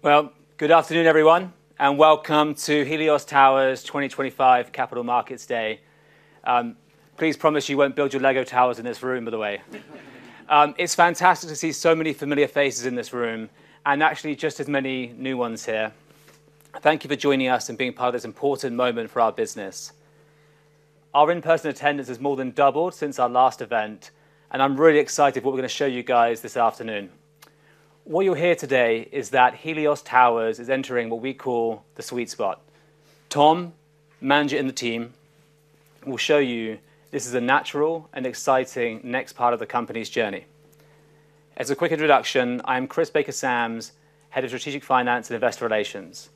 Good afternoon, everyone, and welcome to Helios Towers' 2025 Capital Markets Day. Please promise you won't build your Lego towers in this room, by the way. It's fantastic to see so many familiar faces in this room, and actually just as many new ones here. Thank you for joining us and being part of this important moment for our business. Our in-person attendance has more than doubled since our last event, and I'm really excited for what we're going to show you guys this afternoon. What you'll hear today is that Helios Towers is entering what we call the sweet spot. Tom, Manjit and the team will show you this is a natural and exciting next part of the company's journey. As a quick introduction, I am Chris Baker-Sams, Head of Strategic Finance and Investor Relations.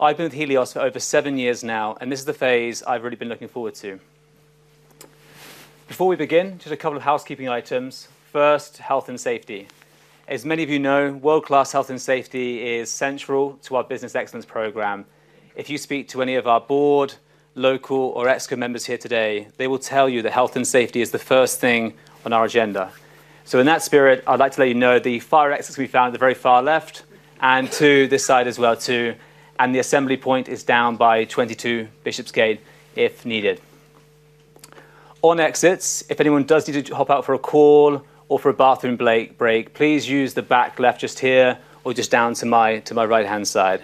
I've been with Helios Towers for over seven years now, and this is the phase I've really been looking forward to. Before we begin, just a couple of housekeeping items. First, health and safety. As many of you know, world-class health and safety is central to our Business Excellence Program. If you speak to any of our board, local, or exco members here today, they will tell you that health and safety is the first thing on our agenda. In that spirit, I'd like to let you know the fire exits we found at the very far left, and to this side as well, too. The assembly point is down by 22 Bishopsgate if needed. On exits, if anyone does need to hop out for a call or for a bathroom break, please use the back left just here or just down to my right-hand side.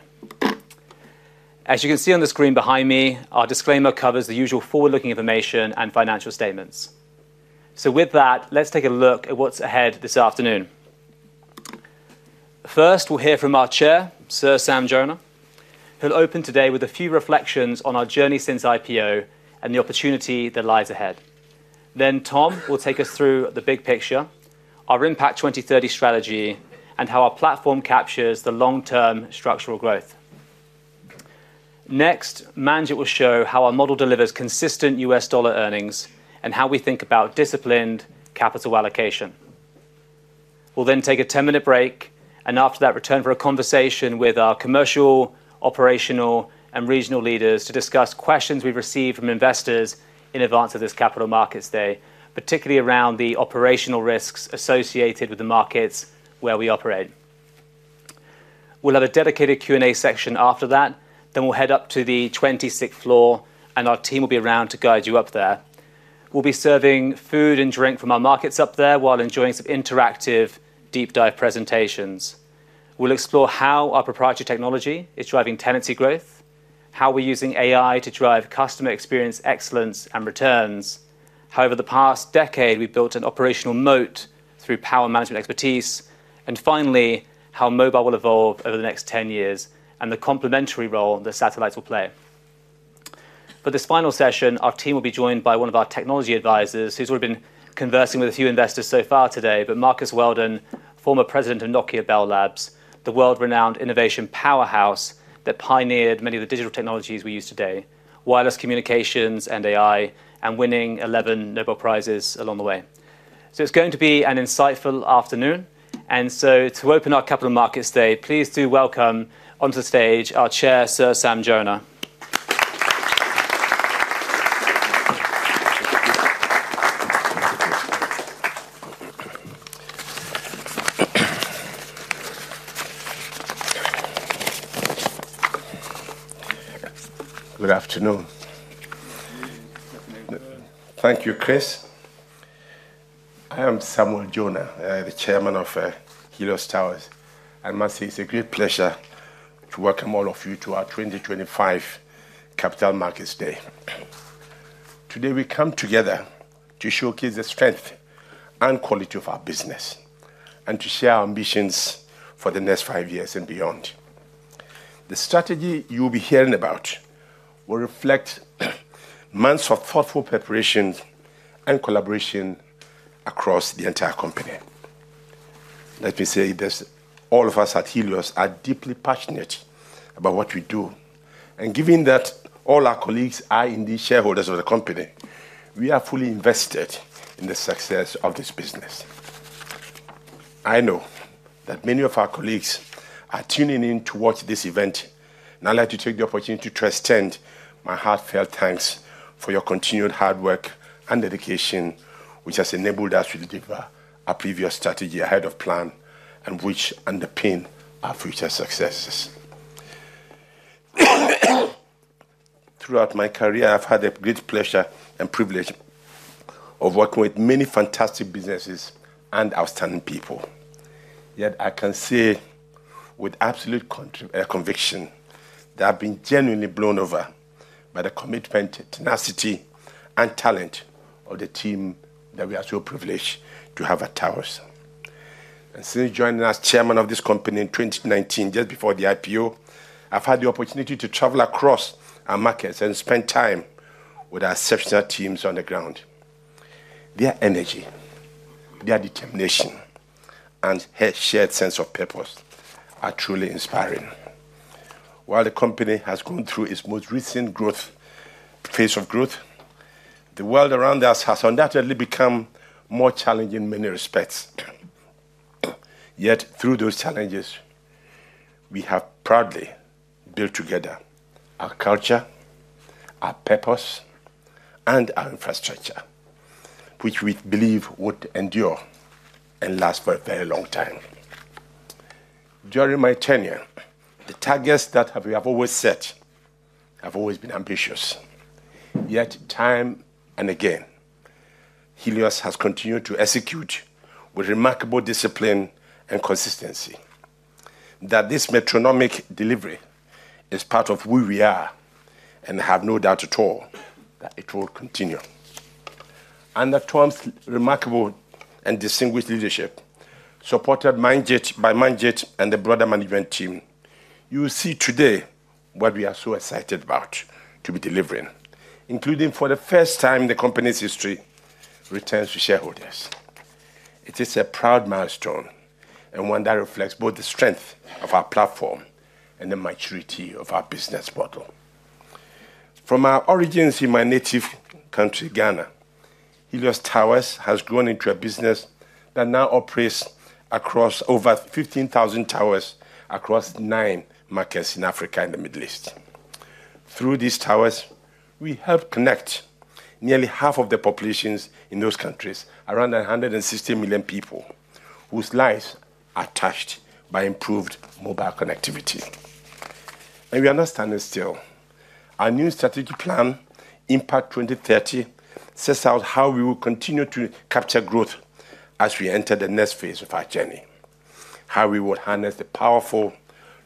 As you can see on the screen behind me, our disclaimer covers the usual forward-looking information and financial statements. With that, let's take a look at what's ahead this afternoon. First, we'll hear from our Chair, Sir Samuel Jonah, who'll open today with a few reflections on our journey since IPO and the opportunity that lies ahead. Tom will take us through the big picture, our Impact 2030 strategy, and how our platform captures the long-term structural growth. Next, Manjit will show how our model delivers consistent U.S. dollar earnings and how we think about disciplined capital allocation. We'll then take a 10-minute break, and after that, return for a conversation with our commercial, operational, and regional leaders to discuss questions we've received from investors in advance of this Capital Markets Day, particularly around the operational risks associated with the markets where we operate. We'll have a dedicated Q&A section after that. Then we'll head up to the 26th floor, and our team will be around to guide you up there. We'll be serving food and drink from our markets up there while enjoying some interactive deep dive presentations. We'll explore how our proprietary technology is driving tenancy growth, how we're using AI to drive customer experience excellence and returns, how over the past decade we built an operational moat through power management expertise, and finally, how mobile will evolve over the next 10 years and the complementary role the satellites will play. For this final session, our team will be joined by one of our technology advisors who's already been conversing with a few investors so far today, but Marcus Weldon, former president of Nokia Bell Labs, the world-renowned innovation powerhouse that pioneered many of the digital technologies we use today, wireless communications and AI, and winning 11 Nobel Prizes along the way. It is going to be an insightful afternoon. To open our Capital Markets Day, please do welcome onto the stage our Chair, Sir Samuel Jonah. Good afternoon. Thank you, Chris. I am Samuel Jonah, the Chairman of Helios Towers, and it's a great pleasure to welcome all of you to our 2025 Capital Markets Day. Today, we come together to showcase the strength and quality of our business, and to share our ambitions for the next five years and beyond. The strategy you'll be hearing about will reflect months of thoughtful preparation and collaboration across the entire company. Let me say that all of us at Helios are deeply passionate about what we do. Given that all our colleagues are indeed shareholders of the company, we are fully invested in the success of this business. I know that many of our colleagues are tuning in to watch this event. I would like to take the opportunity to extend my heartfelt thanks for your continued hard work and dedication, which has enabled us to deliver our previous strategy ahead of plan and which underpins our future successes. Throughout my career, I've had the great pleasure and privilege of working with many fantastic businesses and outstanding people. Yet I can say with absolute conviction that I've been genuinely blown over by the commitment, tenacity, and talent of the team that we are so privileged to have at Helios Towers. Since joining as Chairman of this company in 2019, just before the IPO, I've had the opportunity to travel across our markets and spend time with our exceptional teams on the ground. Their energy, their determination, and shared sense of purpose are truly inspiring. While the company has gone through its most recent phase of growth. The world around us has undoubtedly become more challenging in many respects. Yet through those challenges, we have proudly built together our culture, our purpose, and our infrastructure, which we believe would endure and last for a very long time. During my tenure, the targets that we have always set have always been ambitious. Yet time and again, Helios Towers has continued to execute with remarkable discipline and consistency. That this metronomic delivery is part of who we are and have no doubt at all that it will continue. Under Tom's remarkable and distinguished leadership, supported by Manjit and the broader management team, you will see today what we are so excited about to be delivering, including for the first time in the company's history, returns to shareholders. It is a proud milestone and one that reflects both the strength of our platform and the maturity of our business model. From our origins in my native country, Ghana, Helios Towers has grown into a business that now operates across over 15,000 towers across nine markets in Africa and the Middle East. Through these towers, we help connect nearly half of the populations in those countries, around 160 million people, whose lives are touched by improved mobile connectivity. We understand it still. Our new strategic plan, Impact 2030, sets out how we will continue to capture growth as we enter the next phase of our journey, how we will harness the powerful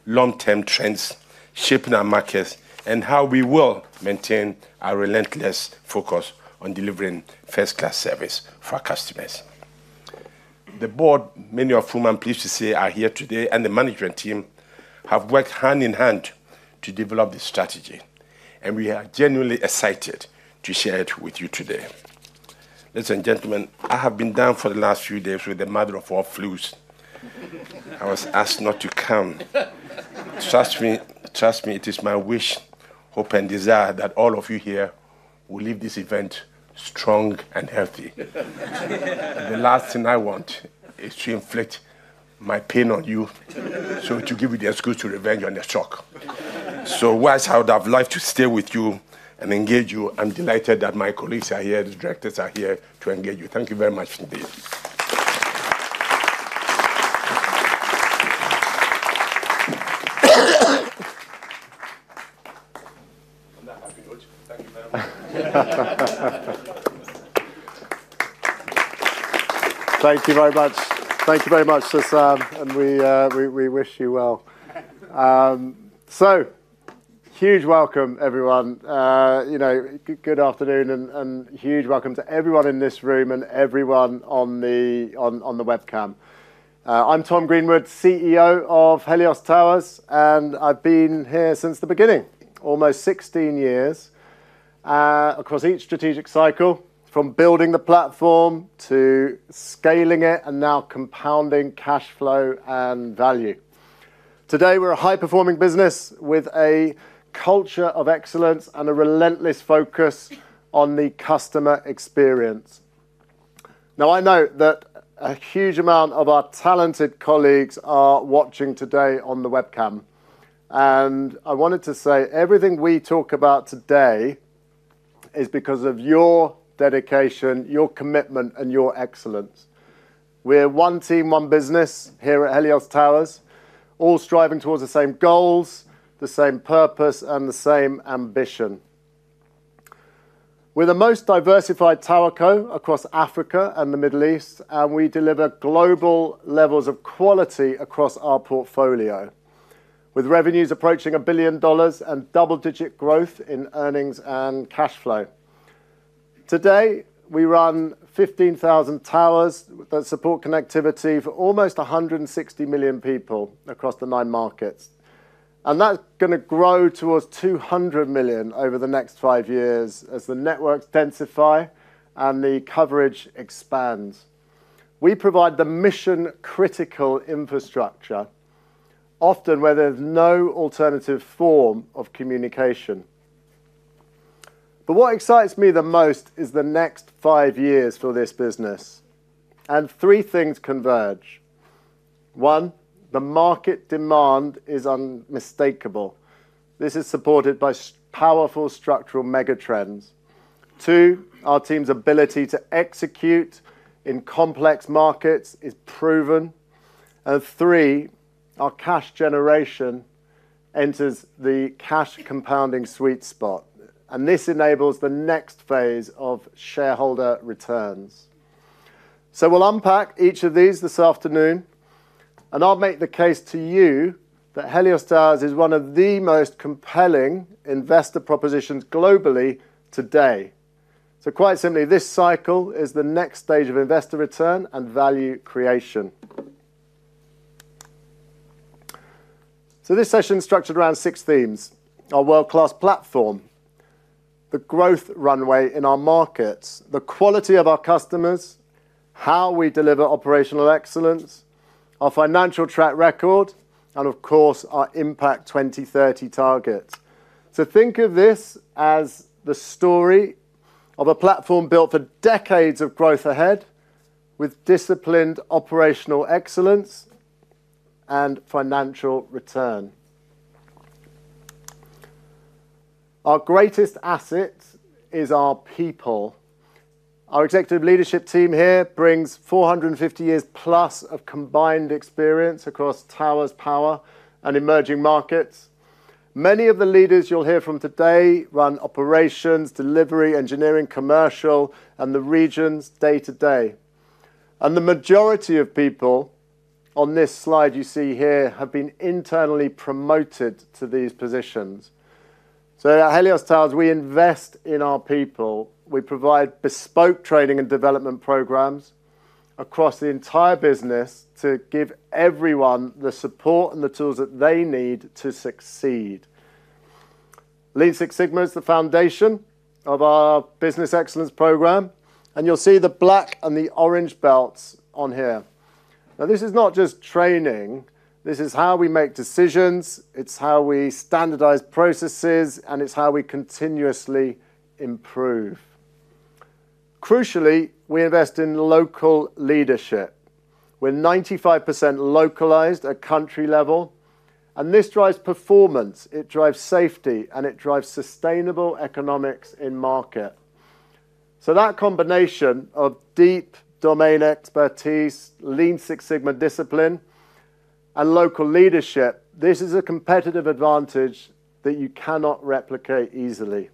long-term trends shaping our markets, and how we will maintain our relentless focus on delivering first-class service for our customers. The board, many of whom I'm pleased to say are here today, and the management team have worked hand in hand to develop this strategy. We are genuinely excited to share it with you today. Ladies and gentlemen, I have been down for the last few days with the mother of all flus. I was asked not to come. Trust me, it is my wish, hope, and desire that all of you here will leave this event strong and healthy. The last thing I want is to inflict my pain on you to give you the excuse to revenge on your shock. Whilst I would have liked to stay with you and engage you, I am delighted that my colleagues are here, the directors are here to engage you. Thank you very much indeed. Thank you very much, Sir Sam, and we wish you well. Huge welcome, everyone. Good afternoon and huge welcome to everyone in this room and everyone on the webcam. I'm Tom Greenwood, CEO of Helios Towers, and I've been here since the beginning, almost 16 years. Across each strategic cycle, from building the platform to scaling it and now compounding cash flow and value. Today, we're a high-performing business with a culture of excellence and a relentless focus on the customer experience. I know that a huge amount of our talented colleagues are watching today on the webcam. I wanted to say everything we talk about today is because of your dedication, your commitment, and your excellence. We're one team, one business here at Helios Towers, all striving towards the same goals, the same purpose, and the same ambition. We're the most diversified towerco across Africa and the Middle East, and we deliver global levels of quality across our portfolio, with revenues approaching $1 billion and double-digit growth in earnings and cash flow. Today, we run 15,000 towers that support connectivity for almost 160 million people across the nine markets. That is going to grow towards 200 million over the next five years as the networks densify and the coverage expands. We provide the mission-critical infrastructure, often where there is no alternative form of communication. What excites me the most is the next five years for this business. Three things converge. One, the market demand is unmistakable. This is supported by powerful structural mega trends. Two, our team's ability to execute in complex markets is proven. Three, our cash generation enters the cash compounding sweet spot. This enables the next phase of shareholder returns. We will unpack each of these this afternoon, and I will make the case to you that Helios Towers is one of the most compelling investor propositions globally today. Quite simply, this cycle is the next stage of investor return and value creation. This session is structured around six themes: our world-class platform, the growth runway in our markets, the quality of our customers, how we deliver operational excellence, our financial track record, and of course, our Impact 2030 target. Think of this as the story of a platform built for decades of growth ahead with disciplined operational excellence and financial return. Our greatest asset is our people. Our executive leadership team here brings 450 years plus of combined experience across towers, power, and emerging markets. Many of the leaders you'll hear from today run operations, delivery, engineering, commercial, and the regions day to day. The majority of people on this slide you see here have been internally promoted to these positions. At Helios Towers, we invest in our people. We provide bespoke training and development programs across the entire business to give everyone the support and the tools that they need to succeed. Lean Six Sigma is the foundation of our Business Excellence Program. You'll see the black and the orange belts on here. Now, this is not just training. This is how we make decisions. It's how we standardize processes, and it's how we continuously improve. Crucially, we invest in local leadership. We're 95% localized at country level. This drives performance. It drives safety, and it drives sustainable economics in market. That combination of deep domain expertise, Lean Six Sigma discipline, and local leadership, this is a competitive advantage that you cannot replicate easily.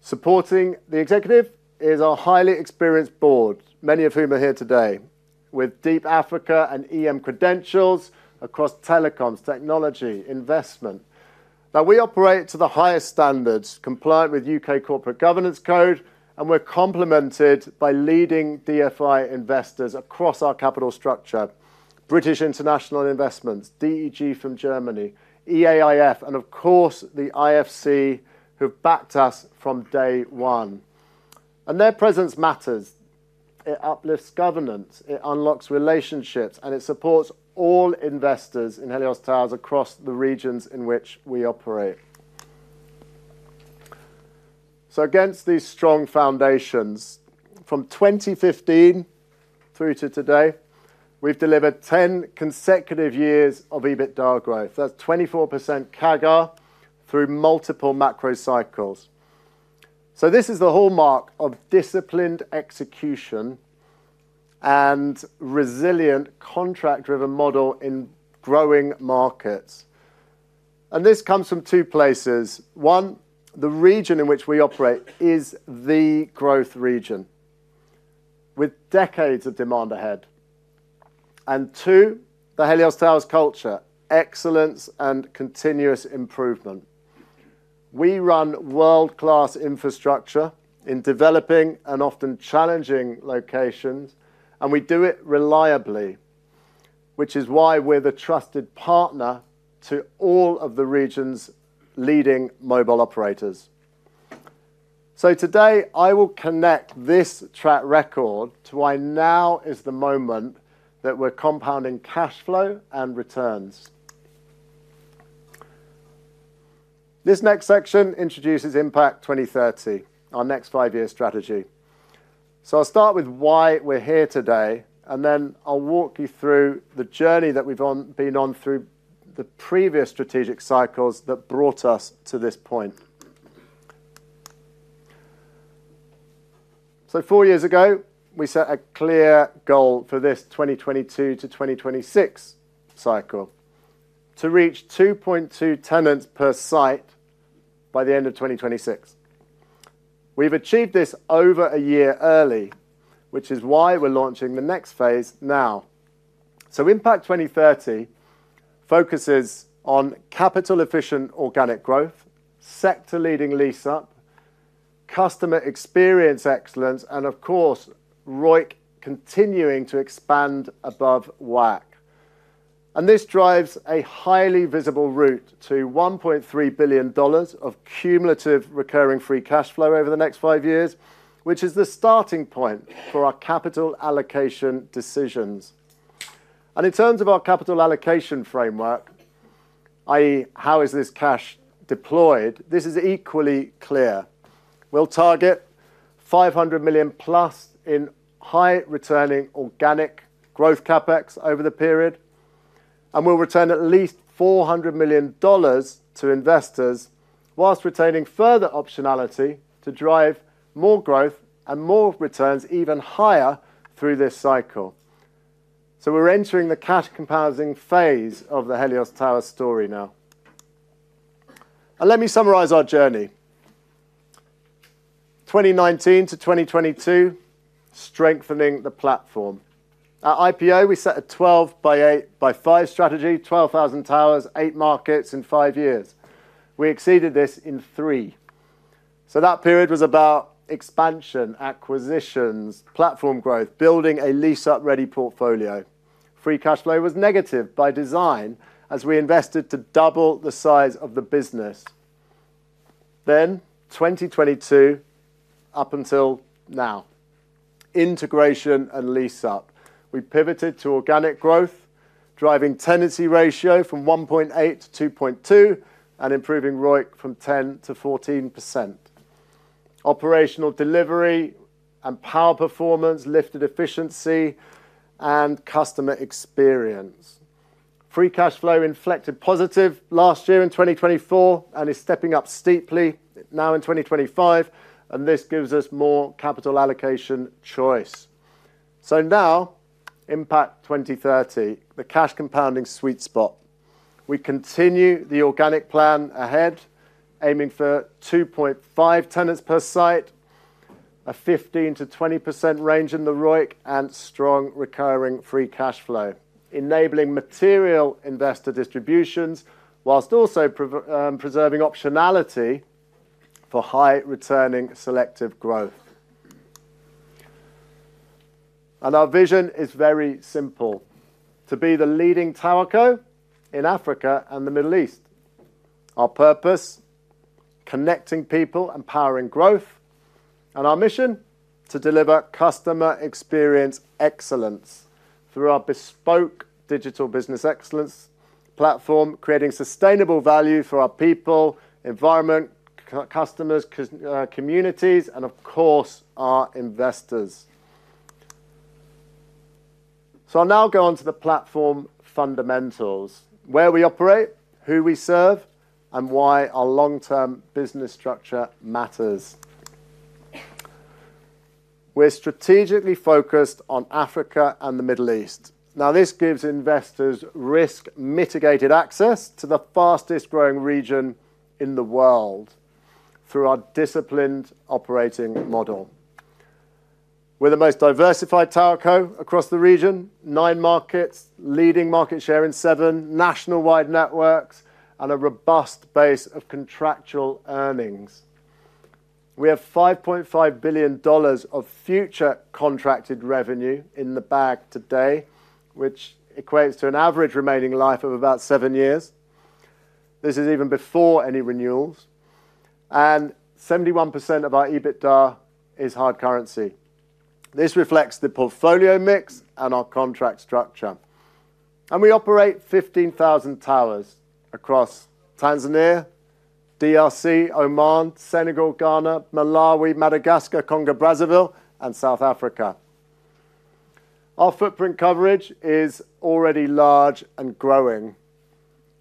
Supporting the executive is our highly experienced board, many of whom are here today, with deep Africa and EM credentials across telecoms, technology, investment. Now, we operate to the highest standards, compliant with U.K. corporate governance code, and we're complemented by leading DFI investors across our capital structure: British International Investment, DEG from Germany, EAIF, and of course, the IFC, who've backed us from day one. Their presence matters. It uplifts governance, it unlocks relationships, and it supports all investors in Helios Towers across the regions in which we operate. Against these strong foundations, from 2015 through to today, we've delivered 10 consecutive years of EBITDA growth. That's 24% CAGR through multiple macro cycles. This is the hallmark of disciplined execution and resilient contract-driven model in growing markets. This comes from two places. One, the region in which we operate is the growth region, with decades of demand ahead. Two, the Helios Towers culture, excellence, and continuous improvement. We run world-class infrastructure in developing and often challenging locations, and we do it reliably. Which is why we're the trusted partner to all of the region's leading mobile operators. Today, I will connect this track record to why now is the moment that we're compounding cash flow and returns. This next section introduces Impact 2030, our next five-year strategy. I will start with why we're here today, and then I will walk you through the journey that we've been on through the previous strategic cycles that brought us to this point. Four years ago, we set a clear goal for this 2022-2026 cycle to reach 2.2 tenants per site by the end of 2026. We've achieved this over a year early, which is why we're launching the next phase now. Impact 2030 focuses on capital-efficient organic growth, sector-leading lease-up. Customer experience excellence, and of course, ROIC continuing to expand above WACC. This drives a highly visible route to $1.3 billion of cumulative recurring free cash flow over the next five years, which is the starting point for our capital allocation decisions. In terms of our capital allocation framework, i.e., how is this cash deployed, this is equally clear. We will target $500+ million in high-returning organic growth CapEx over the period. We will return at least $400 million to investors whilst retaining further optionality to drive more growth and more returns even higher through this cycle. We are entering the cash compounding phase of the Helios Towers story now. Let me summarize our journey. 2019-2022. Strengthening the platform. At IPO, we set a 12 by 8 by 5 strategy, 12,000 towers, eight markets in five years. We exceeded this in three. That period was about expansion, acquisitions, platform growth, building a lease-up ready portfolio. Free cash flow was negative by design as we invested to double the size of the business. Then 2022. Up until now. Integration and lease-up. We pivoted to organic growth, driving tenancy ratio from 1.8-2.2 and improving ROIC from 10%-14%. Operational delivery and power performance lifted efficiency and customer experience. Free cash flow inflected positive last year in 2024 and is stepping up steeply now in 2025. This gives us more capital allocation choice. Now, Impact 2030, the cash compounding sweet spot. We continue the organic plan ahead, aiming for 2.5 tenants per site, a 15%-20% range in the ROIC and strong recurring free cash flow, enabling material investor distributions whilst also preserving optionality for high-returning selective growth. Our vision is very simple, to be the leading towerco in Africa and the Middle East. Our purpose. Connecting people and powering growth. Our mission, to deliver customer experience excellence through our bespoke digital business excellence platform, creating sustainable value for our people, environment, customers, communities, and of course, our investors. I'll now go on to the platform fundamentals, where we operate, who we serve, and why our long-term business structure matters. We're strategically focused on Africa and the Middle East. This gives investors risk-mitigated access to the fastest-growing region in the world through our disciplined operating model. We're the most diversified towerco across the region, nine markets, leading market share in seven nationwide networks, and a robust base of contractual earnings. We have $5.5 billion of future contracted revenue in the bag today, which equates to an average remaining life of about seven years. This is even before any renewals. 71% of our EBITDA is hard currency. This reflects the portfolio mix and our contract structure. We operate 15,000 towers across Tanzania, DRC, Oman, Senegal, Ghana, Malawi, Madagascar, Congo Brazzaville, and South Africa. Our footprint coverage is already large and growing.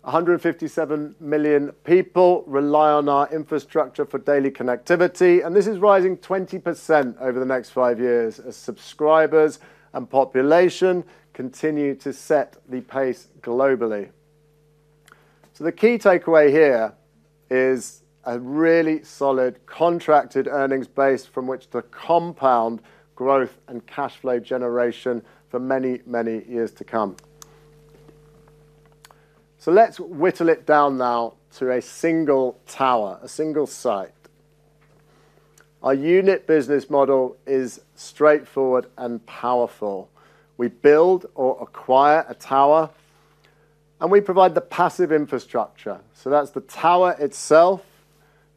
157 million people rely on our infrastructure for daily connectivity, and this is rising 20% over the next five years as subscribers and population continue to set the pace globally. The key takeaway here is a really solid contracted earnings base from which to compound growth and cash flow generation for many, many years to come. Let's whittle it down now to a single tower, a single site. Our unit business model is straightforward and powerful. We build or acquire a tower. We provide the passive infrastructure. That is the tower itself,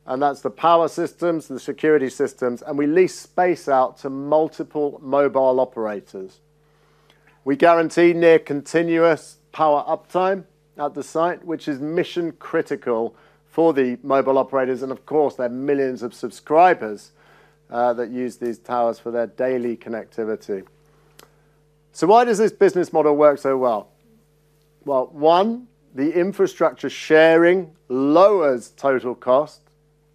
the power systems, the security systems, and we lease space out to multiple mobile operators. We guarantee near-continuous power uptime at the site, which is mission-critical for the mobile operators. Of course, there are millions of subscribers that use these towers for their daily connectivity. Why does this business model work so well? One, the infrastructure sharing lowers total cost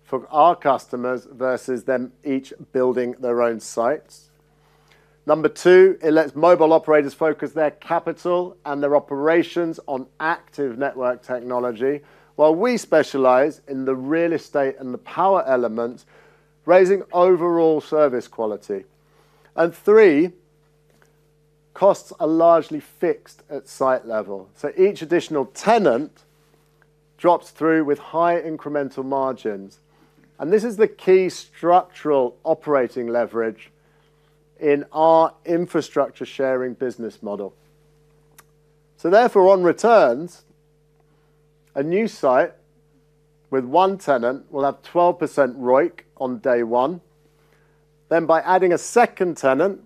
for our customers versus them each building their own sites. Number two, it lets mobile operators focus their capital and their operations on active network technology while we specialize in the real estate and the power elements, raising overall service quality. Three, costs are largely fixed at site level, so each additional tenant drops through with high incremental margins. This is the key structural operating leverage. In our infrastructure sharing business model. Therefore, on returns. A new site with one tenant will have 12% ROIC on day one. By adding a second tenant,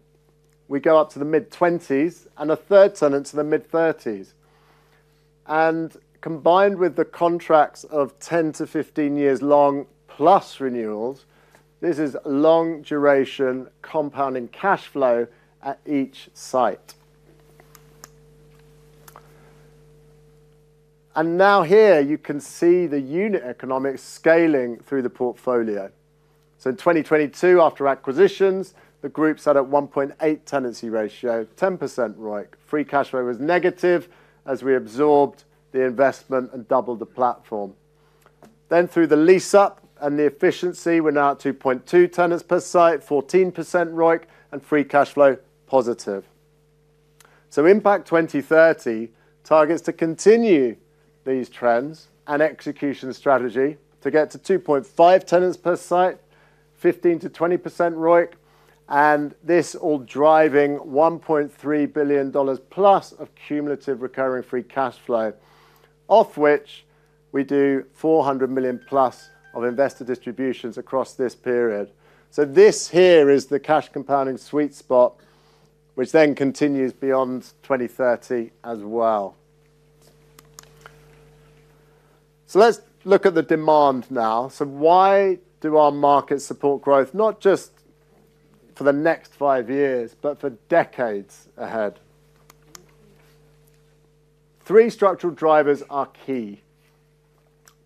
we go up to the mid-20% and a third tenant to the mid-30%. Combined with the contracts of 10-15 years long plus renewals, this is long-duration compounding cash flow at each site. Here, you can see the unit economics scaling through the portfolio. In 2022, after acquisitions, the group sat at 1.8 tenancy ratio, 10% ROIC. Free cash flow was negative as we absorbed the investment and doubled the platform. Through the lease-up and the efficiency, we're now at 2.2 tenants per site, 14% ROIC, and free cash flow positive. Impact 2030 targets to continue these trends and execution strategy to get to 2.5 tenants per site, 15%-20% ROIC, and this all driving $1.3+ billion of cumulative recurring free cash flow, off which we do $400+ million of investor distributions across this period. This here is the cash compounding sweet spot, which then continues beyond 2030 as well. Let's look at the demand now. Why do our markets support growth, not just for the next five years, but for decades ahead? Three structural drivers are key.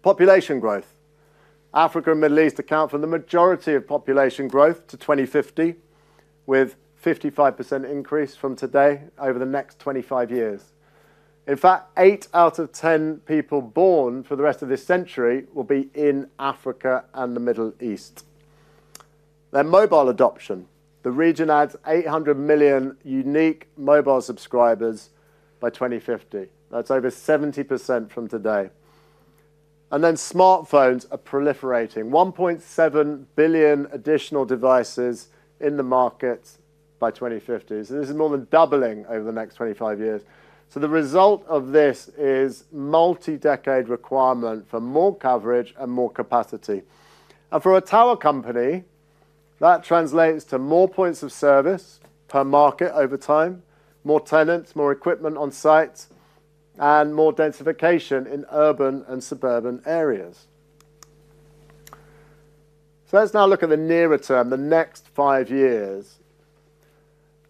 Population growth. Africa and the Middle East account for the majority of population growth to 2050, with a 55% increase from today over the next 25 years. In fact, 8 out of 10 people born for the rest of this century will be in Africa and the Middle East. Then mobile adoption. The region adds 800 million unique mobile subscribers by 2050. That's over 70% from today. Smartphones are proliferating, 1.7 billion additional devices in the markets by 2050. This is more than doubling over the next 25 years. The result of this is a multi-decade requirement for more coverage and more capacity. For a tower company, that translates to more points of service per market over time, more tenants, more equipment on site, and more densification in urban and suburban areas. Let's now look at the nearer term, the next five years.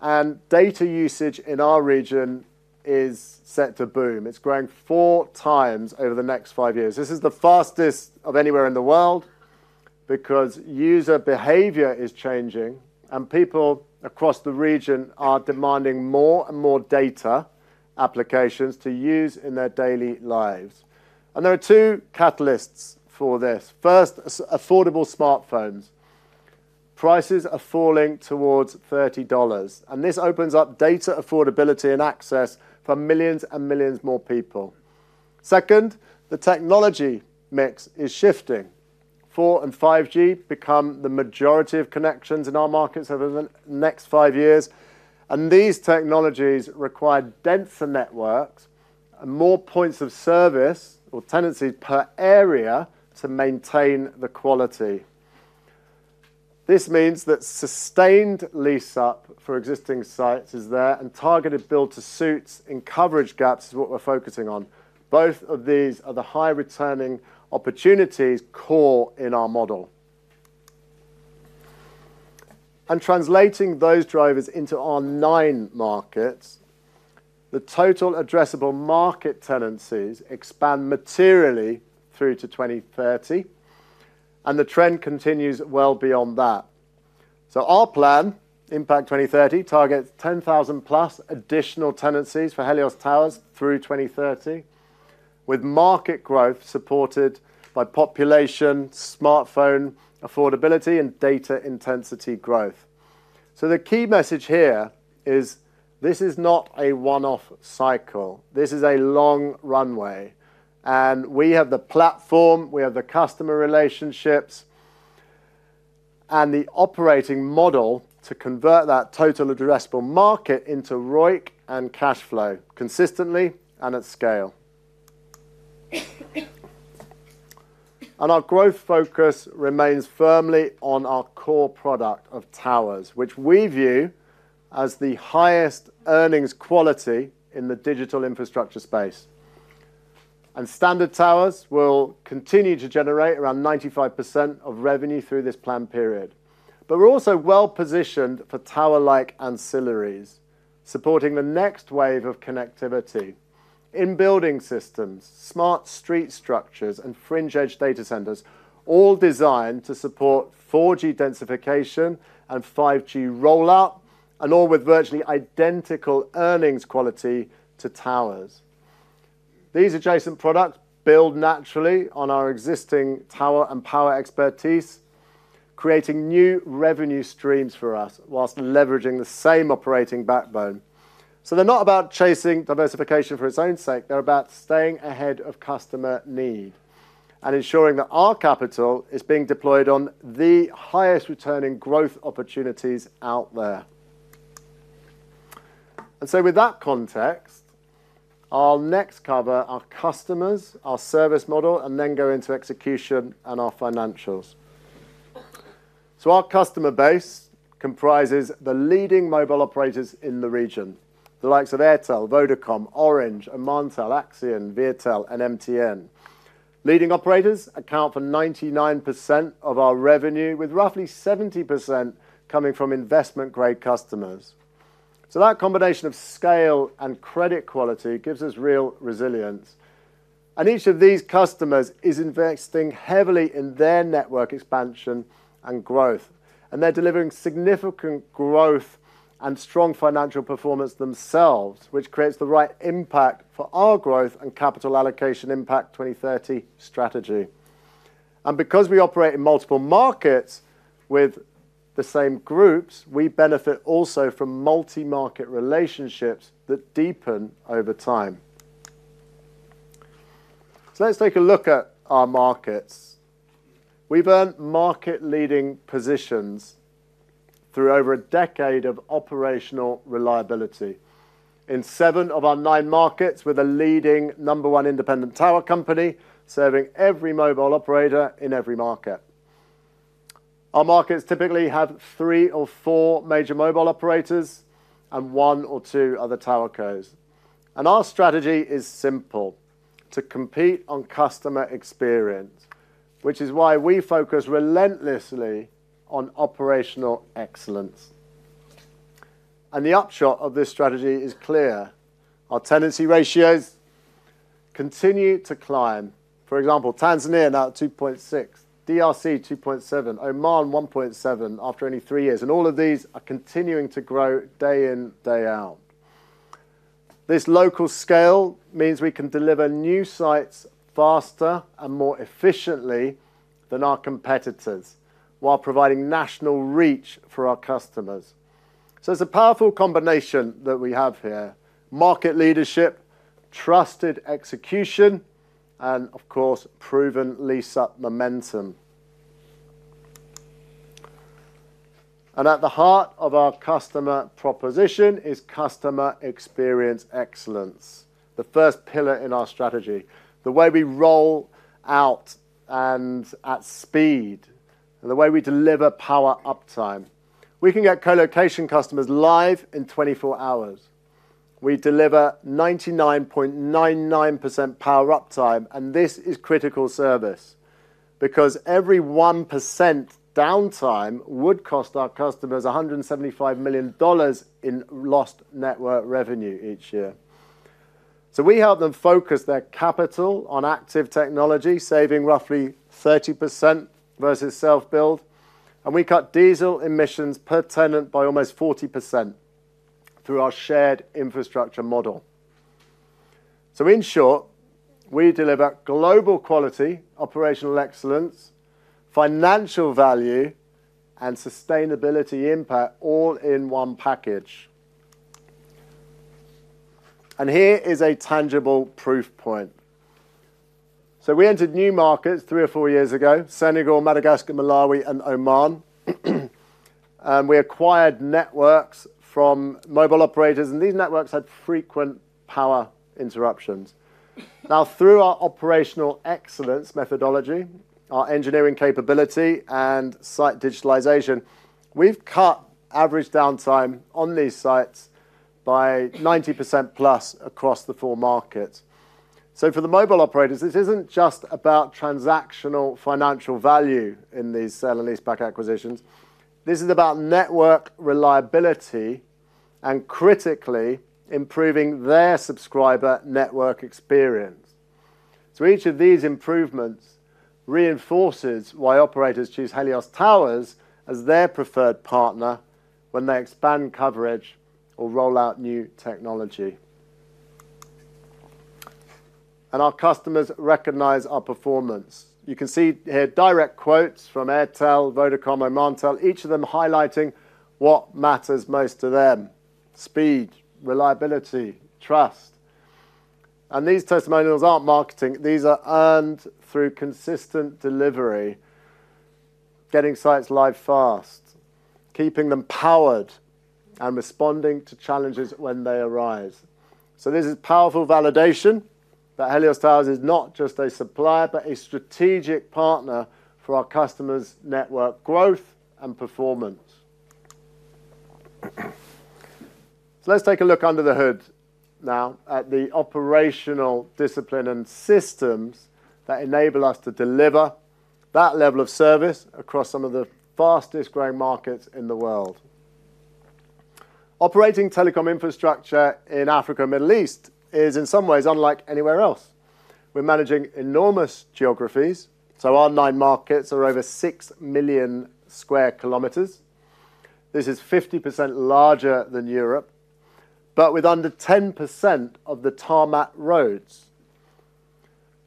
Data usage in our region is set to boom. It's growing four times over the next five years. This is the fastest of anywhere in the world. User behavior is changing, and people across the region are demanding more and more data applications to use in their daily lives. There are two catalysts for this. First, affordable smartphones. Prices are falling towards $30. This opens up data affordability and access for millions and millions more people. Second, the technology mix is shifting. 4G and 5G become the majority of connections in our markets over the next five years. These technologies require denser networks and more points of service or tenancies per area to maintain the quality. This means that sustained lease-up for existing sites is there, and targeted build-to-suits in coverage gaps is what we're focusing on. Both of these are the high-returning opportunities core in our model. Translating those drivers into our nine markets, the total addressable market tenancies expand materially through to 2030. The trend continues well beyond that. Our plan, Impact 2030, targets 10,000 plus additional tenancies for Helios Towers through 2030, with market growth supported by population, smartphone affordability, and data intensity growth. The key message here is this is not a one-off cycle. This is a long runway. We have the platform, we have the customer relationships, and the operating model to convert that total addressable market into ROIC and cash flow consistently and at scale. Our growth focus remains firmly on our core product of towers, which we view as the highest earnings quality in the digital infrastructure space. Standard towers will continue to generate around 95% of revenue through this planned period. We are also well-positioned for tower-like ancillaries, supporting the next wave of connectivity in building systems, smart street structures, and fringe-edge data centers, all designed to support 4G densification and 5G rollout, and all with virtually identical earnings quality to towers. These adjacent products build naturally on our existing tower and power expertise, creating new revenue streams for us whilst leveraging the same operating backbone. They are not about chasing diversification for its own sake. They are about staying ahead of customer need and ensuring that our capital is being deployed on the highest-returning growth opportunities out there. With that context, I'll next cover our customers, our service model, and then go into execution and our financials. Our customer base comprises the leading mobile operators in the region, the likes of Airtel, Vodacom, Orange, Amantel, Axian, Viettel, and MTN. Leading operators account for 99% of our revenue, with roughly 70% coming from investment-grade customers. That combination of scale and credit quality gives us real resilience. Each of these customers is investing heavily in their network expansion and growth. They are delivering significant growth and strong financial performance themselves, which creates the right impact for our growth and capital allocation Impact 2030 strategy. Because we operate in multiple markets with the same groups, we benefit also from multi-market relationships that deepen over time. Let's take a look at our markets. We've earned market-leading positions through over a decade of operational reliability in seven of our nine markets, with a leading number one independent tower company serving every mobile operator in every market. Our markets typically have three or four major mobile operators and one or two other tower codes. Our strategy is simple, to compete on customer experience, which is why we focus relentlessly on operational excellence. The upshot of this strategy is clear. Our tenancy ratios continue to climb. For example, Tanzania now at 2.6, DRC 2.7, Oman 1.7 after only three years. All of these are continuing to grow day in, day out. This local scale means we can deliver new sites faster and more efficiently than our competitors while providing national reach for our customers. It is a powerful combination that we have here. Market leadership, trusted execution, and of course, proven lease-up momentum. At the heart of our customer proposition is customer experience excellence, the first pillar in our strategy, the way we roll out and at speed, and the way we deliver power uptime. We can get colocation customers live in 24 hours. We deliver 99.99% power uptime. This is critical service because every 1% downtime would cost our customers $175 million in lost network revenue each year. We help them focus their capital on active technology, saving roughly 30% versus self-build. We cut diesel emissions per tenant by almost 40% through our shared infrastructure model. In short, we deliver global quality, operational excellence, financial value, and sustainability impact all in one package. Here is a tangible proof point. We entered new markets three or four years ago, Senegal, Madagascar, Malawi, and Oman. We acquired networks from mobile operators, and these networks had frequent power interruptions. Now, through our operational excellence methodology, our engineering capability, and site digitalization, we have cut average downtime on these sites by 90%+ across the four markets. For the mobile operators, this is not just about transactional financial value in these sale and lease-back acquisitions. This is about network reliability and, critically, improving their subscriber network experience. Each of these improvements reinforces why operators choose Helios Towers as their preferred partner when they expand coverage or roll out new technology. Our customers recognize our performance. You can see here direct quotes from Airtel, Vodacom, Amantel, each of them highlighting what matters most to them, speed, reliability, trust. These testimonials are not marketing. These are earned through consistent delivery. Getting sites live fast. Keeping them powered, and responding to challenges when they arise. This is powerful validation that Helios Towers is not just a supplier, but a strategic partner for our customers' network growth and performance. Let's take a look under the hood now at the operational discipline and systems that enable us to deliver that level of service across some of the fastest-growing markets in the world. Operating telecom infrastructure in Africa and the Middle East is, in some ways, unlike anywhere else. We're managing enormous geographies. Our nine markets are over 6 million sq km. This is 50% larger than Europe, but with under 10% of the tarmac roads.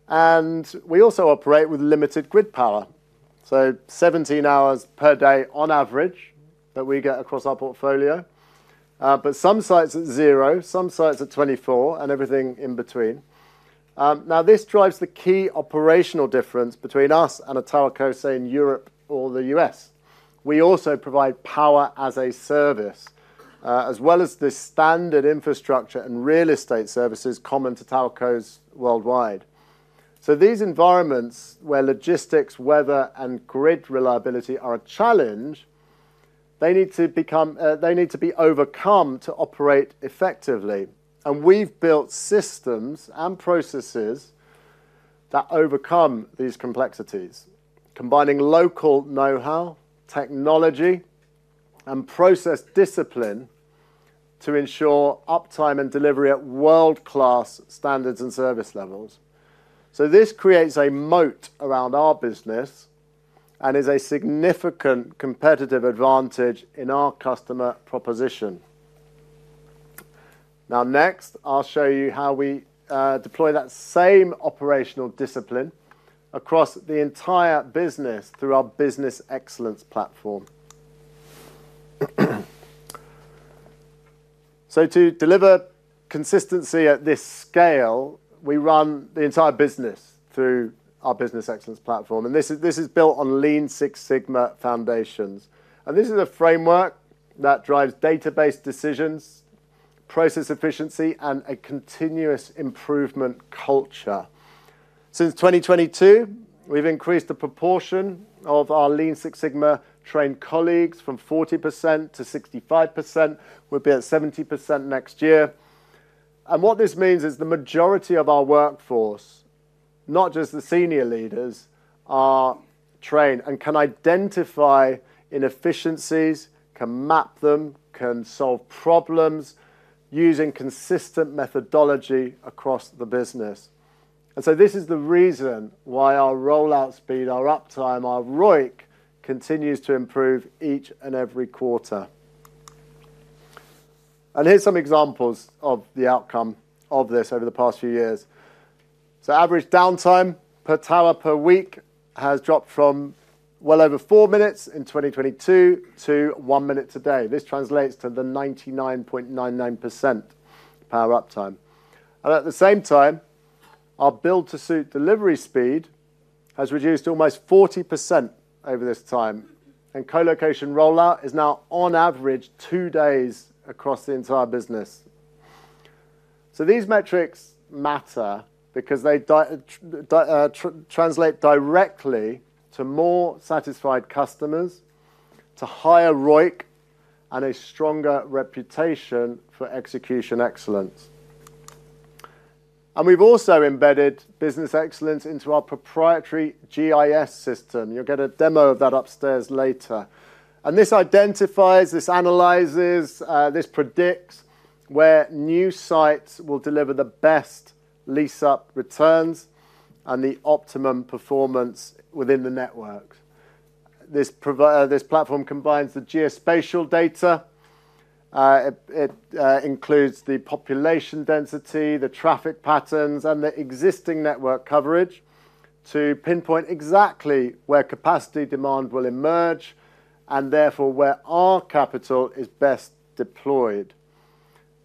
We also operate with limited grid power, so 17 hours per day on average that we get across our portfolio. Some sites at 0, some sites at 24, and everything in between. This drives the key operational difference between us and a towerco say in Europe or the U.S. We also provide power as a service, as well as the standard infrastructure and real estate services common to tower co-s worldwide. These environments where logistics, weather, and grid reliability are a challenge need to be overcome to operate effectively. We've built systems and processes. That overcome these complexities, combining local know-how, technology, and process discipline to ensure uptime and delivery at world-class standards and service levels. This creates a moat around our business and is a significant competitive advantage in our customer proposition. Next, I'll show you how we deploy that same operational discipline across the entire business through our business excellence platform. To deliver consistency at this scale, we run the entire business through our business excellence platform. This is built on Lean Six Sigma foundations. This is a framework that drives database decisions, process efficiency, and a continuous improvement culture. Since 2022, we've increased the proportion of our Lean Six Sigma trained colleagues from 40%-65%. We'll be at 70% next year. What this means is the majority of our workforce, not just the senior leaders, are trained and can identify inefficiencies, can map them, can solve problems using consistent methodology across the business. This is the reason why our rollout speed, our uptime, our ROIC continues to improve each and every quarter. Here are some examples of the outcome of this over the past few years. Average downtime per tower per week has dropped from well over four minutes in 2022 to one minute today. This translates to the 99.99% power uptime. At the same time, our build-to-suit delivery speed has reduced almost 40% over this time. Colocation rollout is now, on average, two days across the entire business. These metrics matter because they translate directly to more satisfied customers, to higher ROIC, and a stronger reputation for execution excellence. We have also embedded business excellence into our proprietary GIS system. You'll get a demo of that upstairs later. This identifies, analyzes, and predicts where new sites will deliver the best lease-up returns and the optimum performance within the networks. This platform combines the geospatial data. It includes the population density, the traffic patterns, and the existing network coverage to pinpoint exactly where capacity demand will emerge and therefore where our capital is best deployed.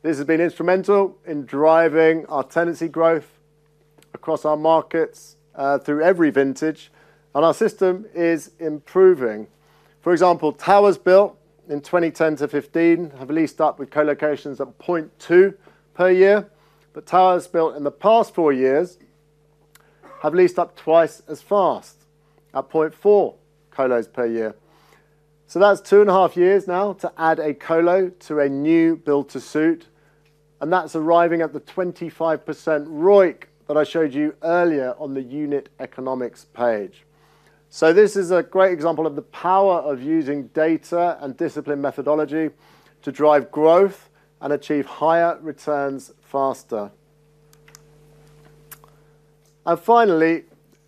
This has been instrumental in driving our tenancy growth across our markets through every vintage. Our system is improving. For example, towers built in 2010-2015 have leased up with colocations at 0.2 per year. Towers built in the past four years have leased up twice as fast at 0.4 colos per year. That is two and a half years now to add a colo to a new build-to-suit. That is arriving at the 25% ROIC that I showed you earlier on the unit economics page. This is a great example of the power of using data and disciplined methodology to drive growth and achieve higher returns faster. Finally,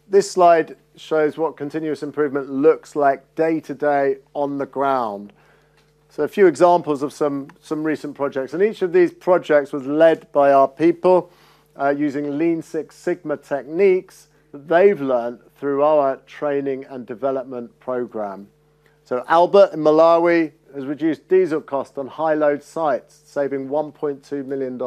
this slide shows what continuous improvement looks like day to day on the ground. A few examples of some recent projects. Each of these projects was led by our people using Lean Six Sigma techniques that they have learned through our training and development program. Albert in Malawi has reduced diesel costs on high-load sites, saving $1.2 million.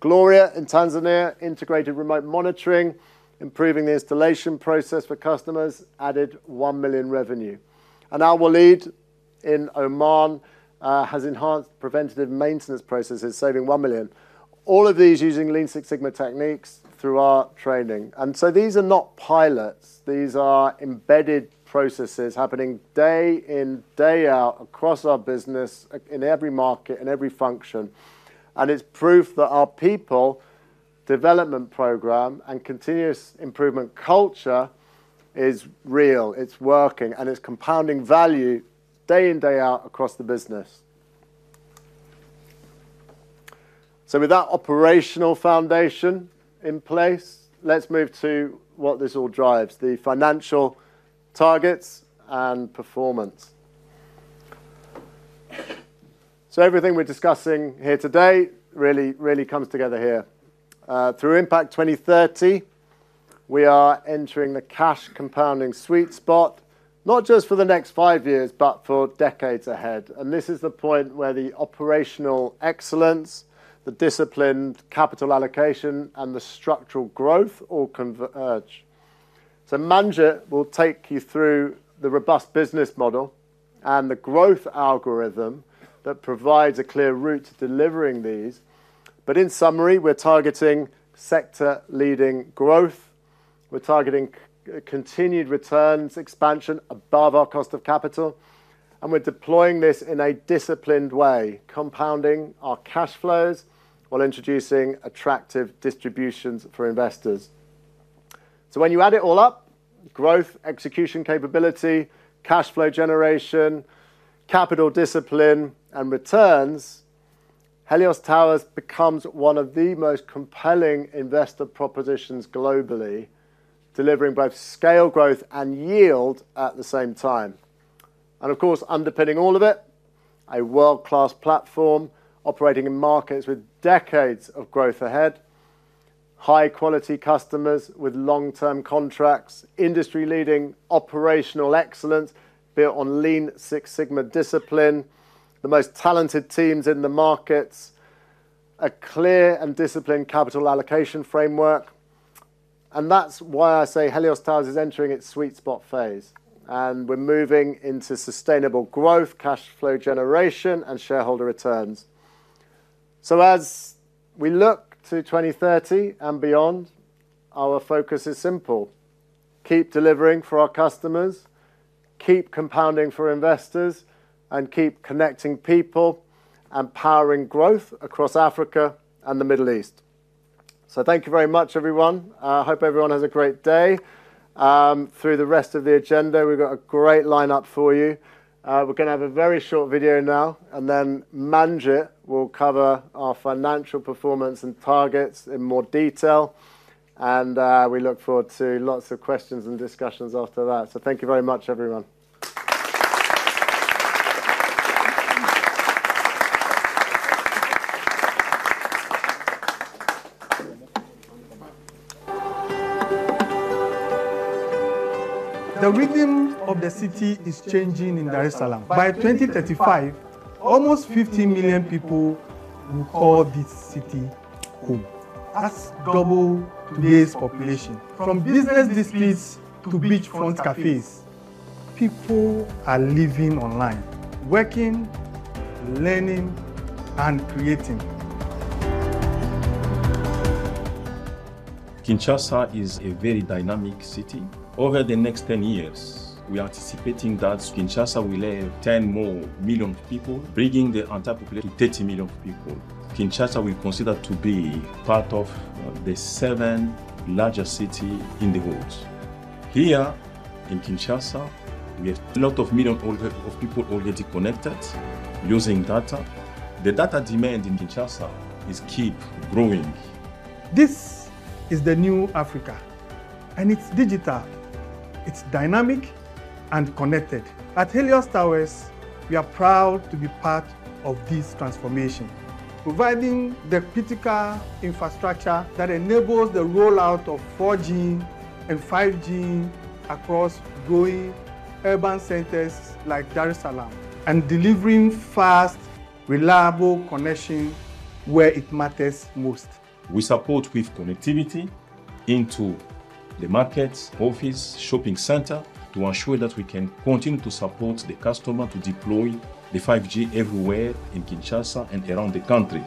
Gloria in Tanzania integrated remote monitoring, improving the installation process for customers, added $1 million revenue. Analwaleed in Oman has enhanced preventative maintenance processes, saving $1 million. All of these using Lean Six Sigma techniques through our training. These are not pilots. These are embedded processes happening day in, day out across our business in every market, in every function. It's proof that our people development program and continuous improvement culture is real. It's working. It's compounding value day in, day out across the business. With that operational foundation in place, let's move to what this all drives: the financial targets and performance. Everything we're discussing here today really comes together here through Impact 2030. We are entering the cash compounding sweet spot, not just for the next five years, but for decades ahead. This is the point where the operational excellence, the disciplined capital allocation, and the structural growth all converge. Manjit will take you through the robust business model and the growth algorithm that provides a clear route to delivering these. In summary, we're targeting sector-leading growth. We're targeting continued returns, expansion above our cost of capital. We're deploying this in a disciplined way, compounding our cash flows while introducing attractive distributions for investors. When you add it all up, growth, execution capability, cash flow generation, capital discipline, and returns, Helios Towers becomes one of the most compelling investor propositions globally, delivering both scale growth and yield at the same time. Of course, underpinning all of it, a world-class platform operating in markets with decades of growth ahead. High-quality customers with long-term contracts, industry-leading operational excellence built on Lean Six Sigma discipline, the most talented teams in the markets. A clear and disciplined capital allocation framework. That is why I say Helios Towers is entering its sweet spot phase. We're moving into sustainable growth, cash flow generation, and shareholder returns. As we look to 2030 and beyond, our focus is simple, keep delivering for our customers, keep compounding for investors, and keep connecting people. Powering growth across Africa and the Middle East. Thank you very much, everyone. I hope everyone has a great day. Through the rest of the agenda, we've got a great lineup for you. We're going to have a very short video now. Then Manjit will cover our financial performance and targets in more detail. We look forward to lots of questions and discussions after that. Thank you very much, everyone. The rhythm of the city is changing in Dar es Salaam. By 2035, almost 50 million people will call this city home. That's double today's population. From business disputes to beachfront cafes, people are living online, working, learning, and creating. Kinshasa is a very dynamic city. Over the next 10 years, we are anticipating that Kinshasa will have 10 more million people, bringing the entire population to 30 million people. Kinshasa will be considered to be part of the seven largest cities in the world. Here in Kinshasa, we have a lot of million people already connected using data. The data demand in Kinshasa is keep growing. This is the new Africa. It is digital. It is dynamic and connected. At Helios Towers, we are proud to be part of this transformation, providing the critical infrastructure that enables the rollout of 4G and 5G across growing urban centers like Dar es Salaam and delivering fast, reliable connection where it matters most. We support with connectivity into the markets, office, shopping center to ensure that we can continue to support the customer to deploy the 5G everywhere in Kinshasa and around the country.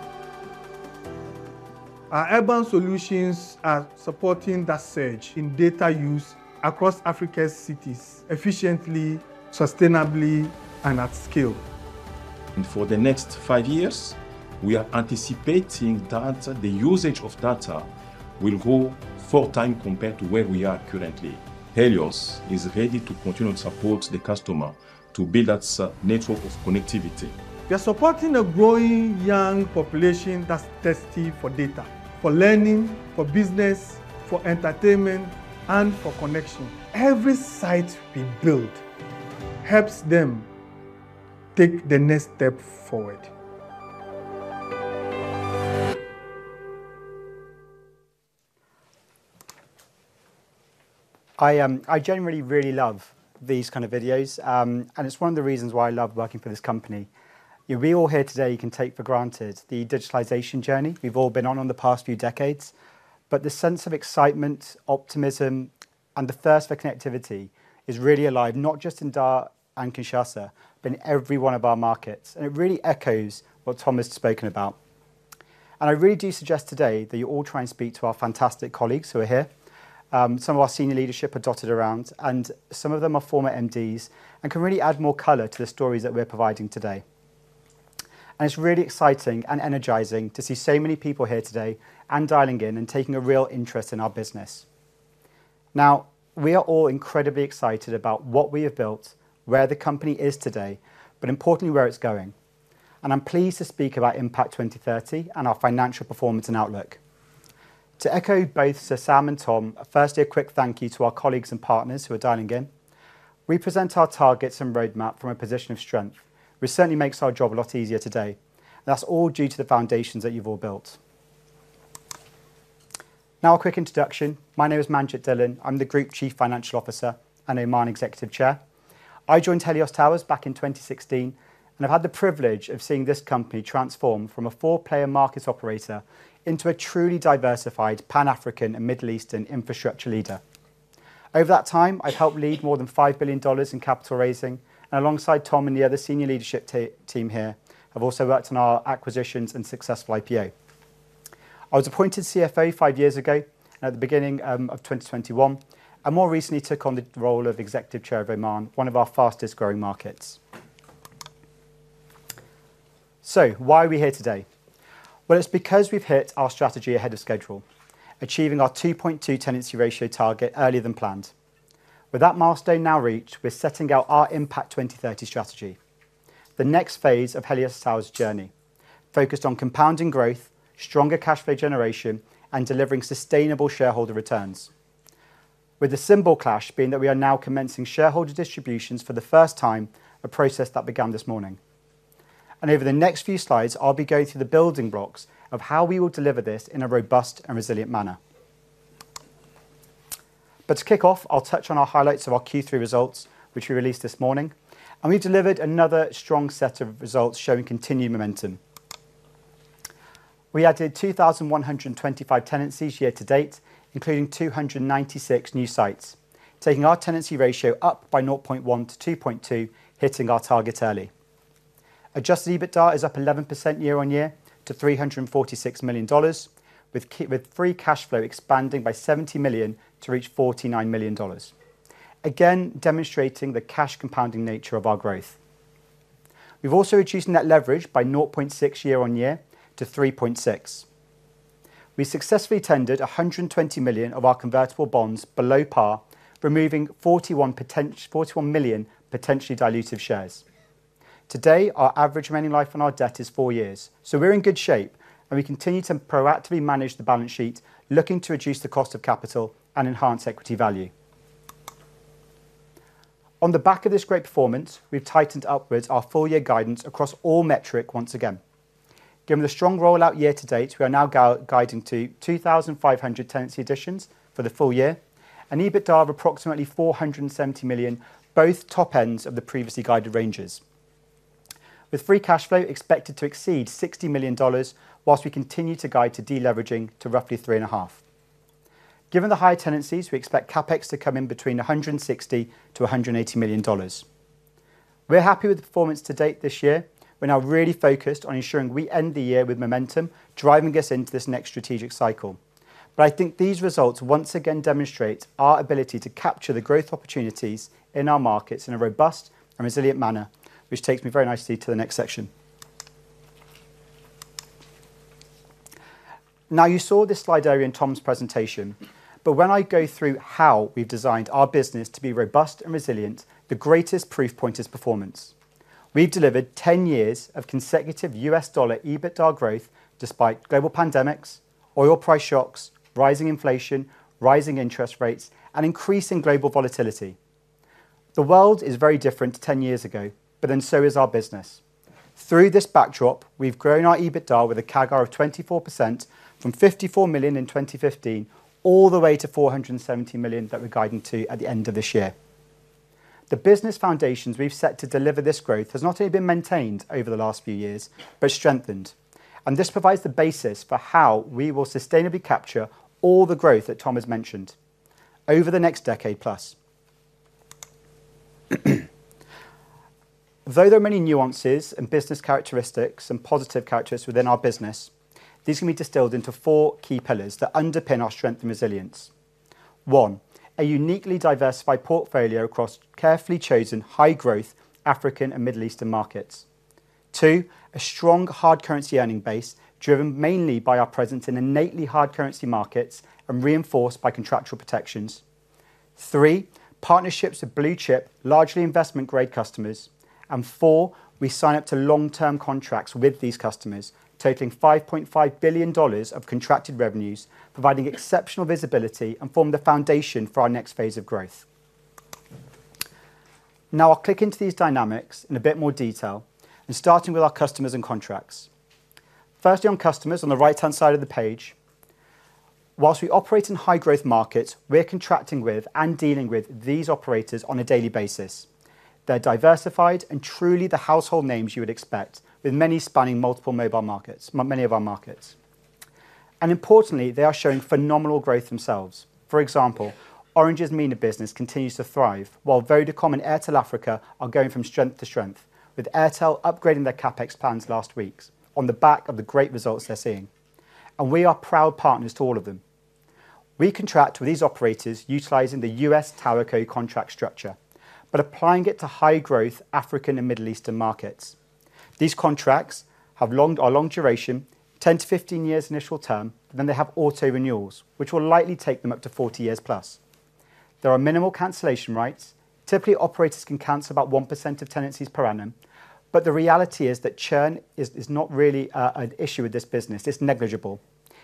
Our urban solutions are supporting that surge in data use across Africa's cities efficiently, sustainably, and at scale. For the next five years, we are anticipating that the usage of data will grow four times compared to where we are currently. Helios Towers is ready to continue to support the customer to build that network of connectivity. We are supporting a growing young population that's thirsty for data, for learning, for business, for entertainment, and for connection. Every site we build helps them take the next step forward. I generally really love these kind of videos. It is one of the reasons why I love working for this company. We all here today can take for granted the digitalization journey we've all been on in the past few decades. The sense of excitement, optimism, and the thirst for connectivity is really alive, not just in Dar es Salaam and Kinshasa, but in every one of our markets. It really echoes what Tom has spoken about. I really do suggest today that you all try and speak to our fantastic colleagues who are here. Some of our senior leadership are dotted around. Some of them are former MDs and can really add more color to the stories that we are providing today. It is really exciting and energizing to see so many people here today and dialing in and taking a real interest in our business. We are all incredibly excited about what we have built, where the company is today, but importantly, where it is going. I am pleased to speak about Impact 2030 and our financial performance and outlook. To echo both Sam and Tom, firstly, a quick thank you to our colleagues and partners who are dialing in. We present our targets and roadmap from a position of strength, which certainly makes our job a lot easier today. That is all due to the foundations that you have all built. Now, a quick introduction. My name is Manjit Dhillon. I am the Group Chief Financial Officer and Oman Executive Chair. I joined Helios Towers back in 2016, and I have had the privilege of seeing this company transform from a four-player market operator into a truly diversified Pan-African and Middle Eastern infrastructure leader. Over that time, I have helped lead more than $5 billion in capital raising. Alongside Tom and the other senior leadership team here, I have also worked on our acquisitions and successful IPO. I was appointed CFO five years ago at the beginning of 2021 and more recently took on the role of Executive Chair of Oman, one of our fastest-growing markets. Why are we here today? It is because we have hit our strategy ahead of schedule, achieving our 2.2 tenancy ratio target earlier than planned. With that milestone now reached, we are setting out our Impact 2030 strategy, the next phase of Helios Towers' journey, focused on compounding growth, stronger cash flow generation, and delivering sustainable shareholder returns. With the symbol clash being that we are now commencing shareholder distributions for the first time, a process that began this morning. Over the next few slides, I will be going through the building blocks of how we will deliver this in a robust and resilient manner. To kick off, I'll touch on our highlights of our Q3 results, which we released this morning. We've delivered another strong set of results showing continued momentum. We added 2,125 tenancies year to date, including 296 new sites, taking our tenancy ratio up by 0.1-2.2, hitting our target early. Adjusted EBITDA is up 11% year-on-year to $346 million, with free cash flow expanding by $70 million to reach $49 million, again demonstrating the cash compounding nature of our growth. We've also reduced net leverage by 0.6 year-on-year to 3.6. We successfully tendered $120 million of our convertible bonds below par, removing 41 million potentially dilutive shares. Today, our average remaining life on our debt is four years. We're in good shape. We continue to proactively manage the balance sheet, looking to reduce the cost of capital and enhance equity value. On the back of this great performance, we've tightened upwards our full-year guidance across all metrics once again. Given the strong rollout year to date, we are now guiding to 2,500 tenancy additions for the full year and EBITDA of approximately $470 million, both top ends of the previously guided ranges. With free cash flow expected to exceed $60 million, whilst we continue to guide to deleveraging to roughly $3.5 million. Given the high tenancies, we expect CapEx to come in between $160 million-$180 million. We're happy with the performance to date this year. We're now really focused on ensuring we end the year with momentum driving us into this next strategic cycle. I think these results once again demonstrate our ability to capture the growth opportunities in our markets in a robust and resilient manner, which takes me very nicely to the next section. Now, you saw this slide earlier in Tom's presentation. When I go through how we've designed our business to be robust and resilient, the greatest proof point is performance. We've delivered 10 years of consecutive U.S. dollar EBITDA growth despite global pandemics, oil price shocks, rising inflation, rising interest rates, and increasing global volatility. The world is very different 10 years ago, but then so is our business. Through this backdrop, we've grown our EBITDA with a CAGR of 24% from $54 million in 2015 all the way to $470 million that we're guiding to at the end of this year. The business foundations we've set to deliver this growth have not only been maintained over the last few years, but strengthened. This provides the basis for how we will sustainably capture all the growth that Tom has mentioned over the next decade plus. Though there are many nuances and business characteristics and positive characters within our business, these can be distilled into four key pillars that underpin our strength and resilience. One, a uniquely diversified portfolio across carefully chosen high-growth African and Middle Eastern markets. Two, a strong hard currency earning base driven mainly by our presence in innately hard currency markets and reinforced by contractual protections. Three, partnerships with blue chip, largely investment-grade customers. Four, we sign up to long-term contracts with these customers, totaling $5.5 billion of contracted revenues, providing exceptional visibility and forming the foundation for our next phase of growth. Now, I'll click into these dynamics in a bit more detail, starting with our customers and contracts. Firstly, on customers on the right-hand side of the page. Whilst we operate in high-growth markets, we're contracting with and dealing with these operators on a daily basis. They're diversified and truly the household names you would expect, with many spanning multiple mobile markets, many of our markets. Importantly, they are showing phenomenal growth themselves. For example, Orange's Mina business continues to thrive, while Vodacom and Airtel Africa are going from strength to strength, with Airtel upgrading their CapEx plans last week on the back of the great results they're seeing. We are proud partners to all of them. We contract with these operators utilizing the U.S. Tower Code contract structure, but applying it to high-growth African and Middle Eastern markets. These contracts have a long duration, 10-15 years initial term, and then they have auto-renewals, which will likely take them up to 40+ years. There are minimal cancellation rights. Typically, operators can cancel about 1% of tenancies per annum. The reality is that churn is not really an issue with this business. It's negligible.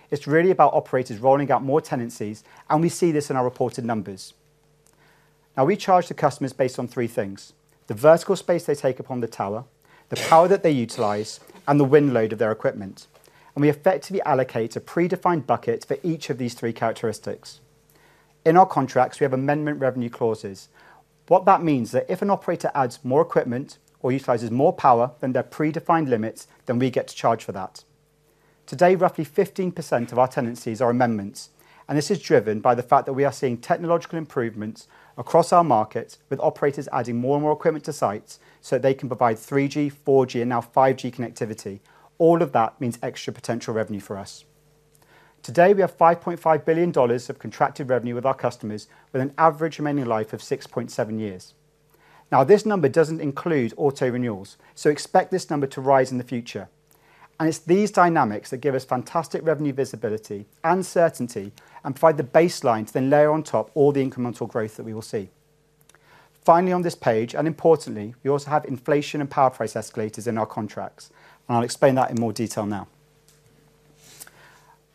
It's really about operators rolling out more tenancies. We see this in our reported numbers. Now, we charge the customers based on three things. The vertical space they take up on the tower, the power that they utilize, and the wind load of their equipment. We effectively allocate a predefined bucket for each of these three characteristics. In our contracts, we have amendment revenue clauses. What that means is that if an operator adds more equipment or utilizes more power than their predefined limits, then we get to charge for that. Today, roughly 15% of our tenancies are amendments. This is driven by the fact that we are seeing technological improvements across our markets, with operators adding more and more equipment to sites so that they can provide 3G, 4G, and now 5G connectivity. All of that means extra potential revenue for us. Today, we have $5.5 billion of contracted revenue with our customers, with an average remaining life of 6.7 years. This number does not include auto-renewals. Expect this number to rise in the future. These dynamics give us fantastic revenue visibility and certainty and provide the baseline to then layer on top all the incremental growth that we will see. Finally, on this page, and importantly, we also have inflation and power price escalators in our contracts. I'll explain that in more detail now.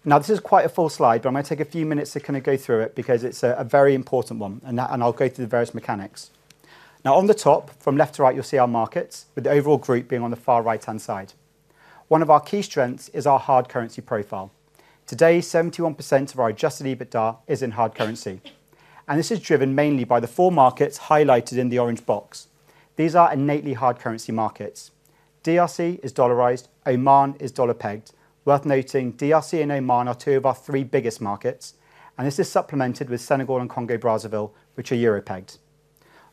Now, this is quite a full slide, but I'm going to take a few minutes to kind of go through it because it's a very important one. I'll go through the various mechanics. Now, on the top, from left to right, you'll see our markets, with the overall group being on the far right-hand side. One of our key strengths is our hard currency profile. Today, 71% of our adjusted EBITDA is in hard currency. This is driven mainly by the four markets highlighted in the orange box. These are innately hard currency markets. DRC is dollarized. Oman is dollar-pegged. Worth noting, DRC and Oman are two of our three biggest markets. This is supplemented with Senegal and Congo Brazzaville, which are euro-pegged.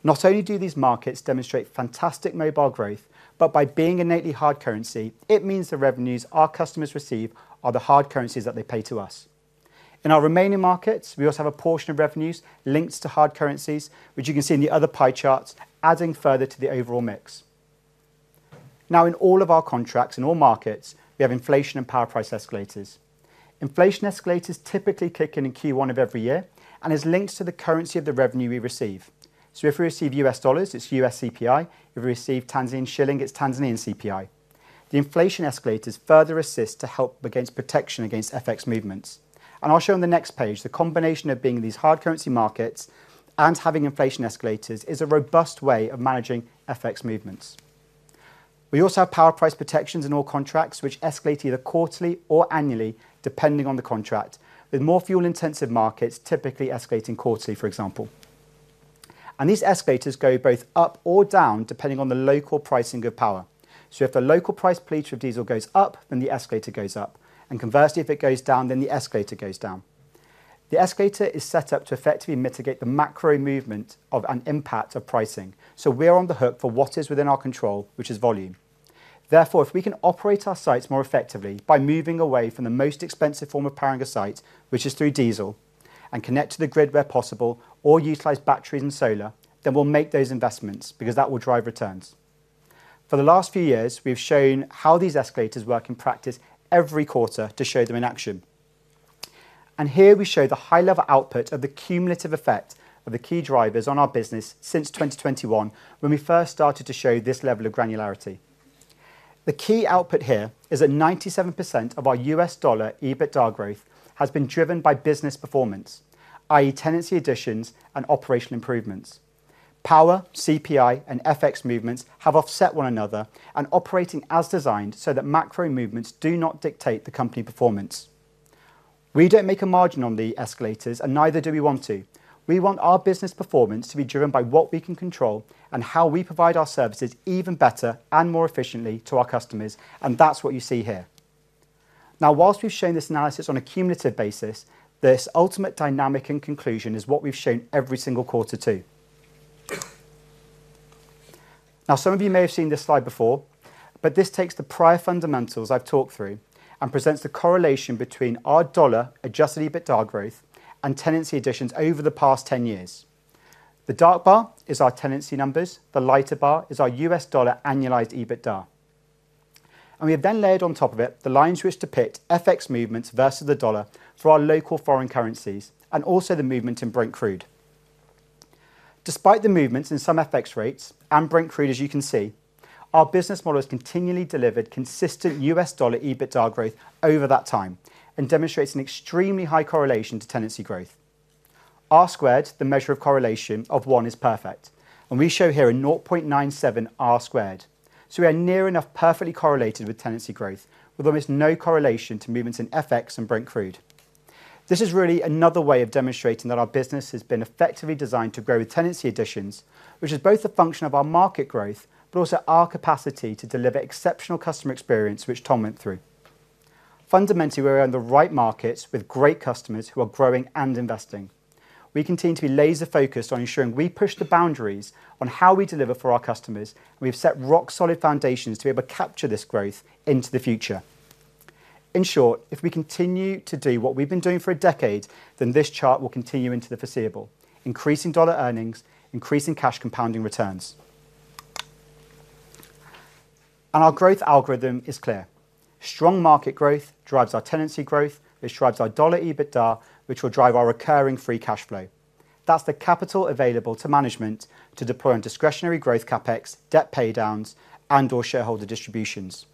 Not only do these markets demonstrate fantastic mobile growth, but by being innately hard currency, it means the revenues our customers receive are the hard currencies that they pay to us. In our remaining markets, we also have a portion of revenues linked to hard currencies, which you can see in the other pie charts, adding further to the overall mix. Now, in all of our contracts, in all markets, we have inflation and power price escalators. Inflation escalators typically kick in in Q1 of every year and are linked to the currency of the revenue we receive. If we receive U.S. dollars, it is U.S. CPI. If we receive Tanzanian shilling, it is Tanzanian CPI. The inflation escalators further assist to help against protection against FX movements. I'll show on the next page, the combination of being these hard currency markets and having inflation escalators is a robust way of managing FX movements. We also have power price protections in all contracts, which escalate either quarterly or annually, depending on the contract, with more fuel-intensive markets typically escalating quarterly, for example. These escalators go both up or down, depending on the local pricing of power. If the local price pleats for diesel goes up, then the escalator goes up. Conversely, if it goes down, then the escalator goes down. The escalator is set up to effectively mitigate the macro movement of an impact of pricing. We are on the hook for what is within our control, which is volume. Therefore, if we can operate our sites more effectively by moving away from the most expensive form of powering a site, which is through diesel, and connect to the grid where possible or utilize batteries and solar, then we'll make those investments because that will drive returns. For the last few years, we've shown how these escalators work in practice every quarter to show them in action. Here, we show the high-level output of the cumulative effect of the key drivers on our business since 2021, when we first started to show this level of granularity. The key output here is that 97% of our $ EBITDA growth has been driven by business performance, i.e., tenancy additions and operational improvements. Power, CPI, and FX movements have offset one another and operating as designed so that macro movements do not dictate the company performance. We do not make a margin on the escalators, and neither do we want to. We want our business performance to be driven by what we can control and how we provide our services even better and more efficiently to our customers. That is what you see here. Now, whilst we have shown this analysis on a cumulative basis, this ultimate dynamic and conclusion is what we have shown every single quarter too. Some of you may have seen this slide before, but this takes the prior fundamentals I have talked through and presents the correlation between our dollar adjusted EBITDA growth and tenancy additions over the past 10 years. The dark bar is our tenancy numbers. The lighter bar is our U.S. dollar annualized EBITDA. We have then layered on top of it the lines which depict FX movements versus the dollar for our local foreign currencies and also the movement in Brent crude. Despite the movements in some FX rates and Brent crude, as you can see, our business model has continually delivered consistent U.S. dollar EBITDA growth over that time and demonstrates an extremely high correlation to tenancy growth. R squared, the measure of correlation of one, is perfect. We show here a 0.97 R squared. We are near enough perfectly correlated with tenancy growth, with almost no correlation to movements in FX and Brent crude. This is really another way of demonstrating that our business has been effectively designed to grow with tenancy additions, which is both a function of our market growth, but also our capacity to deliver exceptional customer experience, which Tom went through. Fundamentally, we're in the right markets with great customers who are growing and investing. We continue to be laser-focused on ensuring we push the boundaries on how we deliver for our customers. We have set rock-solid foundations to be able to capture this growth into the future. In short, if we continue to do what we've been doing for a decade, this chart will continue into the foreseeable, increasing dollar earnings, increasing cash compounding returns. Our growth algorithm is clear. Strong market growth drives our tenancy growth, which drives our dollar EBITDA, which will drive our recurring free cash flow. That's the capital available to management to deploy on discretionary growth CapEx, debt paydowns, and/or shareholder distributions.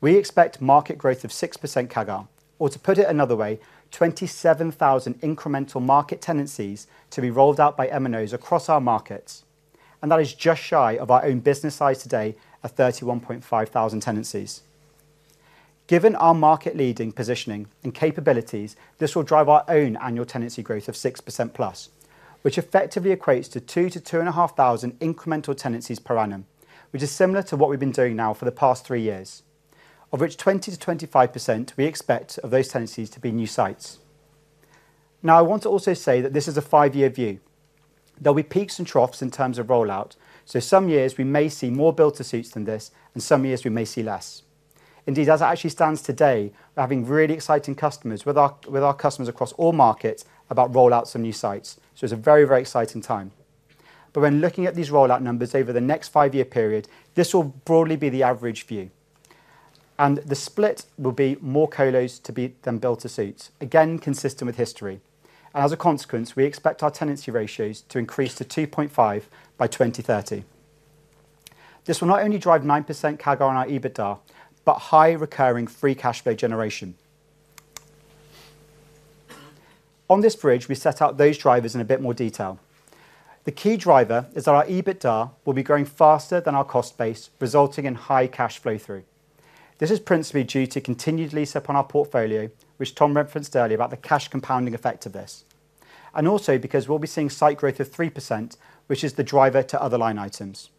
We expect market growth of 6% CAGR, or to put it another way, 27,000 incremental market tenancies to be rolled out by MNOs across our markets. That is just shy of our own business size today at 31,500 tenancies. Given our market-leading positioning and capabilities, this will drive our own annual tenancy growth of 6%+, which effectively equates to 2,000-2,500 incremental tenancies per annum, which is similar to what we've been doing now for the past three years, of which 20%-25% we expect of those tenancies to be new sites. I want to also say that this is a five-year view. There will be peaks and troughs in terms of rollout. Some years, we may see more build-to-suits than this, and some years, we may see less. Indeed, as it actually stands today, we're having really exciting conversations with our customers across all markets about rollouts of new sites. It is a very, very exciting time. When looking at these rollout numbers over the next five-year period, this will broadly be the average view. The split will be more colos to be than build-to-suits, again, consistent with history. As a consequence, we expect our tenancy ratios to increase to 2.5 by 2030. This will not only drive 9% CAGR on our EBITDA, but high recurring free cash flow generation. On this bridge, we set out those drivers in a bit more detail. The key driver is that our EBITDA will be growing faster than our cost base, resulting in high cash flow through. This is principally due to continued lease-up on our portfolio, which Tom referenced earlier about the cash compounding effect of this, and also because we will be seeing site growth of 3%, which is the driver to other line items.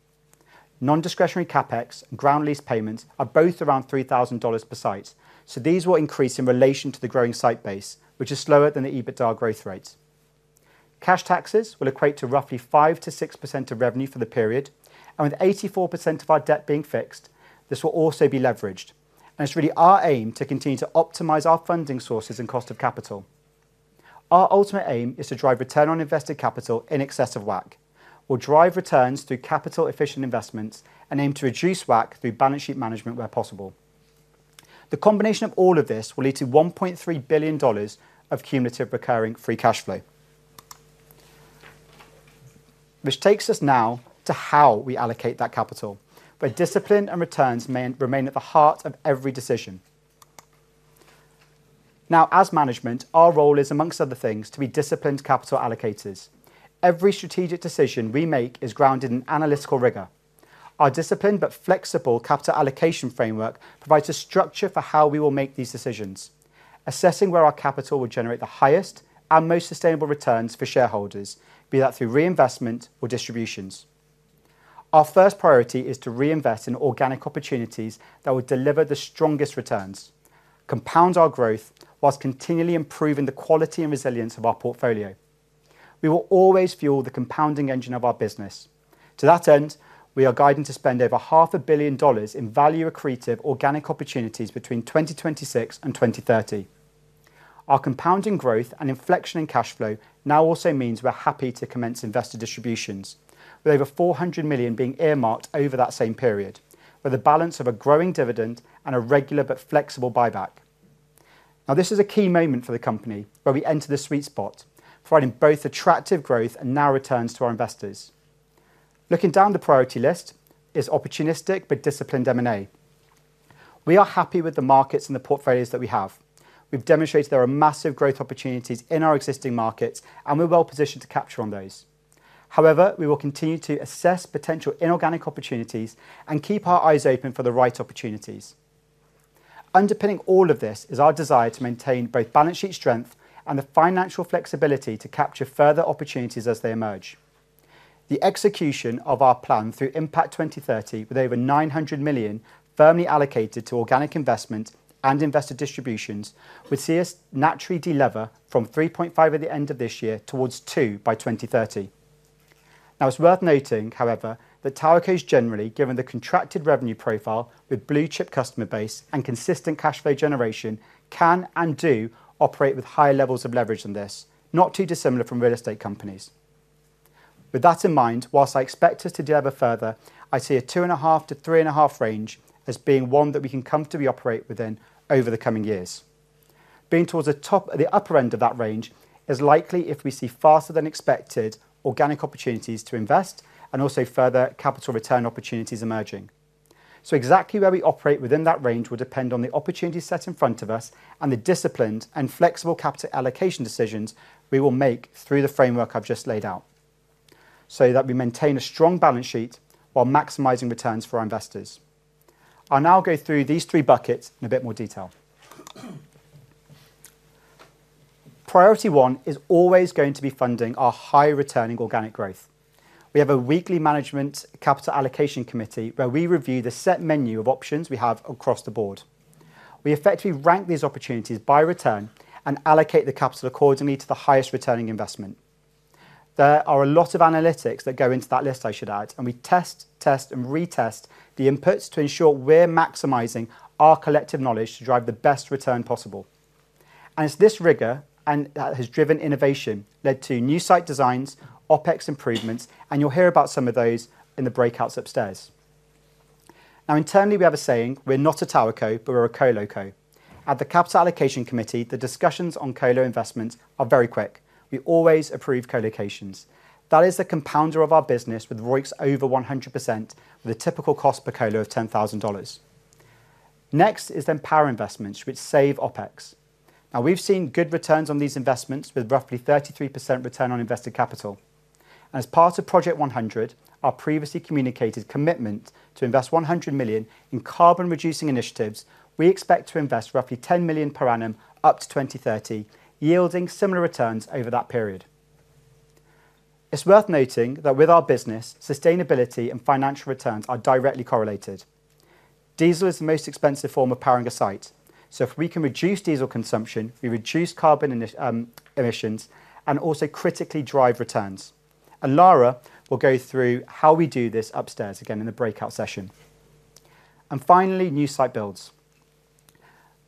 Non-discretionary CapEx and ground lease payments are both around $3,000 per site. These will increase in relation to the growing site base, which is slower than the EBITDA growth rates. Cash taxes will equate to roughly 5%-6% of revenue for the period. With 84% of our debt being fixed, this will also be leveraged. It is really our aim to continue to optimize our funding sources and cost of capital. Our ultimate aim is to drive return on invested capital in excess of WACC, drive returns through capital-efficient investments, and aim to reduce WACC through balance sheet management where possible. The combination of all of this will lead to $1.3 billion of cumulative recurring free cash flow. This takes us now to how we allocate that capital. Discipline and returns remain at the heart of every decision. Now, as management, our role is, amongst other things, to be disciplined capital allocators. Every strategic decision we make is grounded in analytical rigor. Our disciplined but flexible capital allocation framework provides a structure for how we will make these decisions, assessing where our capital will generate the highest and most sustainable returns for shareholders, be that through reinvestment or distributions. Our first priority is to reinvest in organic opportunities that will deliver the strongest returns, compound our growth, whilst continually improving the quality and resilience of our portfolio. We will always fuel the compounding engine of our business. To that end, we are guided to spend over $500,000,000 in value-accretive organic opportunities between 2026 and 2030. Our compounding growth and inflection in cash flow now also means we're happy to commence investor distributions, with over $400 million being earmarked over that same period, with a balance of a growing dividend and a regular but flexible buyback. Now, this is a key moment for the company, where we enter the sweet spot for providing both attractive growth and now returns to our investors. Looking down the priority list is opportunistic but disciplined M&A. We are happy with the markets and the portfolios that we have. We've demonstrated there are massive growth opportunities in our existing markets, and we're well positioned to capture on those. However, we will continue to assess potential inorganic opportunities and keep our eyes open for the right opportunities. Underpinning all of this is our desire to maintain both balance sheet strength and the financial flexibility to capture further opportunities as they emerge. The execution of our plan through Impact 2030, with over $900 million firmly allocated to organic investment and investor distributions, would see us naturally deliver from 3.5 at the end of this year towards 2 by 2030. Now, it's worth noting, however, that towercos generally, given the contracted revenue profile with blue-chip customer base and consistent cash flow generation, can and do operate with higher levels of leverage than this, not too dissimilar from real estate companies. With that in mind, whilst I expect us to deliver further, I see a 2.5-3.5 range as being one that we can comfortably operate within over the coming years. Being towards the top or the upper end of that range is likely if we see faster-than-expected organic opportunities to invest and also further capital return opportunities emerging. Exactly where we operate within that range will depend on the opportunities set in front of us and the disciplined and flexible capital allocation decisions we will make through the framework I have just laid out. That way we maintain a strong balance sheet while maximizing returns for our investors. I will now go through these three buckets in a bit more detail. Priority one is always going to be funding our high-returning organic growth. We have a weekly management capital allocation committee where we review the set menu of options we have across the board. We effectively rank these opportunities by return and allocate the capital accordingly to the highest-returning investment. There are a lot of analytics that go into that list, I should add, and we test, test, and retest the inputs to ensure we are maximizing our collective knowledge to drive the best return possible. It is this rigor that has driven innovation, led to new site designs, OpEx improvements, and you'll hear about some of those in the breakouts upstairs. Now, internally, we have a saying, "We're not a towerco, but we're a Coloco." At the capital allocation committee, the discussions on colo investments are very quick. We always approve colocations. That is the compounder of our business with ROICs over 100%, with a typical cost per colo of $10,000. Next is then power investments, which save OpEx. Now, we've seen good returns on these investments with roughly 33% return on invested capital. As part of Project 100, our previously communicated commitment to invest $100 million in carbon-reducing initiatives, we expect to invest roughly $10 million per annum up to 2030, yielding similar returns over that period. It is worth noting that with our business, sustainability and financial returns are directly correlated. Diesel is the most expensive form of powering a site. If we can reduce diesel consumption, we reduce carbon emissions and also critically drive returns. Lara will go through how we do this upstairs again in the breakout session. Finally, new site builds.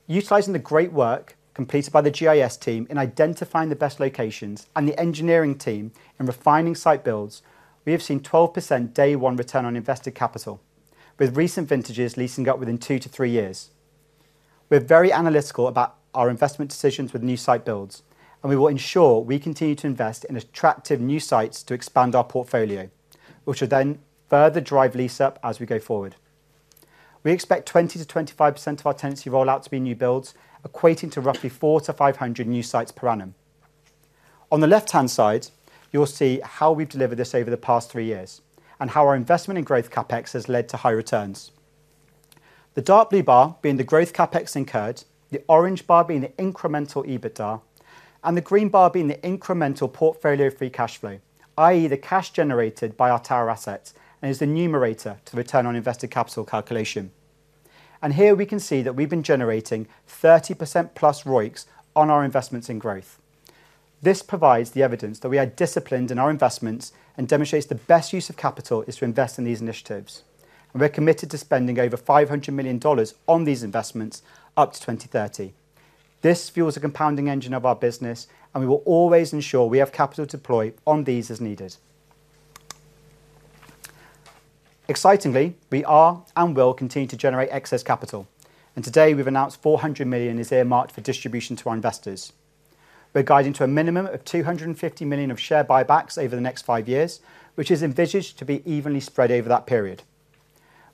Utilizing the great work completed by the GIS team in identifying the best locations and the engineering team in refining site builds, we have seen 12% day-one return on invested capital, with recent vintages leasing up within two to three years. We are very analytical about our investment decisions with new site builds, and we will ensure we continue to invest in attractive new sites to expand our portfolio, which will then further drive lease-up as we go forward. We expect 20%-25% of our tenancy rollout to be new builds, equating to roughly 400-500 new sites per annum. On the left-hand side, you'll see how we've delivered this over the past three years and how our investment in growth CapEx has led to high returns. The dark blue bar being the growth CapEx incurred, the orange bar being the incremental EBITDA, and the green bar being the incremental portfolio free cash flow, i.e., the cash generated by our tower assets and is the numerator to return on invested capital calculation. Here, we can see that we've been generating 30%+ ROICs on our investments in growth. This provides the evidence that we are disciplined in our investments and demonstrates the best use of capital is to invest in these initiatives. We're committed to spending over $500 million on these investments up to 2030. This fuels the compounding engine of our business, and we will always ensure we have capital to deploy on these as needed. Excitingly, we are and will continue to generate excess capital. Today, we've announced $400 million is earmarked for distribution to our investors. We're guiding to a minimum of $250 million of share buybacks over the next five years, which is envisaged to be evenly spread over that period.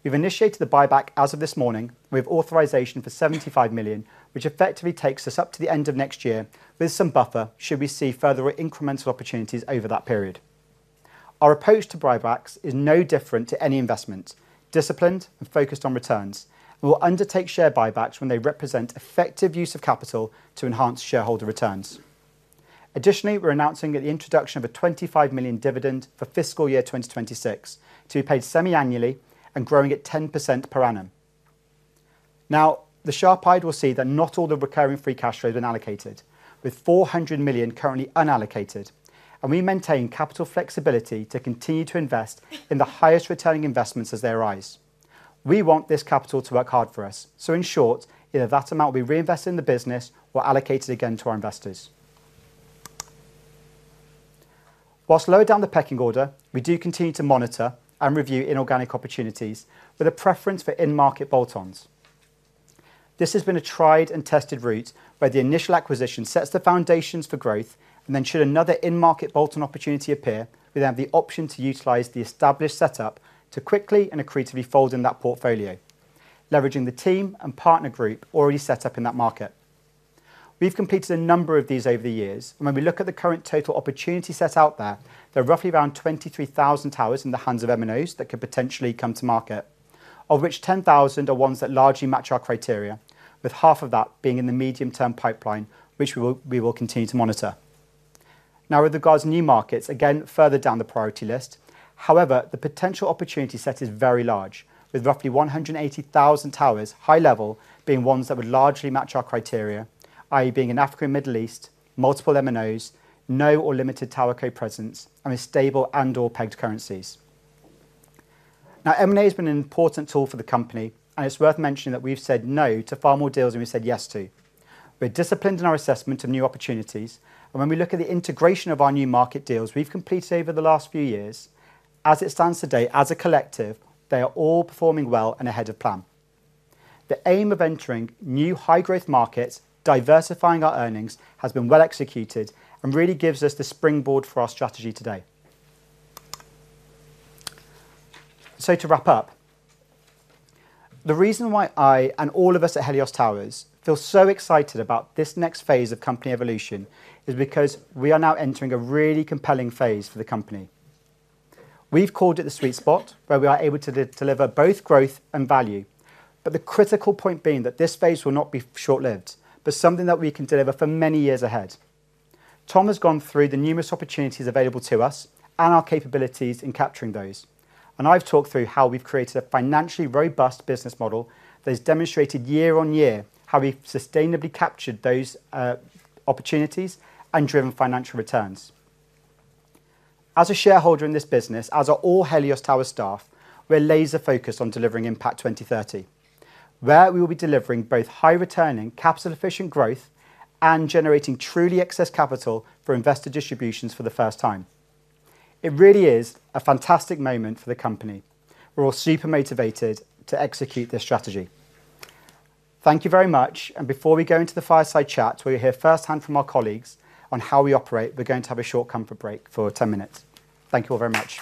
We've initiated the buyback as of this morning, and we have authorization for $75 million, which effectively takes us up to the end of next year with some buffer should we see further incremental opportunities over that period. Our approach to buybacks is no different to any investment, disciplined and focused on returns, and we'll undertake share buybacks when they represent effective use of capital to enhance shareholder returns. Additionally, we're announcing the introduction of a $25 million dividend for fiscal year 2026 to be paid semi-annually and growing at 10% per annum. Now, the sharp eyed will see that not all the recurring free cash flows have been allocated, with $400 million currently unallocated. We maintain capital flexibility to continue to invest in the highest-returning investments as they arise. We want this capital to work hard for us. In short, either that amount we reinvest in the business or allocate it again to our investors. Whilst lower down the pecking order, we do continue to monitor and review inorganic opportunities with a preference for in-market bolt-ons. This has been a tried-and-tested route where the initial acquisition sets the foundations for growth, and then should another in-market bolt-on opportunity appear, we then have the option to utilize the established setup to quickly and accretively fold in that portfolio, leveraging the team and partner group already set up in that market. We've completed a number of these over the years, and when we look at the current total opportunity set out there, there are roughly around 23,000 towers in the hands of MNOs that could potentially come to market, of which 10,000 are ones that largely match our criteria, with half of that being in the medium-term pipeline, which we will continue to monitor. Now, with regards to new markets, again, further down the priority list, however, the potential opportunity set is very large, with roughly 180,000 towers high-level being ones that would largely match our criteria, i.e., being in Africa and the Middle East, multiple MNOs, no or limited towerco presence, and with stable and/or pegged currencies. Now, M&A has been an important tool for the company, and it's worth mentioning that we've said no to far more deals than we said yes to. We're disciplined in our assessment of new opportunities, and when we look at the integration of our new market deals we've completed over the last few years, as it stands today, as a collective, they are all performing well and ahead of plan. The aim of entering new high-growth markets, diversifying our earnings, has been well executed and really gives us the springboard for our strategy today. To wrap up, the reason why I and all of us at Helios Towers feel so excited about this next phase of company evolution is because we are now entering a really compelling phase for the company. We've called it the sweet spot where we are able to deliver both growth and value, but the critical point being that this phase will not be short-lived, but something that we can deliver for many years ahead. Tom has gone through the numerous opportunities available to us and our capabilities in capturing those. I have talked through how we have created a financially robust business model that has demonstrated year on year how we have sustainably captured those opportunities and driven financial returns. As a shareholder in this business, as are all Helios Towers staff, we are laser-focused on delivering Impact 2030, where we will be delivering both high-returning, capital-efficient growth and generating truly excess capital for investor distributions for the first time. It really is a fantastic moment for the company. We are all super motivated to execute this strategy. Thank you very much. Before we go into the fireside chat, where you will hear firsthand from our colleagues on how we operate, we are going to have a short comfort break for 10 minutes. Thank you all very much.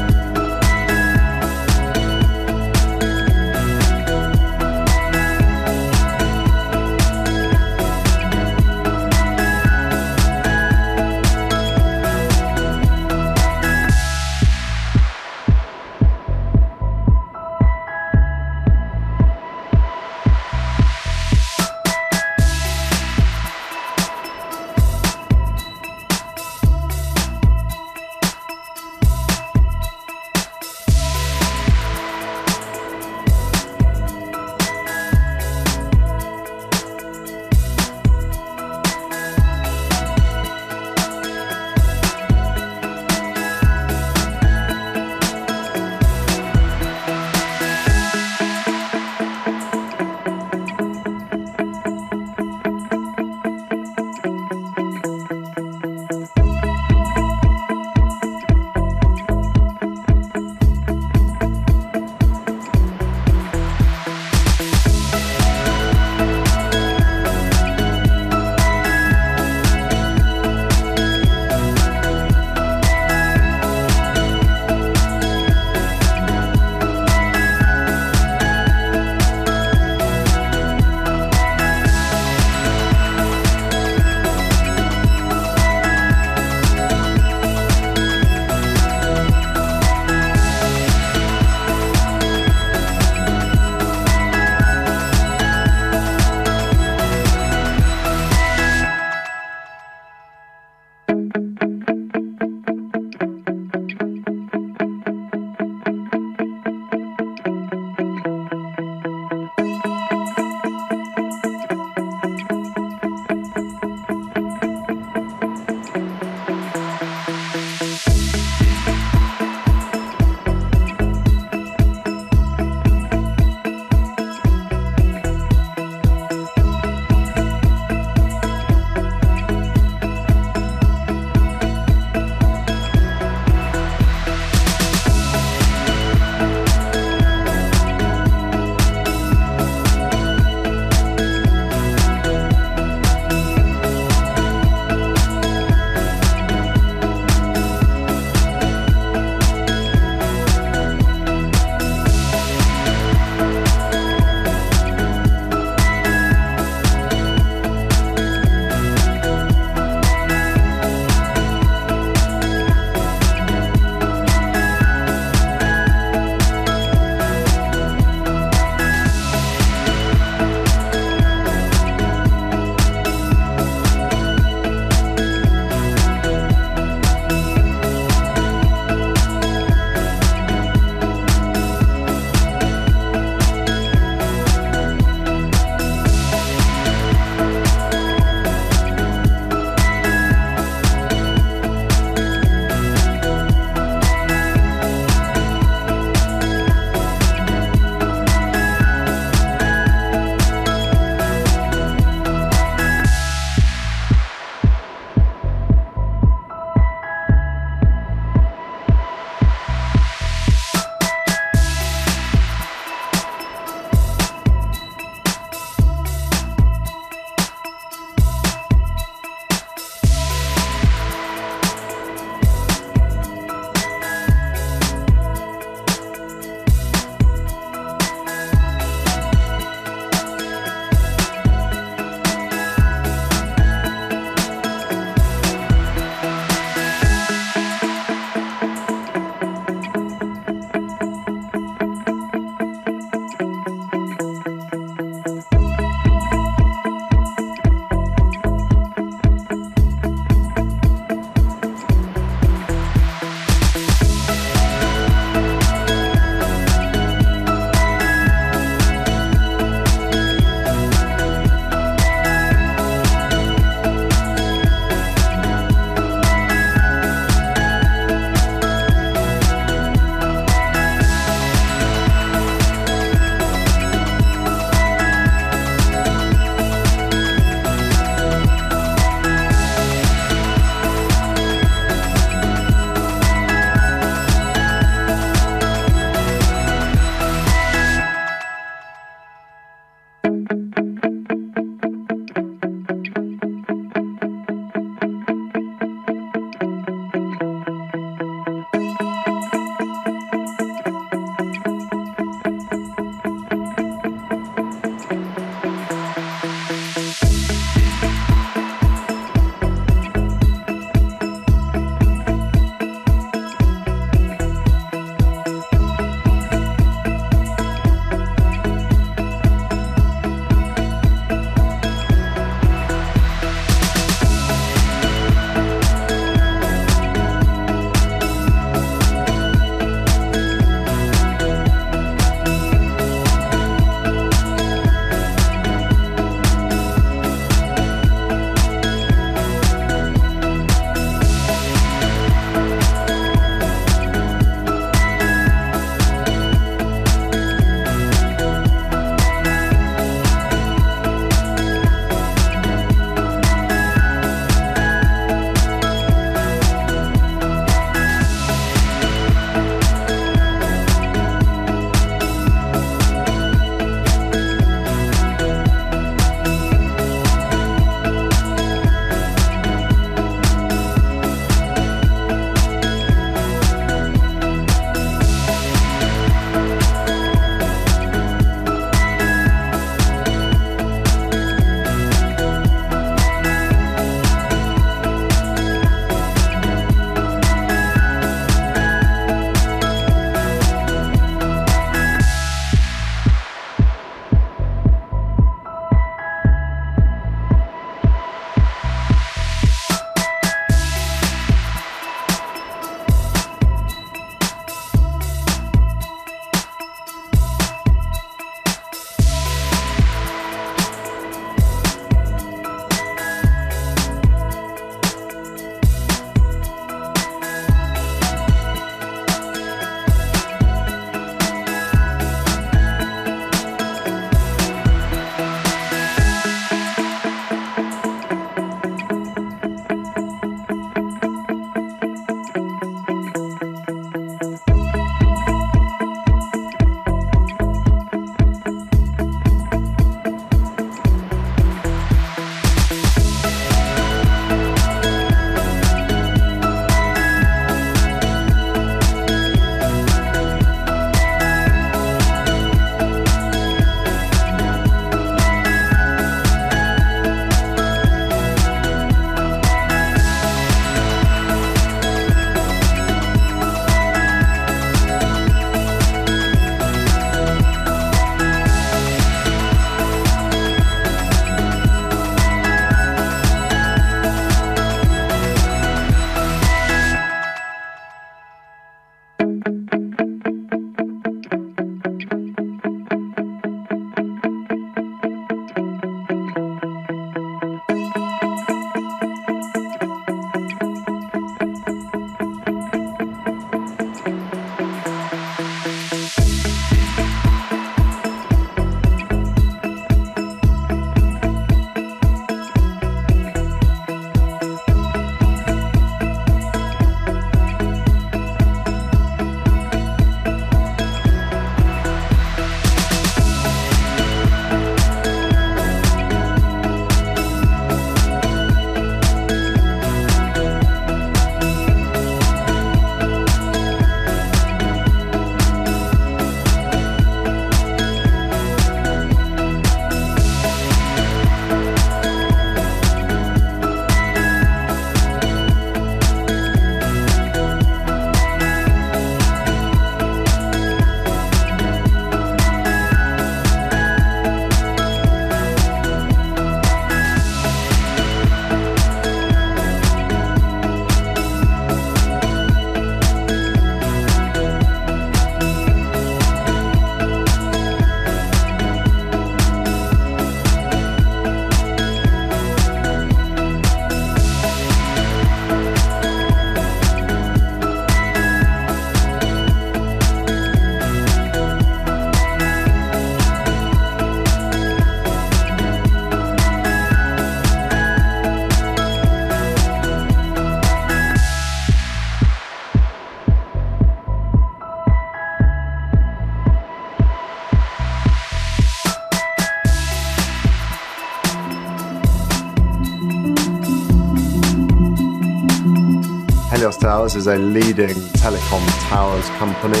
Helios Towers is a leading telecom towers company.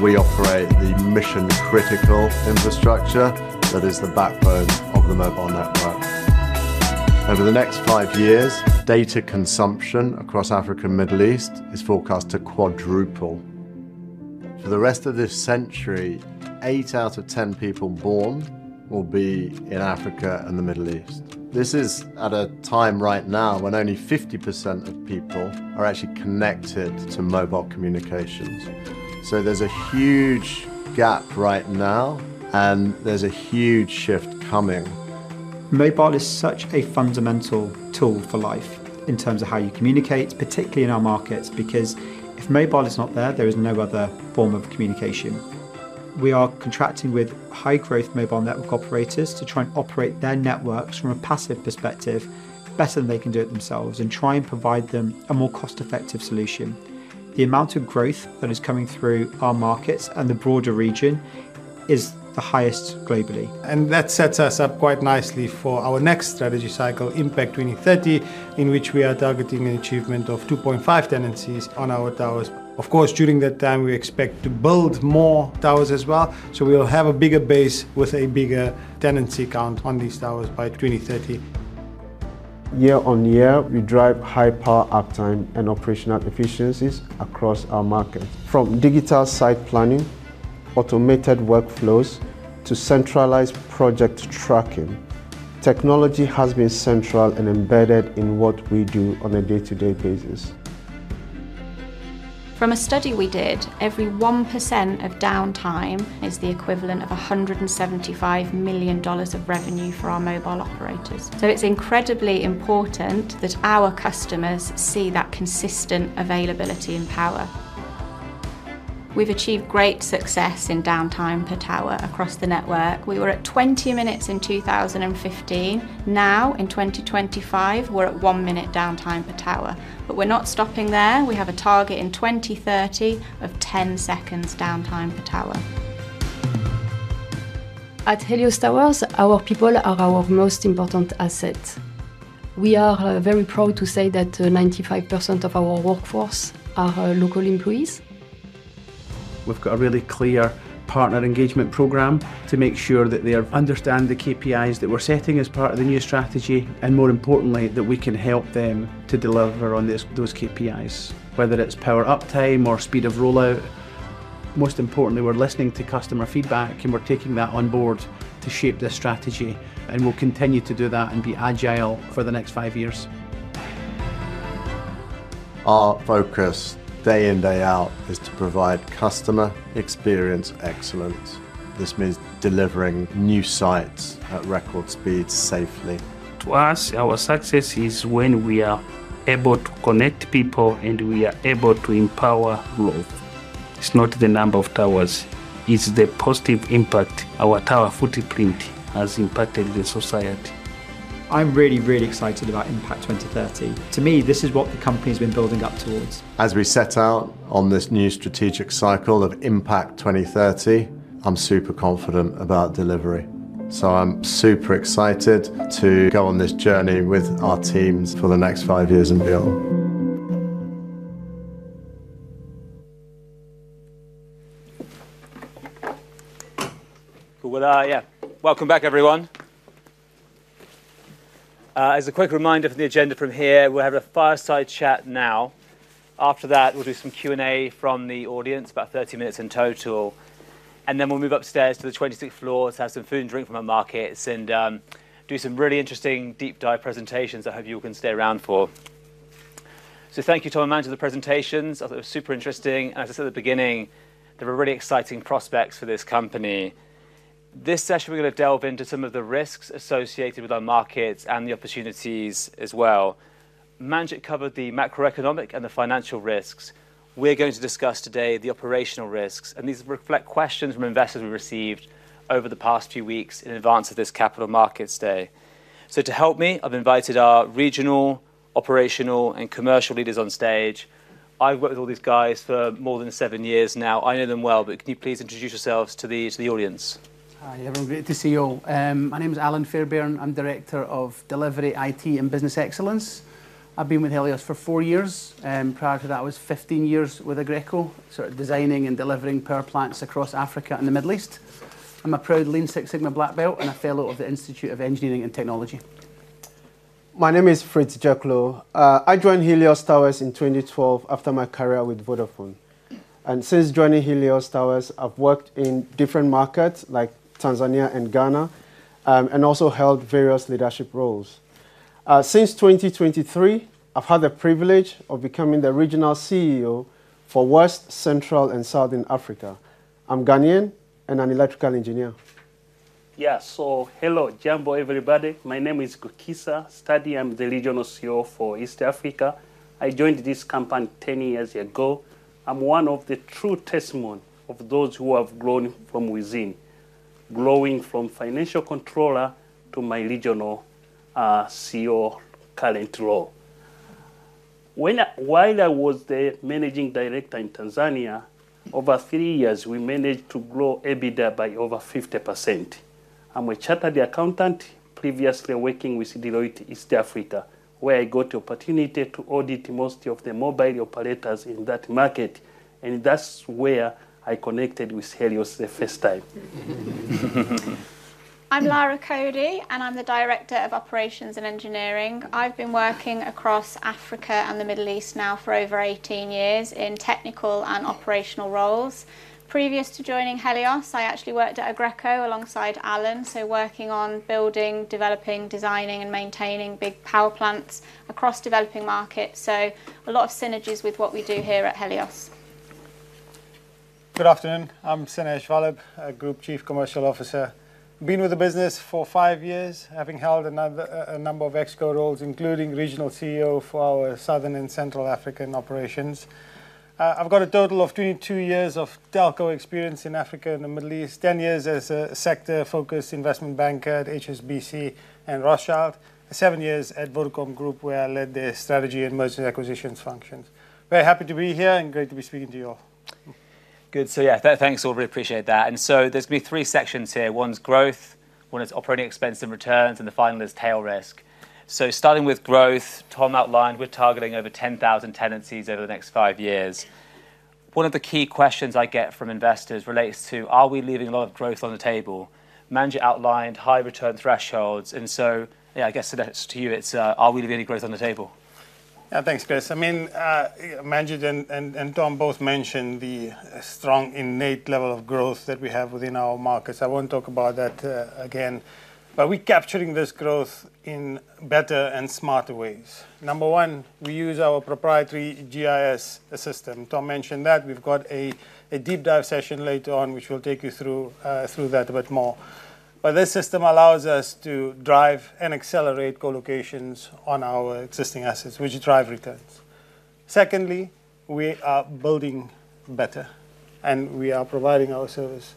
We operate the mission-critical infrastructure that is the backbone of the mobile network. Over the next five years, data consumption across Africa and the Middle East is forecast to quadruple. For the rest of this century, eight out of 10 people born will be in Africa and the Middle East. This is at a time right now when only 50% of people are actually connected to mobile communications. There is a huge gap right now, and there is a huge shift coming. Mobile is such a fundamental tool for life in terms of how you communicate, particularly in our markets, because if mobile is not there, there is no other form of communication. We are contracting with high-growth mobile network operators to try and operate their networks from a passive perspective better than they can do it themselves and try and provide them a more cost-effective solution. The amount of growth that is coming through our markets and the broader region is the highest globally. That sets us up quite nicely for our next strategy cycle, Impact 2030, in which we are targeting an achievement of 2.5 tenancies on our towers. Of course, during that time, we expect to build more towers as well, so we will have a bigger base with a bigger tenancy count on these towers by 2030. Year-on-year, we drive high power uptime and operational efficiencies across our market. From digital site planning, automated workflows to centralized project tracking, technology has been central and embedded in what we do on a day-to-day basis. From a study we did, every 1% of downtime is the equivalent of $175 million of revenue for our mobile operators. It is incredibly important that our customers see that consistent availability in power. We've achieved great success in downtime per tower across the network. We were at 20 minutes in 2015. Now, in 2025, we're at one minute downtime per tower. We are not stopping there. We have a target in 2030 of 10 seconds downtime per tower. At Helios Towers, our people are our most important asset. We are very proud to say that 95% of our workforce are local employees. We've got a really clear partner engagement program to make sure that they understand the KPIs that we're setting as part of the new strategy and, more importantly, that we can help them to deliver on those KPIs, whether it's power uptime or speed of rollout. Most importantly, we're listening to customer feedback, and we're taking that on board to shape the strategy. We will continue to do that and be agile for the next five years. Our focus, day in, day out, is to provide customer experience excellence. This means delivering new sites at record speed safely. To us, our success is when we are able to connect people and we are able to empower growth. It's not the number of towers; it's the positive impact our tower footprint has impacted in society. I'm really, really excited about Impact 2030. To me, this is what the company has been building up towards. As we set out on this new strategic cycle of Impact 2030, I'm super confident about delivery. I'm super excited to go on this journey with our teams for the next five years and beyond. Cool. Yeah, welcome back, everyone. As a quick reminder for the agenda from here, we'll have a fireside chat now. After that, we'll do some Q&A from the audience, about 30 minutes in total. We will move upstairs to the 26th floor to have some food and drink from our markets and do some really interesting deep-dive presentations I hope you all can stay around for. Thank you, Tom and Manjit, for the presentations. I thought it was super interesting. As I said at the beginning, there are really exciting prospects for this company. This session, we are going to delve into some of the risks associated with our markets and the opportunities as well. Manjit covered the macroeconomic and the financial risks. We are going to discuss today the operational risks. These reflect questions from investors we received over the past few weeks in advance of this Capital Markets Day. To help me, I have invited our regional, operational, and commercial leaders on stage. I have worked with all these guys for more than seven years now. I know them well, but can you please introduce yourselves to the audience? Hi, everyone. Great to see you all. My name is Alan Fairbairn. I'm Director of Delivery, IT, and Business Excellence. I've been with Helios Towers for four years. Prior to that, I was 15 years with Aggreko, sort of designing and delivering power plants across Africa and the Middle East. I'm a proud Lean Six Sigma Black Belt, and a fellow of the Institute of Engineering and Technology. My name is Fritz Juklow. I joined Helios Towers in 2012 after my career with Vodafone. And since joining Helios Towers, I've worked in different markets like Tanzania and Ghana, and also held various leadership roles. Since 2023, I've had the privilege of becoming the Regional CEO for West, Central, and Southern Africa. I'm Ghanaian, and I'm an electrical engineer. Yeah, so hello, Jambo, everybody. My name is Gwakisa Stadi, I'm the Regional CEO for East Africa. I joined this company 10 years ago. I'm one of the true testimony of those who have grown from within, growing from Financial Controller to my Regional CEO current role. While I was the Managing Director in Tanzania, over three years, we managed to grow EBITDA by over 50%. I'm a chartered accountant, previously working with Deloitte East Africa, where I got the opportunity to audit most of the mobile operators in that market. That's where I connected with Helios the first time. I'm Lara Coady, and I'm the Director of Operations and Engineering. I've been working across Africa and the Middle East now for over 18 years in technical and operational roles. Previous to joining Helios, I actually worked at Aggreko alongside Alan, working on building, developing, designing, and maintaining big power plants across developing markets. So a lot of synergies with what we do here at Helios Towers. Good afternoon. I'm Sainesh Vallabh, Group Chief Commercial Officer. I've been with the business for five years, having held a number of exco roles, including Regional CEO for our Southern and Central African operations. I've got a total of 22 years of telco experience in Africa and the Middle East, 10 years as a sector-focused investment banker at HSBC and Rothschild, and seven years at Vodafone Group, where I led the strategy and mergers and acquisitions functions. Very happy to be here and great to be speaking to you all. Good. Yeah, thanks all. Really appreciate that. There's going to be three sections here. One's growth, one is operating expense and returns, and the final is tail risk. Starting with growth, Tom outlined we're targeting over 10,000 tenancies over the next five years. One of the key questions I get from investors relates to, are we leaving a lot of growth on the table? Manjit outlined high return thresholds. Yeah, I guess to you, it's are we leaving any growth on the table? Yeah, thanks, Chris. I mean, Manjit and Tom both mentioned the strong innate level of growth that we have within our markets. I won't talk about that again. We're capturing this growth in better and smarter ways. Number one, we use our proprietary GIS system. Tom mentioned that. We've got a deep-dive session later on, which we'll take you through that a bit more. This system allows us to drive and accelerate colocations on our existing assets, which drive returns. Secondly, we are building better, and we are providing our service,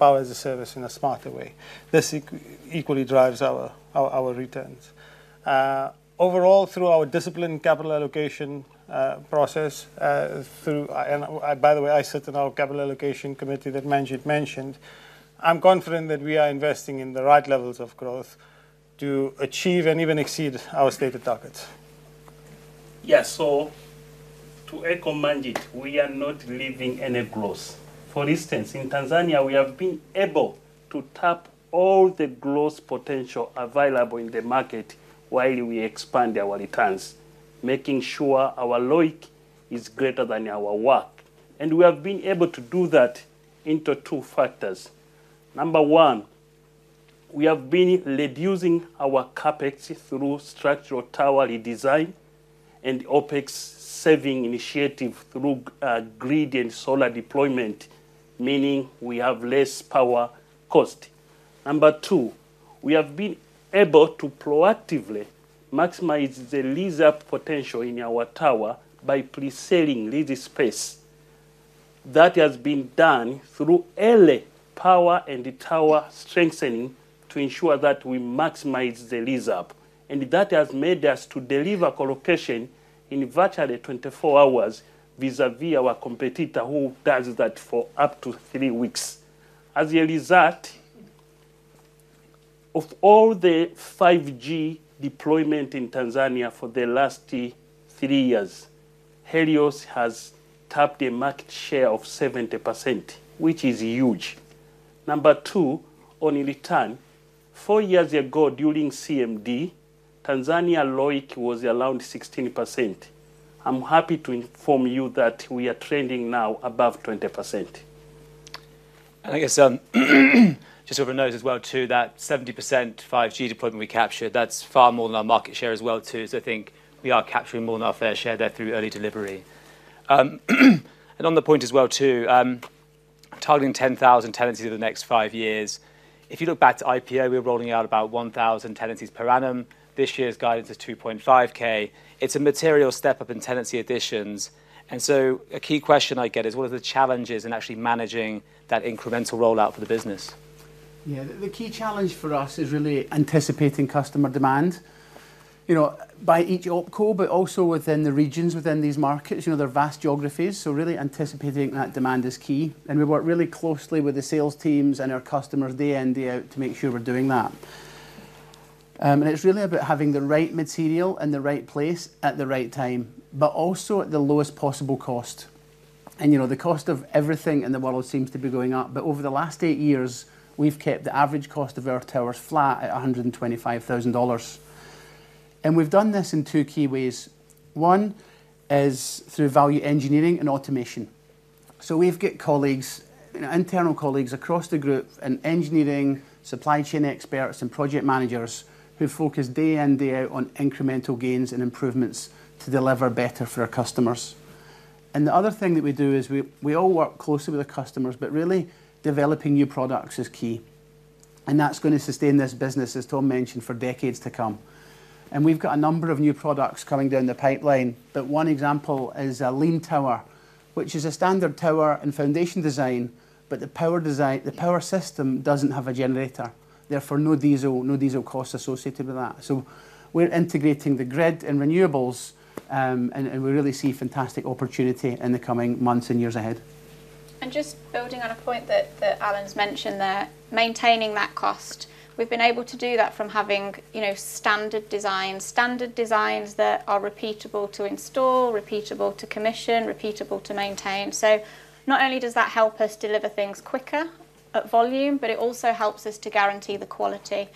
power as a service, in a smarter way. This equally drives our returns. Overall, through our discipline and capital allocation process. By the way, I sit in our capital allocation committee that Manjit mentioned. I'm confident that we are investing in the right levels of growth to achieve and even exceed our stated targets. Yeah, so. To echo Manjit, we are not leaving any growth. For instance, in Tanzania, we have been able to tap all the growth potential available in the market while we expand our returns, making sure our work is greater than our work. We have been able to do that into two factors. Number one. We have been reducing our CapEx through structural tower redesign and OpEx saving initiative through grid and solar deployment, meaning we have less power cost. Number two, we have been able to proactively maximize the lease-up potential in our tower by pre-selling lease space. That has been done through early power and tower strengthening to ensure that we maximize the lease-up. That has made us deliver colocation in virtually 24 hours vis-à-vis our competitor, who does that for up to three weeks. As a result, of all the 5G deployment in Tanzania for the last three years, Helios has tapped a market share of 70%, which is huge. Number two, on return, four years ago during CMD, Tanzania ROIC was around 16%. I'm happy to inform you that we are trending now above 20%. I guess just overnight as well too, that 70% 5G deployment we captured, that's far more than our market share as well too. I think we are capturing more than our fair share there through early delivery. On the point as well too, targeting 10,000 tenancies over the next five years. If you look back to IPO, we're rolling out about 1,000 tenancies per annum. This year's guidance is 2.5K. It's a material step up in tenancy additions. A key question I get is, what are the challenges in actually managing that incremental rollout for the business? Yeah, the key challenge for us is really anticipating customer demand. By each opco, but also within the regions within these markets, there are vast geographies. Really anticipating that demand is key. We work really closely with the sales teams and our customers day in, day out to make sure we're doing that. It's really about having the right material in the right place at the right time, but also at the lowest possible cost. The cost of everything in the world seems to be going up. Over the last eight years, we've kept the average cost of our towers flat at $125,000. We've done this in two key ways. One is through value engineering and automation. We've got colleagues, internal colleagues across the group, and engineering, supply chain experts, and project managers who focus day in, day out on incremental gains and improvements to deliver better for our customers. The other thing that we do is we all work closely with our customers, but really developing new products is key. That's going to sustain this business, as Tom mentioned, for decades to come. We've got a number of new products coming down the pipeline. One example is a Lean Tower, which is a standard tower and foundation design, but the power system doesn't have a generator. Therefore, no diesel, no diesel cost associated with that. We're integrating the grid and renewables. We really see fantastic opportunity in the coming months and years ahead. Just building on a point that Alan's mentioned there, maintaining that cost, we've been able to do that from having standard designs, standard designs that are repeatable to install, repeatable to commission, repeatable to maintain. Not only does that help us deliver things quicker at volume, but it also helps us to guarantee the quality.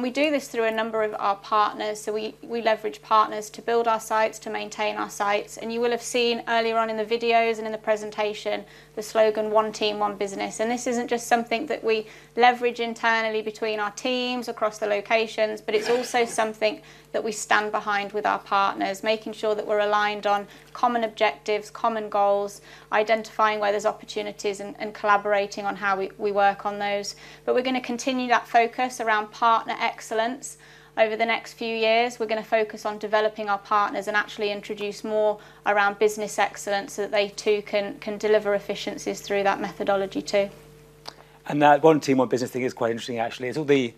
We do this through a number of our partners. We leverage partners to build our sites, to maintain our sites. You will have seen earlier on in the videos and in the presentation the slogan, "One team, one business." This is not just something that we leverage internally between our teams across the locations, but it is also something that we stand behind with our partners, making sure that we are aligned on common objectives, common goals, identifying where there are opportunities, and collaborating on how we work on those. We are going to continue that focus around partner excellence over the next few years. We are going to focus on developing our partners and actually introduce more around business excellence so that they too can deliver efficiencies through that methodology too. That "One team, one business" thing is quite interesting, actually. It is all the,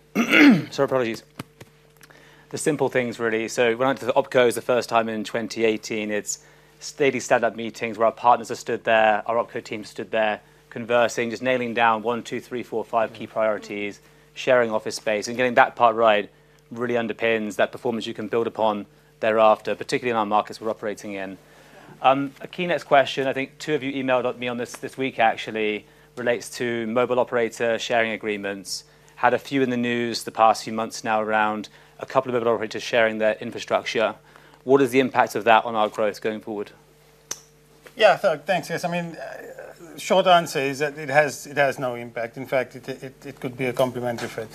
sorry, apologies. The simple things, really. When I went to the opcos the first time in 2018, it's daily stand-up meetings where our partners have stood there, our opco team stood there, conversing, just nailing down one, two, three, four, five key priorities, sharing office space. Getting that part right really underpins that performance you can build upon thereafter, particularly in our markets we're operating in. A key next question, I think two of you emailed me on this this week, actually, relates to mobile operator sharing agreements. Had a few in the news the past few months now around a couple of mobile operators sharing their infrastructure. What is the impact of that on our growth going forward? Yeah, thanks, Chris. I mean, short answer is that it has no impact. In fact, it could be a complementary effect.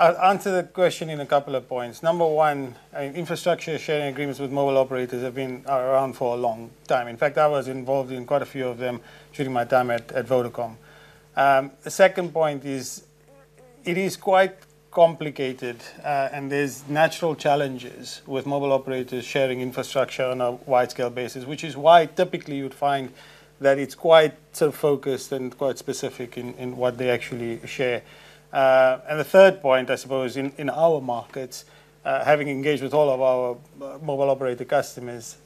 I'll answer the question in a couple of points. Number one, infrastructure sharing agreements with mobile operators have been around for a long time. In fact, I was involved in quite a few of them during my time at Vodacom. The second point is, it is quite complicated, and there are natural challenges with mobile operators sharing infrastructure on a wide-scale basis, which is why typically you would find that it is quite self-focused and quite specific in what they actually share. The third point, I suppose, in our markets, having engaged with all of our mobile operator customers,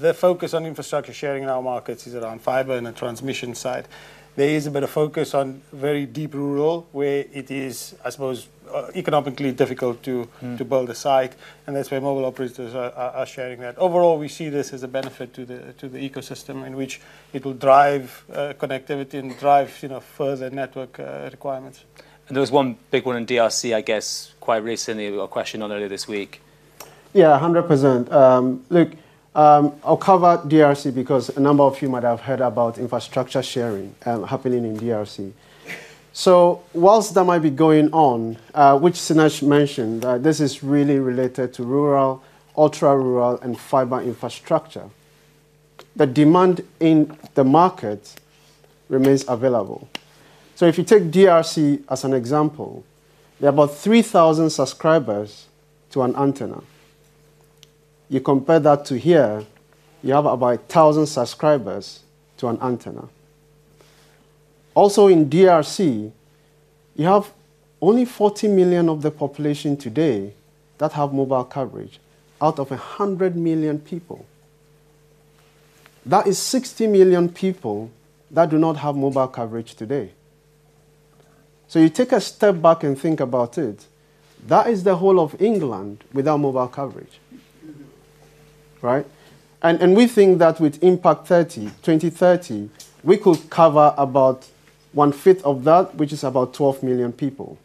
the focus on infrastructure sharing in our markets is around fiber and the transmission side. There is a bit of focus on very deep rural, where it is, I suppose, economically difficult to build a site. That is where mobile operators are sharing that. Overall, we see this as a benefit to the ecosystem in which it will drive connectivity and drive further network requirements. There was one big one in DRC, I guess, quite recently, a question on earlier this week. Yeah, 100%. Look, I'll cover DRC because a number of you might have heard about infrastructure sharing happening in DRC. Whilst that might be going on, which Sineesh mentioned, this is really related to rural, ultra-rural, and fiber infrastructure. The demand in the market remains available. If you take DRC as an example, there are about 3,000 subscribers to an antenna. You compare that to here, you have about 1,000 subscribers to an antenna. Also in DRC, you have only 40 million of the population today that have mobile coverage out of 100 million people. That is 60 million people that do not have mobile coverage today. You take a step back and think about it, that is the whole of England without mobile coverage. Right? We think that with Impact 2030, we could cover about one-fifth of that, which is about 12 million people.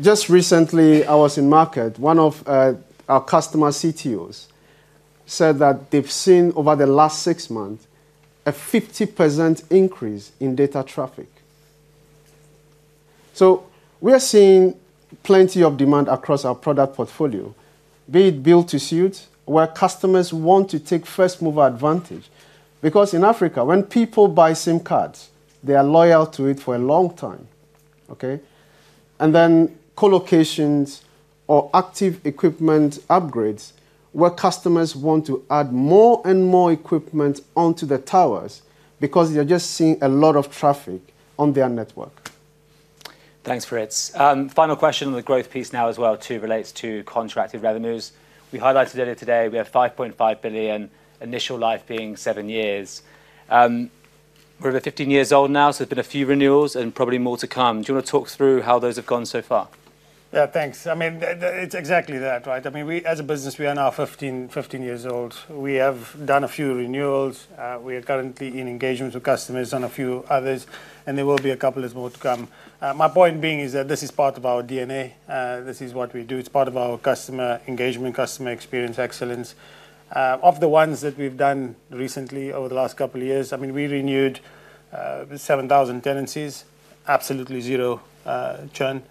Just recently, I was in market. One of our customer CTOs said that they've seen over the last six months a 50% increase in data traffic. We are seeing plenty of demand across our product portfolio, be it built to suit, where customers want to take first-mover advantage. In Africa, when people buy SIM cards, they are loyal to it for a long time. Okay? Then colocations or active equipment upgrades, where customers want to add more and more equipment onto the towers because they're just seeing a lot of traffic on their network. Thanks, Fritz. Final question on the growth piece now as well too, relates to contracted revenues. We highlighted earlier today we have $5.5 billion, initial life being seven years. We are over 15 years old now, so there have been a few renewals and probably more to come. Do you want to talk through how those have gone so far? Yeah, thanks. I mean, it is exactly that, right? I mean, as a business, we are now 15 years old. We have done a few renewals. We are currently in engagement with customers on a few others, and there will be a couple more to come. My point being is that this is part of our DNA. This is what we do. It is part of our customer engagement, customer experience excellence. Of the ones that we have done recently over the last couple of years, I mean, we renewed 7,000 tenancies, absolutely zero churn.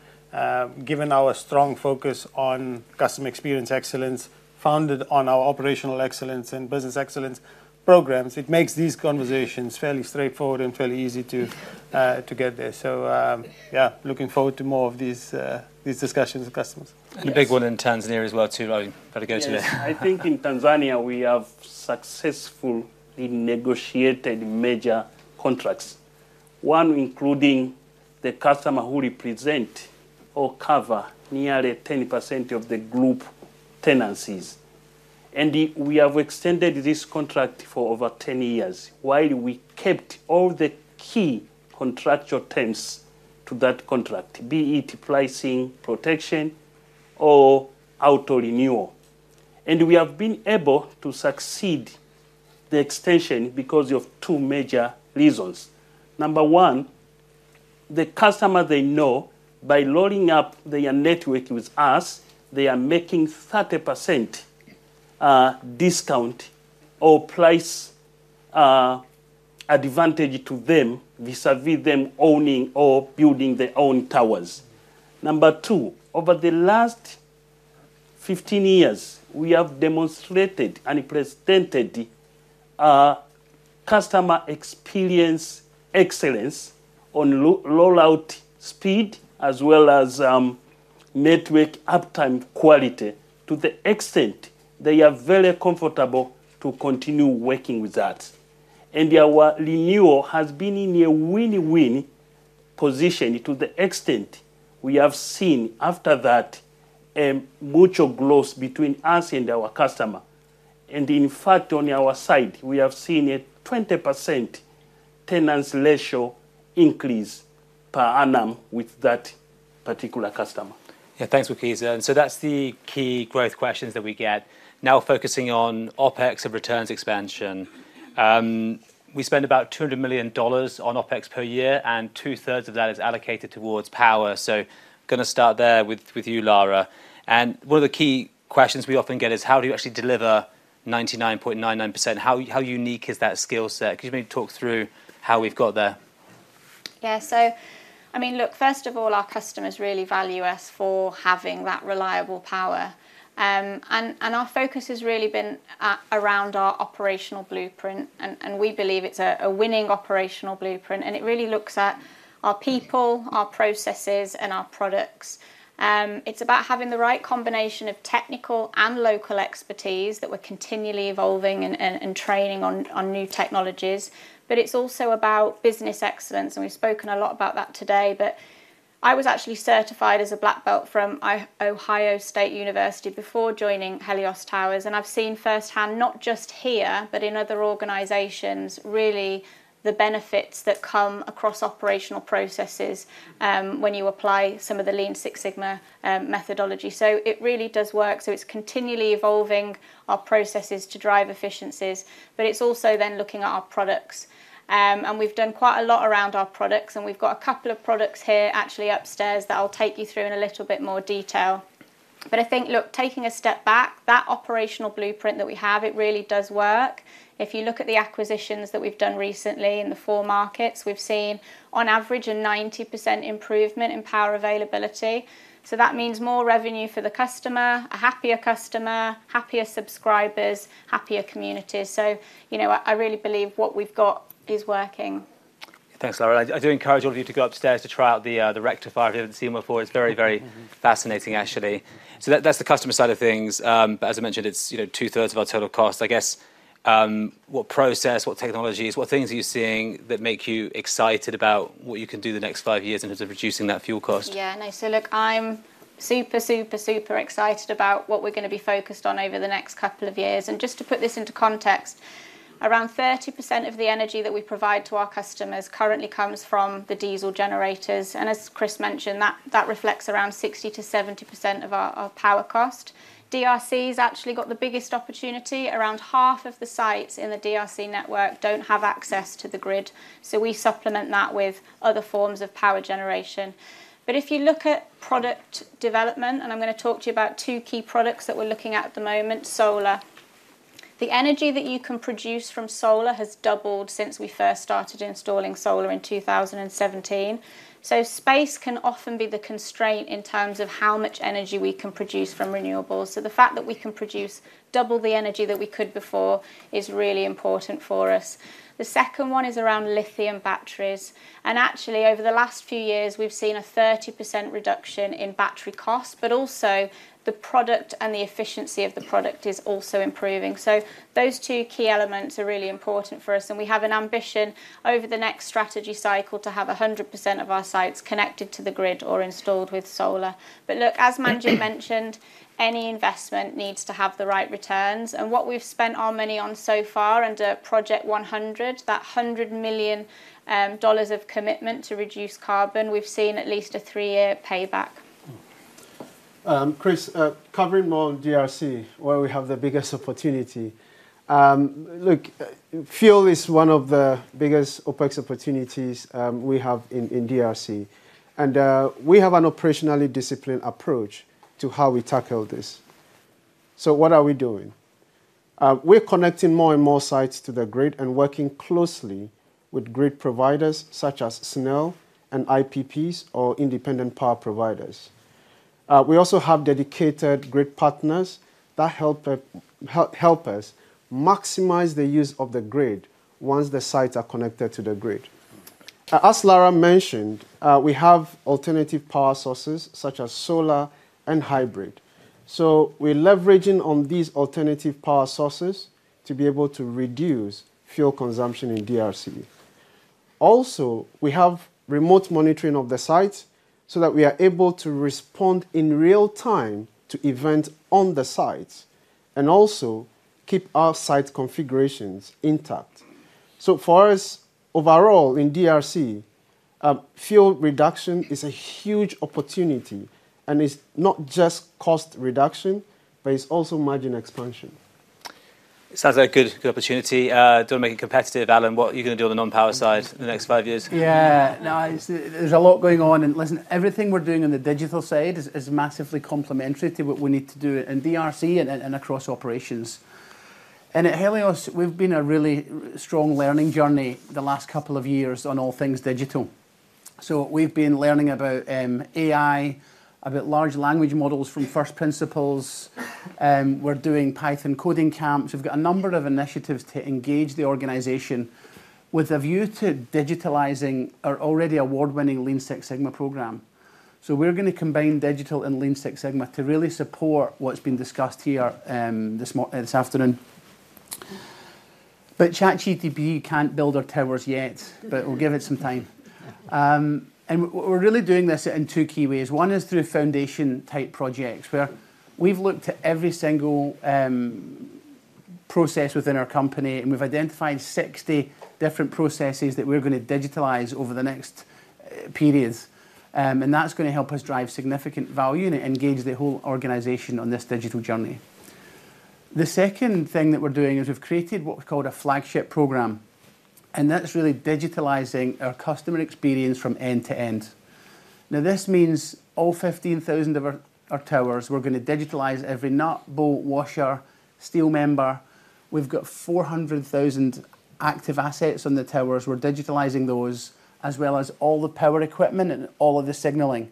Given our strong focus on customer experience excellence, founded on our operational excellence and business excellence programs, it makes these conversations fairly straightforward and fairly easy to get there. Yeah, looking forward to more of these discussions with customers. A big one in Tanzania as well too, I better go to there. I think in Tanzania, we have successfully negotiated major contracts, one including the customer we represent or cover nearly 10% of the group tenancies. We have extended this contract for over 10 years while we kept all the key contractual terms to that contract, be it pricing, protection, or auto renewal. We have been able to succeed the extension because of two major reasons. Number one, the customer, they know by rolling up their network with us, they are making a 30% discount or price. Advantage to them vis-à-vis them owning or building their own towers. Number two, over the last 15 years, we have demonstrated and represented customer experience excellence on rollout speed as well as network uptime quality to the extent they are very comfortable to continue working with that. Our renewal has been in a win-win position to the extent we have seen after that a mutual growth between us and our customer. In fact, on our side, we have seen a 20% tenancy ratio increase per annum with that particular customer. Yeah, thanks, Gwakisa. That is the key growth questions that we get. Now focusing on OpEx and returns expansion. We spend about $200 million on OpEx per year, and two-thirds of that is allocated towards power. Going to start there with you, Lara. One of the key questions we often get is, how do you actually deliver 99.99%? How unique is that skill set? Could you maybe talk through how we've got there? Yeah, I mean, look, first of all, our customers really value us for having that reliable power. Our focus has really been around our operational blueprint, and we believe it's a winning operational blueprint. It really looks at our people, our processes, and our products. It's about having the right combination of technical and local expertise that we're continually evolving and training on new technologies. It's also about business excellence. We've spoken a lot about that today. I was actually certified as a black belt from Ohio State University before joining Helios Towers. I've seen firsthand, not just here, but in other organizations, really the benefits that come across operational processes when you apply some of the Lean Six Sigma methodology. It really does work. It's continually evolving our processes to drive efficiencies. It's also then looking at our products. We've done quite a lot around our products. We've got a couple of products here actually upstairs that I'll take you through in a little bit more detail. I think, look, taking a step back, that operational blueprint that we have, it really does work. If you look at the acquisitions that we've done recently in the four markets, we've seen on average a 90% improvement in power availability. That means more revenue for the customer, a happier customer, happier subscribers, happier communities. I really believe what we've got is working. Thanks, Lara. I do encourage all of you to go upstairs to try out the Rectifier 5. I haven't seen one before. It's very, very fascinating, actually. That's the customer side of things. As I mentioned, it's two-thirds of our total cost. I guess. What process, what technologies, what things are you seeing that make you excited about what you can do the next five years in terms of reducing that fuel cost? Yeah, no. Look, I'm super, super, super excited about what we're going to be focused on over the next couple of years. Just to put this into context, around 30% of the energy that we provide to our customers currently comes from the diesel generators. As Chris mentioned, that reflects around 60%-70% of our power cost. DRC has actually got the biggest opportunity. Around half of the sites in the DRC network do not have access to the grid. We supplement that with other forms of power generation. If you look at product development, and I am going to talk to you about two key products that we are looking at at the moment, solar. The energy that you can produce from solar has doubled since we first started installing solar in 2017. Space can often be the constraint in terms of how much energy we can produce from renewables. The fact that we can produce double the energy that we could before is really important for us. The second one is around lithium batteries. Actually, over the last few years, we have seen a 30% reduction in battery cost, but also the product and the efficiency of the product is also improving. Those two key elements are really important for us. We have an ambition over the next strategy cycle to have 100% of our sites connected to the grid or installed with solar. Look, as Manjit mentioned, any investment needs to have the right returns. What we've spent our money on so far under Project 100, that $100 million of commitment to reduce carbon, we've seen at least a three-year payback. Chris, covering more on DRC, where we have the biggest opportunity. Look, fuel is one of the biggest OpEx opportunities we have in DRC. We have an operationally disciplined approach to how we tackle this. What are we doing? We're connecting more and more sites to the grid and working closely with grid providers such as SNEL and IPPs or independent power providers. We also have dedicated grid partners that help. Us maximize the use of the grid once the sites are connected to the grid. As Lara mentioned, we have alternative power sources such as solar and hybrid. We are leveraging on these alternative power sources to be able to reduce fuel consumption in DRC. Also, we have remote monitoring of the sites so that we are able to respond in real time to events on the sites and also keep our site configurations intact. For us, overall, in DRC, fuel reduction is a huge opportunity. It is not just cost reduction, but it is also margin expansion. Sounds like a good opportunity. Do not make it competitive, Alan. What are you going to do on the non-power side in the next five years? Yeah, no, there is a lot going on. Listen, everything we're doing on the digital side is massively complementary to what we need to do in DRC and across operations. At Helios, we've been on a really strong learning journey the last couple of years on all things digital. We've been learning about AI, about large language models from first principles. We're doing Python coding camps. We've got a number of initiatives to engage the organization with a view to digitalizing our already award-winning Lean Six Sigma program. We're going to combine digital and Lean Six Sigma to really support what's been discussed here this afternoon. ChatGPT can't build our towers yet, but we'll give it some time. We're really doing this in two key ways. One is through foundation-type projects, where we've looked at every single. Process within our company, and we've identified 60 different processes that we're going to digitalize over the next period. That's going to help us drive significant value and engage the whole organization on this digital journey. The second thing that we're doing is we've created what we call a flagship program. That's really digitalizing our customer experience from end to end. This means all 15,000 of our towers, we're going to digitalize every knob, bolt, washer, steel member. We've got 400,000 active assets on the towers. We're digitalizing those, as well as all the power equipment and all of the signaling.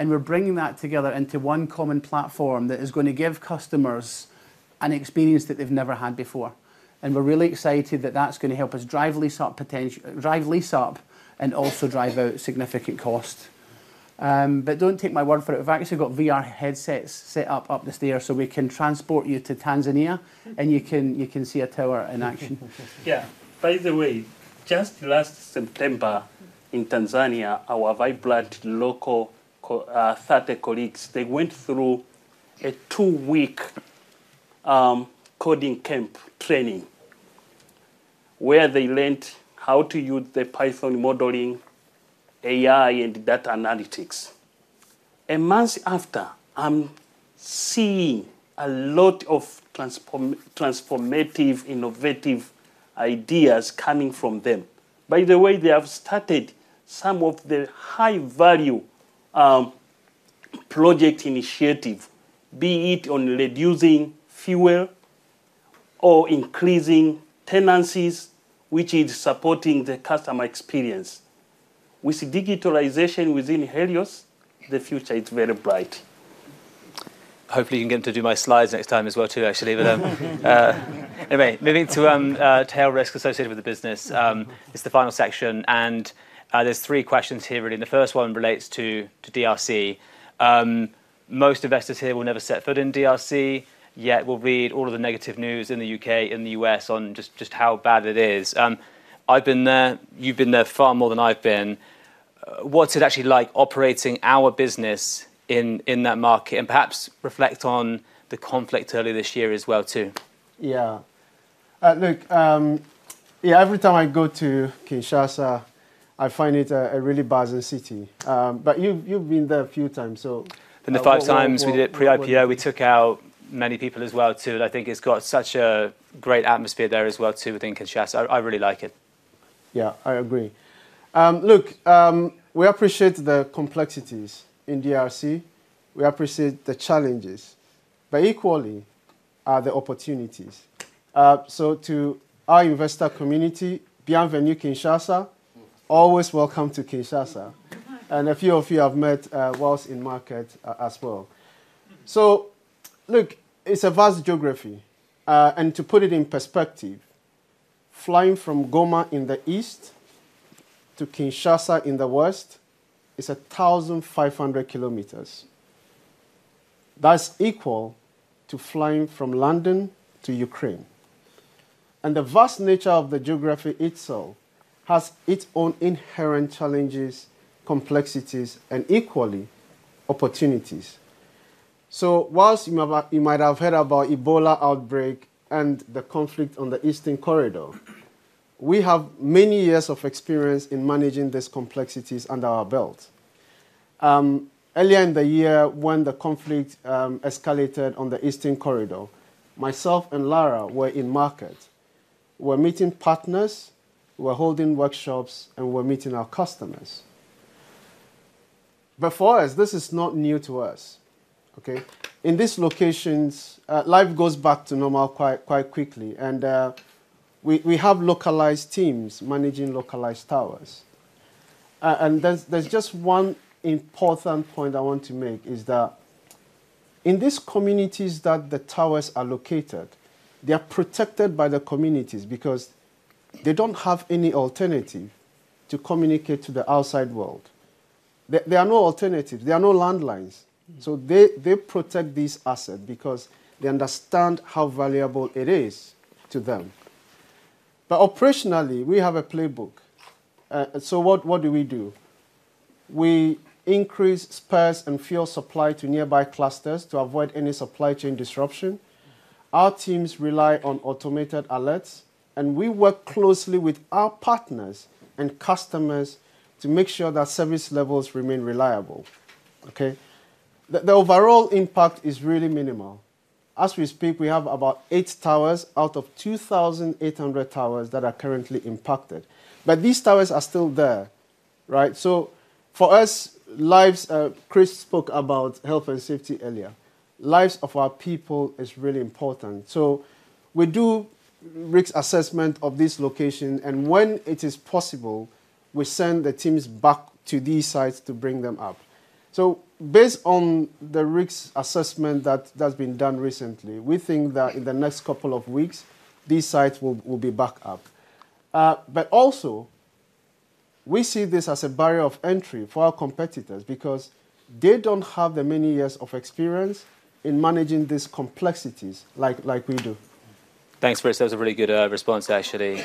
We're bringing that together into one common platform that is going to give customers an experience that they've never had before. We're really excited that that's going to help us drive lease up and also drive out significant cost. But don't take my word for it. We've actually got VR headsets set up up the stairs so we can transport you to Tanzania, and you can see a tower in action. Yeah. By the way, just last September. In Tanzania, our vibrant local Thata colleagues, they went through a two-week coding camp training where they learned how to use the Python modeling, AI, and data analytics. A month after, I'm seeing a lot of transformative, innovative ideas coming from them. By the way, they have started some of the high-value project initiatives, be it on reducing fuel or increasing tenancies, which is supporting the customer experience. With digitalization within Helios, the future is very bright. Hopefully, you can get to do my slides next time as well too, actually. Anyway, moving to hail risk associated with the business. It's the final section. And there's three questions here, really. The first one relates to DRC. Most investors here will never set foot in DRC yet. We'll read all of the negative news in the U.K., in the U.S., on just how bad it is. I've been there. You've been there far more than I've been. What's it actually like operating our business in that market? Perhaps reflect on the conflict earlier this year as well too. Yeah. Look. Every time I go to Kinshasa, I find it a really buzzing city. You've been there a few times. In the five times we did it pre-IPO, we took out many people as well too. I think it's got such a great atmosphere there as well too within Kinshasa. I really like it. Yeah, I agree. We appreciate the complexities in DRC. We appreciate the challenges, but equally the opportunities. To our investor community, bienvenue Kinshasa. Always welcome to Kinshasa. A few of you I have met whilst in market as well. Look, it's a vast geography. To put it in perspective, flying from Goma in the east to Kinshasa in the west is 1,500 km. That's equal to flying from London to Ukraine. The vast nature of the geography itself has its own inherent challenges, complexities, and equally, opportunities. Whilst you might have heard about the Ebola outbreak and the conflict on the Eastern Corridor, we have many years of experience in managing these complexities under our belt. Earlier in the year, when the conflict escalated on the Eastern Corridor, myself and Lara were in market. We were meeting partners, holding workshops, and meeting our customers. For us, this is not new to us. Okay? In these locations, life goes back to normal quite quickly. We have localized teams managing localized towers. There is just one important point I want to make. In these communities that the towers are located, they are protected by the communities because they do not have any alternative to communicate to the outside world. There are no alternatives. There are no landlines. They protect this asset because they understand how valuable it is to them. Operationally, we have a playbook. What do we do? We increase spares and fuel supply to nearby clusters to avoid any supply chain disruption. Our teams rely on automated alerts. We work closely with our partners and customers to make sure that service levels remain reliable. The overall impact is really minimal. As we speak, we have about eight towers out of 2,800 towers that are currently impacted. These towers are still there, right? For us, like Chris spoke about health and safety earlier, lives of our people is really important. We do risk assessment of this location, and when it is possible, we send the teams back to these sites to bring them up. Based on the risk assessment that has been done recently, we think that in the next couple of weeks, these sites will be back up. Also, we see this as a barrier of entry for our competitors because they do not have the many years of experience in managing these complexities like we do. Thanks, Chris. That was a really good response, actually.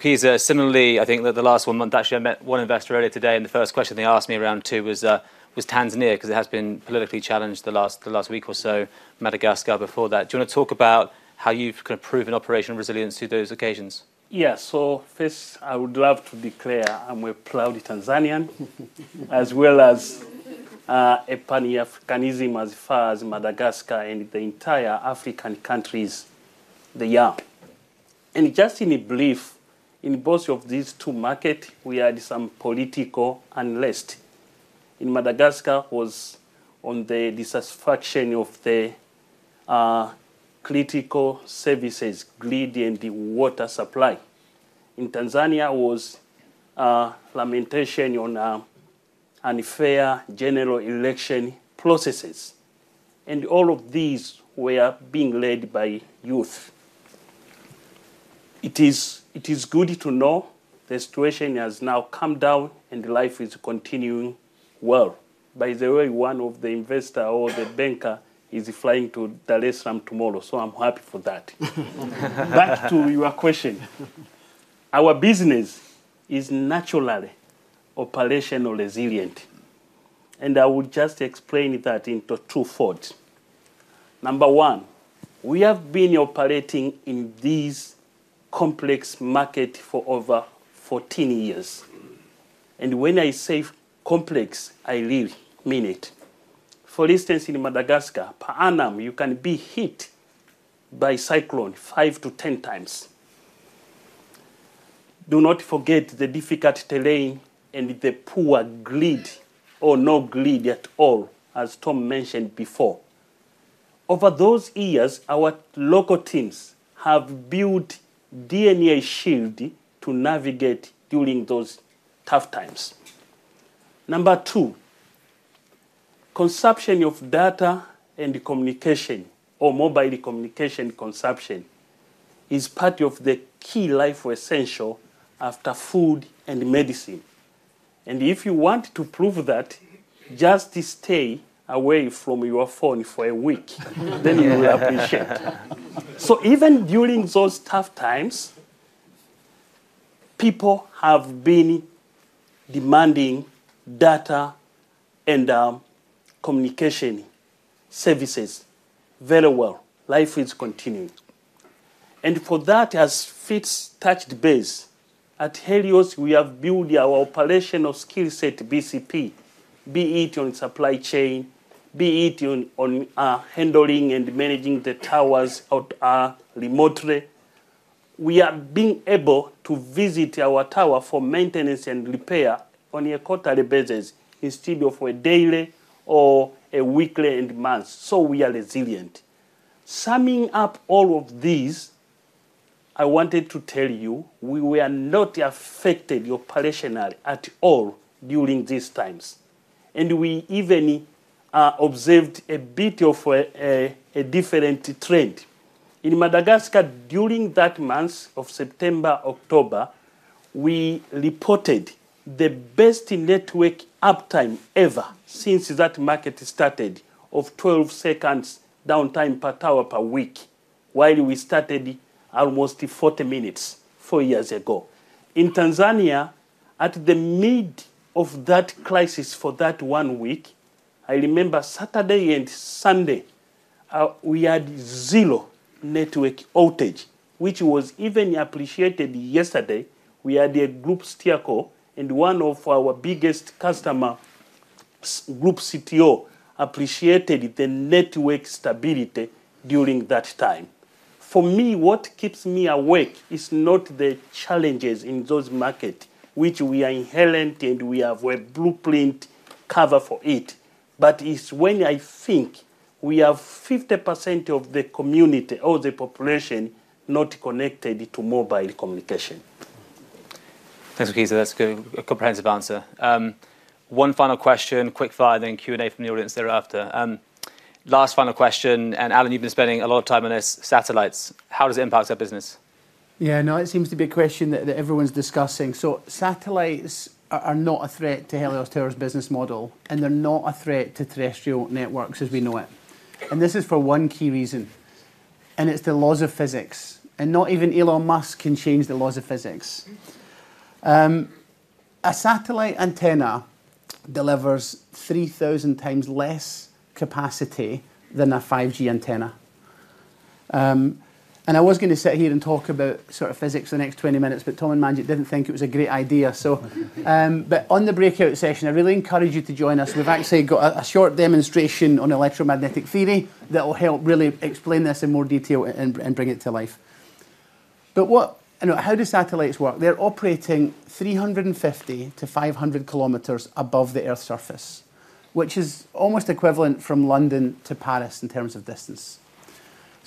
Kees, similarly, I think that the last one month, actually, I met one investor earlier today. The first question they asked me around too was Tanzania because it has been politically challenged the last week or so. Madagascar before that. Do you want to talk about how you've kind of proven operational resilience to those occasions? Yeah. First, I would love to declare, and we're proud Tanzanian, as well as Pan Africanism as far as Madagascar and the entire African countries, they are. Just in a brief, in both of these two markets, we had some political unrest. In Madagascar, it was on the dissatisfaction of the critical services, grid, and the water supply. In Tanzania, it was lamentation on unfair general election processes. All of these were being led by youth. It is good to know the situation has now calmed down, and life is continuing well. By the way, one of the investors or the banker is flying to Dar es Salaam tomorrow. I'm happy for that. Back to your question. Our business is naturally operational resilient. I will just explain that in two folds. Number one, we have been operating in these complex markets for over 14 years. When I say complex, I really mean it. For instance, in Madagascar, you can be hit by cyclone five to 10 times. Do not forget the difficult terrain and the poor grid or no grid at all, as Tom mentioned before. Over those years, our local teams have built DNA shields to navigate during those tough times. Number two, conception of data and communication or mobile communication conception is part of the key life essentials after food and medicine. If you want to prove that, just stay away from your phone for a week, then you will appreciate it. Even during those tough times, people have been demanding data and communication services very well. Life is continuing. For that, as Fritz touched base, at Helios, we have built our operational skill set, BCP, be it on supply chain, be it on handling and managing the towers out remotely. We are being able to visit our tower for maintenance and repair on a quarterly basis instead of a daily or a weekly and months. We are resilient. Summing up all of these, I wanted to tell you we were not affected operationally at all during these times. We even observed a bit of a different trend. In Madagascar, during that month of September, October, we reported the best network uptime ever since that market started of 12 seconds downtime per tower per week while we started almost 40 minutes four years ago. In Tanzania, at the mid of that crisis for that one week, I remember Saturday and Sunday. We had zero network outage, which was even appreciated yesterday. We had a group stakeholder, and one of our biggest customers, group CTO, appreciated the network stability during that time. For me, what keeps me awake is not the challenges in those markets, which are inherent and we have a blueprint cover for it, but it is when I think we have 50% of the community or the population not connected to mobile communication. Thanks, Gwakisa. That is a comprehensive answer. One final question, quick fire, then Q&A from the audience thereafter. Last final question. Alan, you have been spending a lot of time on this. Satellites, how does it impact our business? Yeah, no, it seems to be a question that everyone is discussing. Satellites are not a threat to Helios Towers' business model, and they're not a threat to terrestrial networks as we know it. This is for one key reason. It's the laws of physics. Not even Elon Musk can change the laws of physics. A satellite antenna delivers 3,000x less capacity than a 5G antenna. I was going to sit here and talk about sort of physics the next 20 minutes, but Tom and Manjit didn't think it was a great idea. In the breakout session, I really encourage you to join us. We've actually got a short demonstration on electromagnetic theory that will help really explain this in more detail and bring it to life. How do satellites work? They're operating 350 km-500 km above the Earth's surface, which is almost equivalent from London to Paris in terms of distance.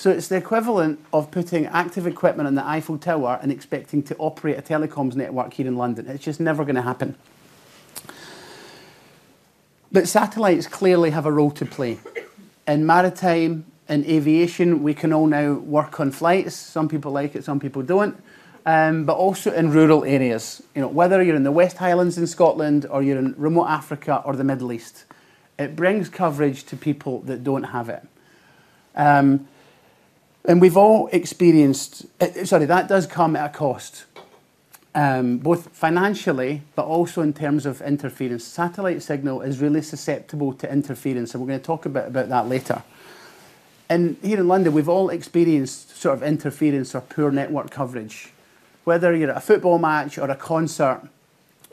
It's the equivalent of putting active equipment on the Eiffel Tower and expecting to operate a telecoms network here in London. It's just never going to happen. Satellites clearly have a role to play. In maritime and aviation, we can all now work on flights. Some people like it, some people do not. Also in rural areas, whether you're in the West Highlands in Scotland or you're in remote Africa or the Middle East, it brings coverage to people that do not have it. We've all experienced, sorry, that does come at a cost. Both financially, but also in terms of interference. Satellite signal is really susceptible to interference. We're going to talk a bit about that later. Here in London, we've all experienced sort of interference or poor network coverage, whether you're at a football match or a concert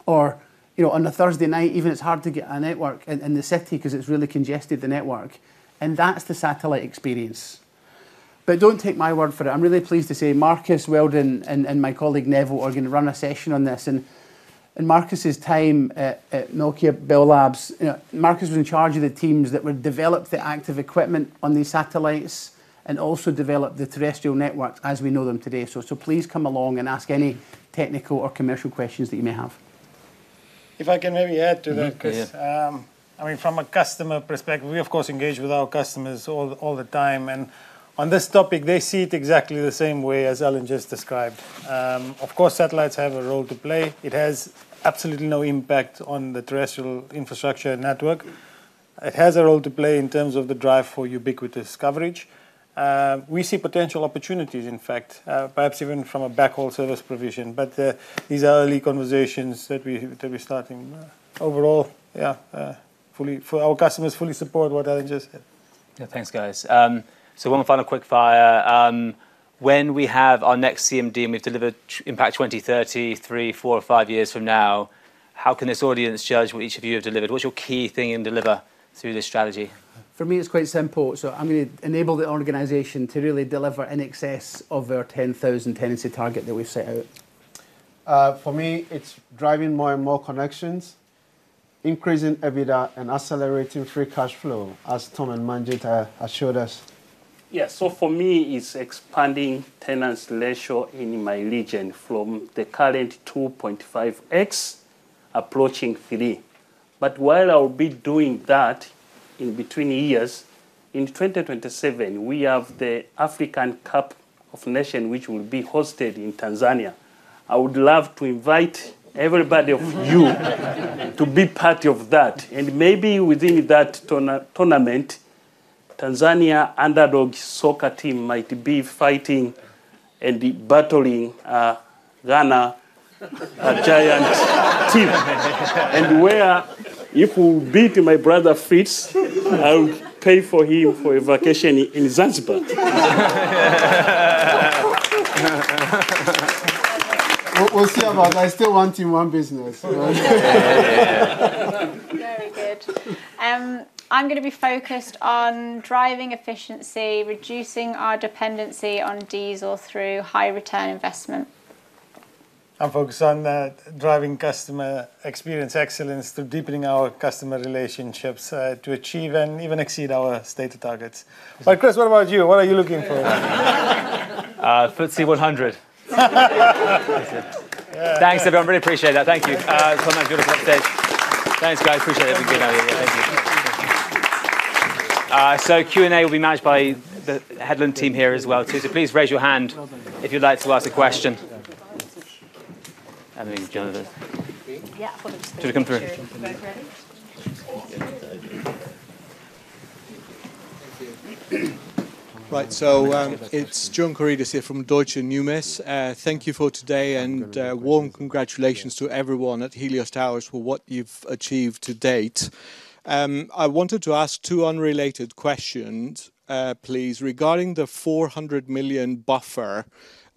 or on a Thursday night, even it's hard to get a network in the city because it's really congested, the network. That's the satellite experience. Do not take my word for it. I'm really pleased to say Marcus Weldon and my colleague Neville are going to run a session on this. In Marcus's time at Nokia Bell Labs, Marcus was in charge of the teams that developed the active equipment on these satellites and also developed the terrestrial networks as we know them today. Please come along and ask any technical or commercial questions that you may have. If I can maybe add to that, Chris. I mean, from a customer perspective, we, of course, engage with our customers all the time. On this topic, they see it exactly the same way as Alan just described. Of course, satellites have a role to play. It has absolutely no impact on the terrestrial infrastructure network. It has a role to play in terms of the drive for ubiquitous coverage. We see potential opportunities, in fact, perhaps even from a backhaul service provision. These are early conversations that we're starting. Overall, yeah, our customers fully support what Alan just said. Yeah, thanks, guys. One final quick fire. When we have our next CMD, and we've delivered Impact 2030 three, four, or five years from now, how can this audience judge what each of you have delivered? What's your key thing in deliver through this strategy? For me, it's quite simple. I'm going to enable the organization to really deliver in excess of our 10,000 tenancy target that we've set out. For me, it's driving more and more connections, increasing EBITDA, and accelerating free cash flow, as Tom and Manjit assured us. Yeah, for me, it's expanding tenants' leisure in my region from the current 2.5x approaching 3x. While I'll be doing that in between years, in 2027, we have the Africa Cup of Nations, which will be hosted in Tanzania. I would love to invite everybody of you to be part of that. Maybe within that tournament, Tanzania underdog soccer team might be fighting and battling Ghana, a giant team. If we beat my brother Fritz, I'll pay for him for a vacation in Zanzibar. We'll see about that. I still want him on business. Very good. I'm going to be focused on driving efficiency, reducing our dependency on diesel through high return investment. I'm focused on driving customer experience excellence, deepening our customer relationships to achieve and even exceed our stated targets. But Chris, what about you? What are you looking for? FTSE 100. Thanks, everyone. Really appreciate that. Thank you. It's one of my beautiful updates. Thanks, guys. Appreciate it. Thank you. Q&A will be managed by the Headland team here as well too. Please raise your hand if you'd like to ask a question. Yeah, I'll come through. Right, it's John Karidis here from Deutsche Bank. Thank you for today and warm congratulations to everyone at Helios Towers for what you've achieved to date. I wanted to ask two unrelated questions, please, regarding the $400 million buffer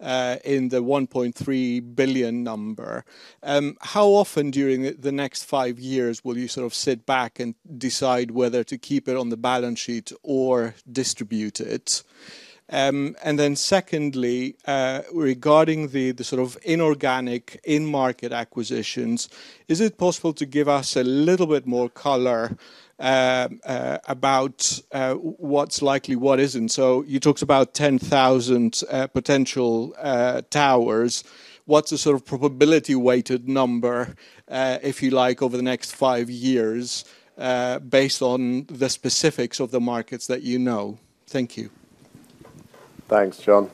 in the $1.3 billion number. How often during the next five years will you sort of sit back and decide whether to keep it on the balance sheet or distribute it? Then secondly. Regarding the sort of inorganic in-market acquisitions, is it possible to give us a little bit more color. About. What is likely, what is not? You talked about 10,000 potential towers. What is the sort of probability-weighted number, if you like, over the next five years, based on the specifics of the markets that you know? Thank you. Thanks, John.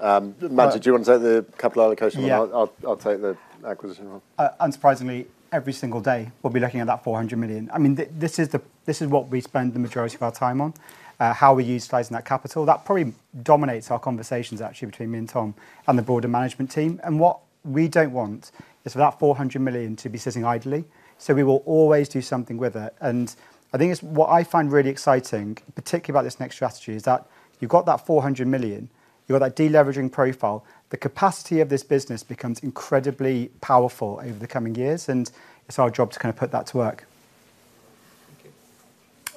Manjit, do you want to take the capital allocation one? I will take the acquisition one. Unsurprisingly, every single day, we will be looking at that $400 million. I mean, this is what we spend the majority of our time on, how we utilize that capital. That probably dominates our conversations, actually, between me and Tom and the broader management team. What we do not want is for that $400 million to be sitting idly. We will always do something with it. I think what I find really exciting, particularly about this next strategy, is that you've got that $400 million, you've got that deleveraging profile, the capacity of this business becomes incredibly powerful over the coming years. It's our job to kind of put that to work.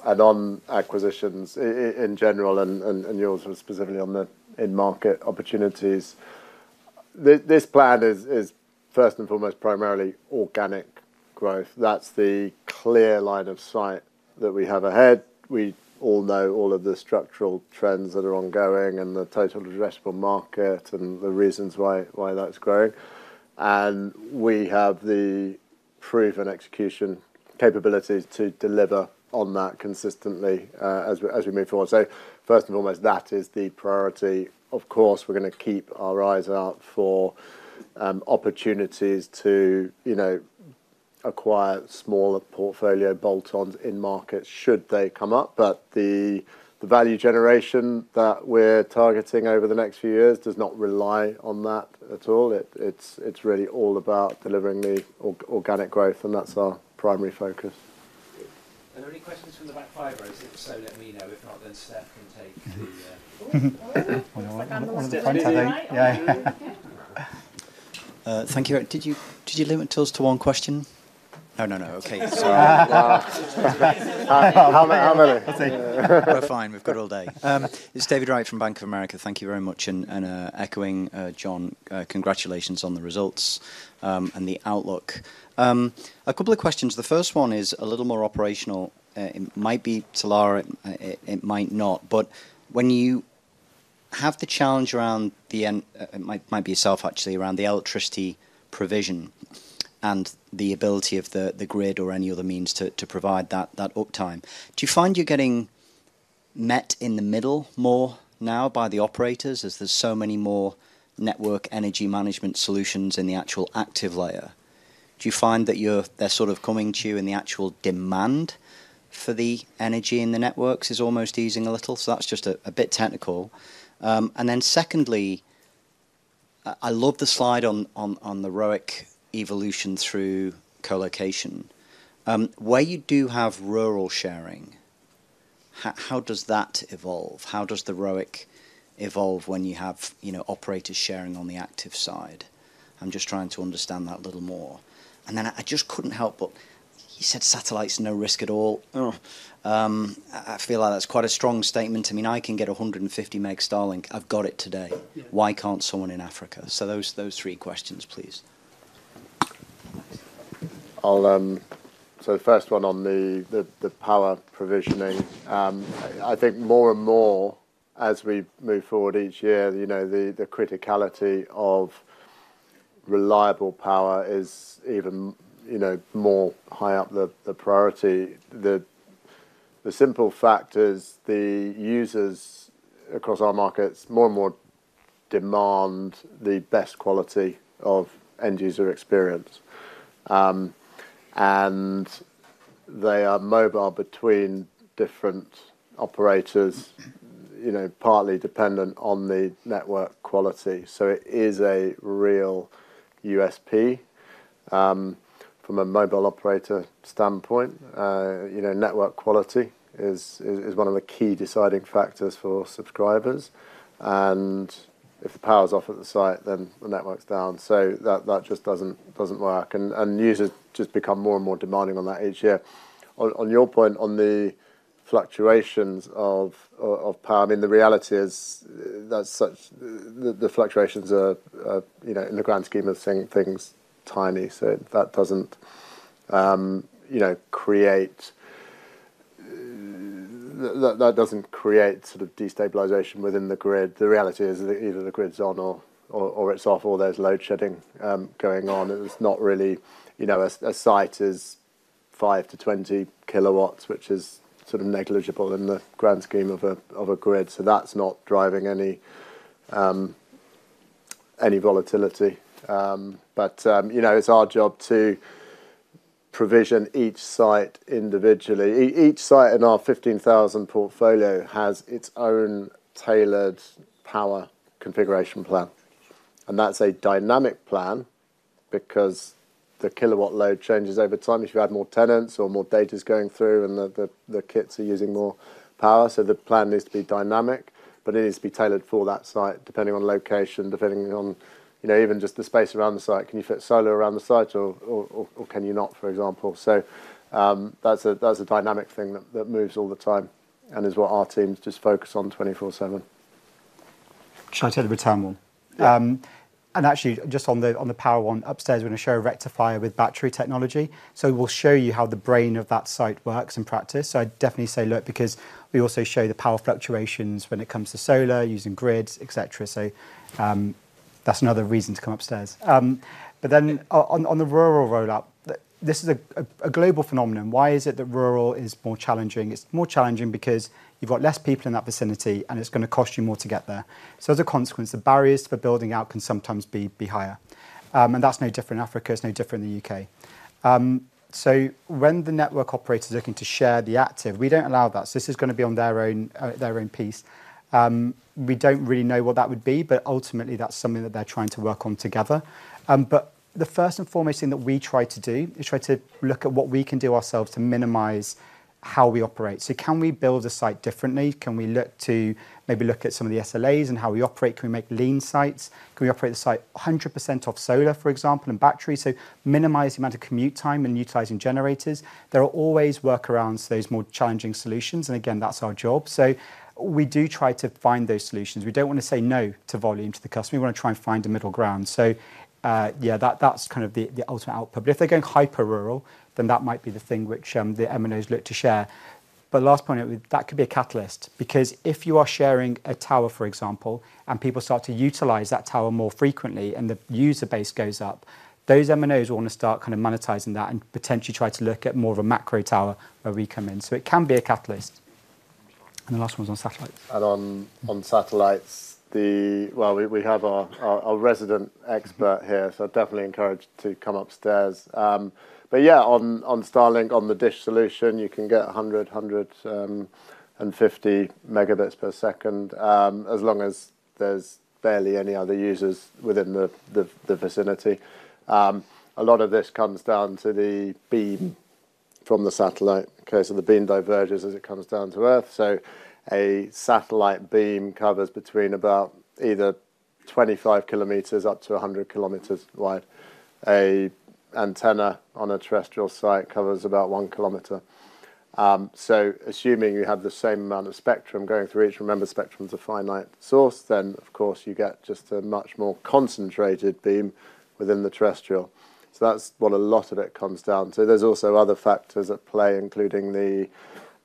On acquisitions in general and yours specifically on the in-market opportunities, this plan is first and foremost primarily organic growth. That's the clear line of sight that we have ahead. We all know all of the structural trends that are ongoing and the total addressable market and the reasons why that's growing. We have the proven execution capabilities to deliver on that consistently as we move forward. First and foremost, that is the priority. Of course, we're going to keep our eyes out for opportunities to acquire smaller portfolio bolt-ons in markets should they come up. But the value generation that we're targeting over the next few years does not rely on that at all. It's really all about delivering the organic growth, and that's our primary focus. Are there any questions from the back five, or if so, let me know. If not, then staff can take it. Thank you. Did you limit us to one question? No. We're fine. We've got all day. It's David Wright from Bank of America. Thank you very much. And echoing John, congratulations on the results and the outlook. A couple of questions. The first one is a little more operational. It might be to Lara. It might not. But when you have the challenge around the, it might be yourself, actually, around the electricity provision and the ability of the grid or any other means to provide that uptime. Do you find you're getting met in the middle more now by the operators as there's so many more network energy management solutions in the actual active layer? Do you find that they're sort of coming to you and the actual demand for the energy in the networks is almost easing a little? That's just a bit technical. Secondly, I love the slide on the ROIC evolution through colocation. Where you do have rural sharing, how does that evolve? How does the ROIC evolve when you have operators sharing on the active side? I'm just trying to understand that a little more. I just couldn't help but, you said satellites are no risk at all. I feel like that's quite a strong statement. I mean, I can get 150 meg Starlink. I've got it today. Why can't someone in Africa? Those three questions, please. The first one on the power provisioning. I think more and more as we move forward each year, the criticality of reliable power is even more high up the priority. The simple fact is the users across our markets more and more demand the best quality of end user experience. They are mobile between different operators, partly dependent on the network quality. It is a real USP. From a mobile operator standpoint, network quality is one of the key deciding factors for subscribers. If the power's off at the site, then the network's down. That just doesn't work. Users just become more and more demanding on that each year. On your point on the fluctuations of power, I mean, the reality is that the fluctuations are, in the grand scheme of things, tiny. That does not create sort of destabilization within the grid. The reality is either the grid's on or it's off, or there's load shedding going on. It's not really a site is 5 KW-20 KW, which is sort of negligible in the grand scheme of a grid. That is not driving any volatility. It is our job to provision each site individually. Each site in our 15,000 portfolio has its own tailored power configuration plan. That is a dynamic plan because the kilowatt load changes over time if you add more tenants or more data's going through and the kits are using more power. The plan needs to be dynamic, but it needs to be tailored for that site, depending on location, depending on even just the space around the site. Can you fit solar around the site or can you not, for example? That is a dynamic thing that moves all the time and is what our teams just focus on 24/7. Should I tell the return one? Actually, just on the power one upstairs, we are going to show a rectifier with battery technology. We will show you how the brain of that site works in practice. I definitely say look because we also show the power fluctuations when it comes to solar, using grids, etc. That is another reason to come upstairs. Then on the rural rollout, this is a global phenomenon. Why is it that rural is more challenging? It's more challenging because you've got less people in that vicinity and it's going to cost you more to get there. As a consequence, the barriers for building out can sometimes be higher. That's no different in Africa. It's no different in the U.K. When the network operator's looking to share the active, we don't allow that. This is going to be on their own piece. We don't really know what that would be, but ultimately, that's something that they're trying to work on together. The first and foremost thing that we try to do is try to look at what we can do ourselves to minimize how we operate. Can we build a site differently? Can we maybe look at some of the SLAs and how we operate? Can we make lean sites? Can we operate the site 100% off solar, for example, and battery? Minimize the amount of commute time and utilizing generators. There are always workarounds, those more challenging solutions. Again, that's our job. We do try to find those solutions. We do not want to say no to volume to the customer. We want to try and find a middle ground. Yeah, that's kind of the ultimate output. If they are going hyper-rural, then that might be the thing which the MNOs look to share. Last point, that could be a catalyst because if you are sharing a tower, for example, and people start to utilize that tower more frequently and the user base goes up, those MNOs will want to start kind of monetizing that and potentially try to look at more of a macro tower where we come in. It can be a catalyst. The last one is on satellites. On satellites, we have our resident expert here, so definitely encouraged to come upstairs. On Starlink, on the DISH solution, you can get 100 MB-150 MB per second as long as there are barely any other users within the vicinity. A lot of this comes down to the beam from the satellite. The beam diverges as it comes down to Earth. A satellite beam covers between about either 25 km up to 100 km wide. An antenna on a terrestrial site covers about 1 km. Assuming you have the same amount of spectrum going through each, remember, spectrum is a finite source, then of course, you get just a much more concentrated beam within the terrestrial. That is what a lot of it comes down to. There's also other factors at play, including the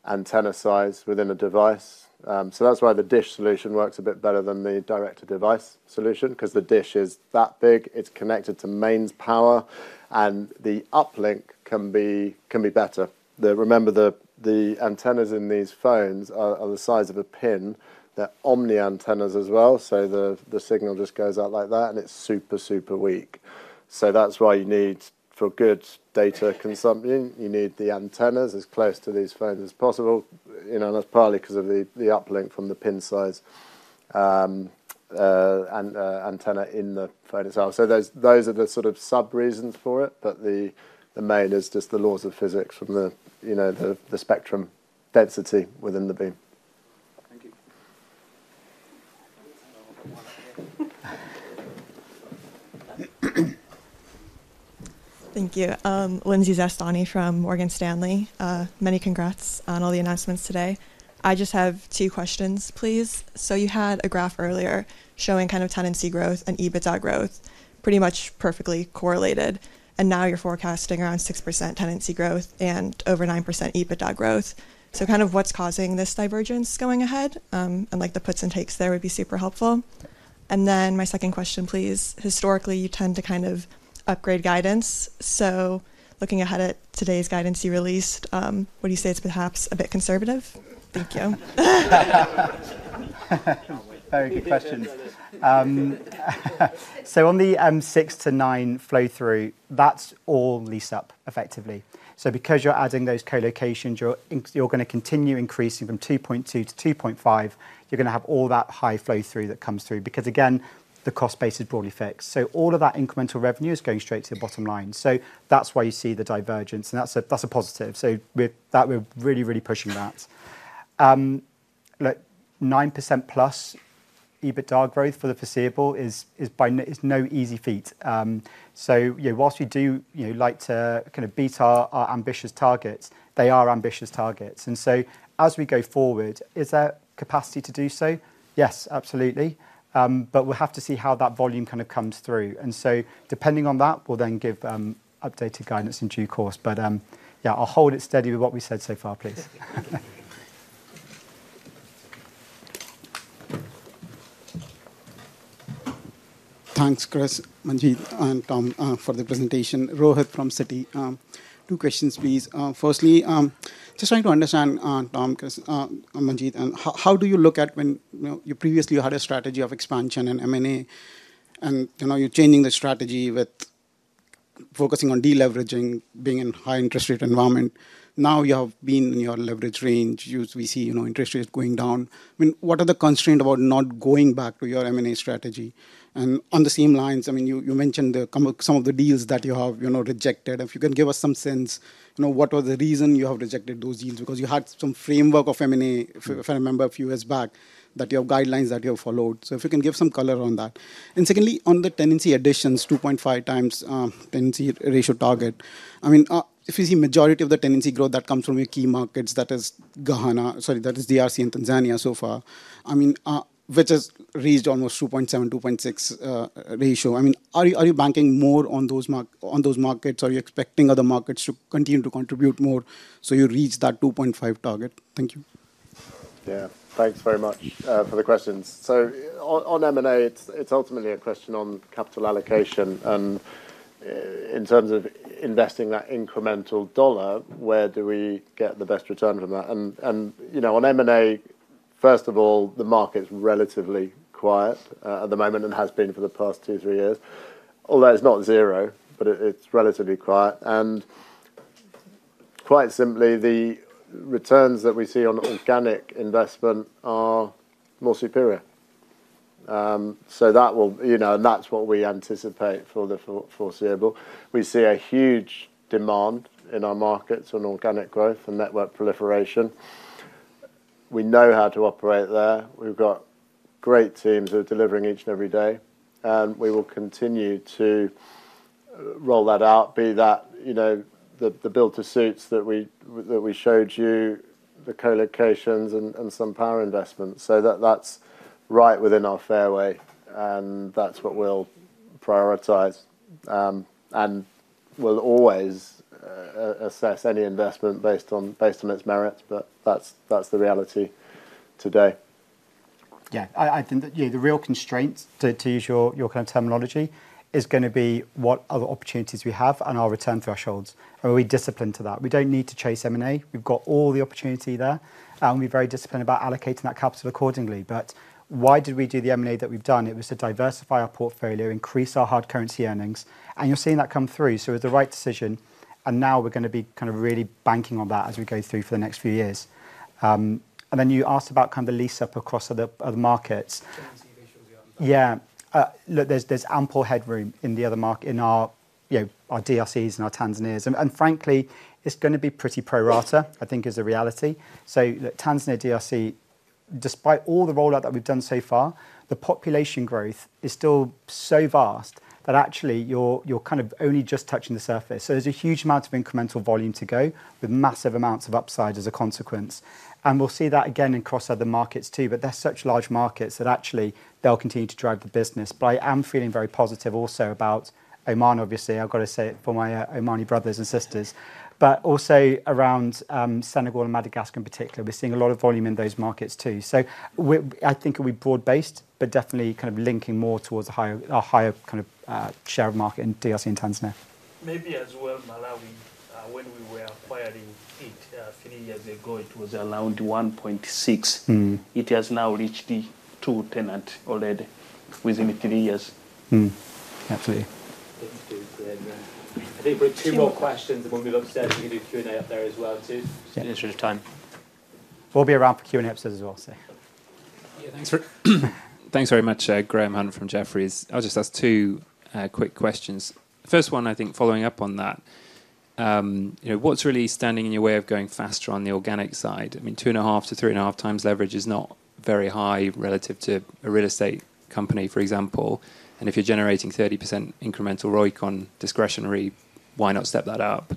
antenna size within a device. That's why the DISH solution works a bit better than the direct-to-device solution because the DISH is that big. It's connected to mains power, and the uplink can be better. Remember, the antennas in these phones are the size of a pin. They're omni-antenna as well. The signal just goes out like that, and it's super, super weak. For good data consumption, you need the antennas as close to these phones as possible. That's partly because of the uplink from the pin size antenna in the phone itself. Those are the sort of sub-reasons for it. The main is just the laws of physics from the spectrum density within the beam. Thank you. Lindsey Zastawny from Morgan Stanley. Many congrats on all the announcements today. I just have two questions, please. You had a graph earlier showing kind of tenancy growth and EBITDA growth pretty much perfectly correlated. Now you're forecasting around 6% tenancy growth and over 9% EBITDA growth. What's causing this divergence going ahead? The puts and takes there would be super helpful. My second question, please. Historically, you tend to kind of upgrade guidance. Looking ahead at today's guidance you released, would you say it's perhaps a bit conservative? Thank you. Very good question. On the 6-9 flow-through, that's all leased up effectively. Because you're adding those colocations, you're going to continue increasing from 2.2-2.5. You're going to have all that high flow-through that comes through because, again, the cost base is broadly fixed. All of that incremental revenue is going straight to the bottom line. That is why you see the divergence. That is a positive. We are really, really pushing that. 9%+ EBITDA growth for the foreseeable is no easy feat. Whilst we do like to kind of beat our ambitious targets, they are ambitious targets. As we go forward, is there capacity to do so? Yes, absolutely. We will have to see how that volume kind of comes through. Depending on that, we will then give updated guidance in due course. I will hold it steady with what we said so far, please. Thanks, Chris, Manjit, and Tom for the presentation. Rohit from Citi. Two questions, please. Firstly, just trying to understand, Tom, Chris, Manjit, how do you look at when previously you had a strategy of expansion and M&A and you're changing the strategy with focusing on deleveraging, being in a high-interest rate environment. Now you have been in your leverage range. We see interest rates going down. I mean, what are the constraints about not going back to your M&A strategy? On the same lines, I mean, you mentioned some of the deals that you have rejected. If you can give us some sense, what was the reason you have rejected those deals? Because you had some framework of M&A, if I remember a few years back, that you have guidelines that you have followed. If you can give some color on that. And secondly, on the tenancy additions, 2.5x tenancy ratio target, I mean, if you see the majority of the tenancy growth that comes from your key markets, that is Ghana, sorry, that is DRC and Tanzania so far, I mean, which has reached almost 2.7, 2.6 ratio. I mean, are you banking more on those markets, or are you expecting other markets to continue to contribute more so you reach that 2.5 target? Thank you. Yeah, thanks very much for the questions. On M&A, it is ultimately a question on capital allocation. In terms of investing that incremental dollar, where do we get the best return from that? On M&A, first of all, the market is relatively quiet at the moment and has been for the past two, three years. Although it is not zero, it is relatively quiet. Quite simply, the returns that we see on organic investment are more superior. That will, and that's what we anticipate for the foreseeable. We see a huge demand in our markets on organic growth and network proliferation. We know how to operate there. We've got great teams that are delivering each and every day. We will continue to roll that out, be that the built-to-suits that we showed you, the colocations, and some power investments. That's right within our fairway. That's what we'll prioritize. We'll always assess any investment based on its merits. That's the reality today. I think that the real constraint, to use your kind of terminology, is going to be what other opportunities we have and our return thresholds. We'll be disciplined to that. We don't need to chase M&A. We've got all the opportunity there. We will be very disciplined about allocating that capital accordingly. Why did we do the M&A that we have done? It was to diversify our portfolio, increase our hard currency earnings. You are seeing that come through. It was the right decision. Now we are going to be kind of really banking on that as we go through for the next few years. You asked about the lease-up across other markets. Yeah. Look, there is ample headroom in our DRCs and our Tanzanians. Frankly, it is going to be pretty pro-rata, I think, is the reality. Tanzania, DRC, despite all the rollout that we have done so far, the population growth is still so vast that actually you are kind of only just touching the surface. There is a huge amount of incremental volume to go with massive amounts of upside as a consequence. We'll see that again across other markets too. They're such large markets that actually they'll continue to drive the business. I am feeling very positive also about Oman, obviously. I've got to say it for my Omani brothers and sisters. Also, around Senegal and Madagascar in particular, we're seeing a lot of volume in those markets too. I think we're broad-based, but definitely kind of linking more towards a higher kind of share of market in DRC and Tanzania. Maybe as well Malawi. When we were acquiring it three years ago, it was around 1.6. It has now reached two tenants already within three years. Absolutely. I think we've got two more questions. When we're upstairs, we can do Q&A up there as well too. Yeah, there's a little time. We'll be around for Q&A upstairs as well. Yeah, thanks very much, Graham Hunt from Jefferies. I'll just ask two quick questions. First one, I think following up on that. What's really standing in your way of going faster on the organic side? I mean, two and a half to three and a half times leverage is not very high relative to a real estate company, for example. And if you're generating 30% incremental ROIC on discretionary, why not step that up?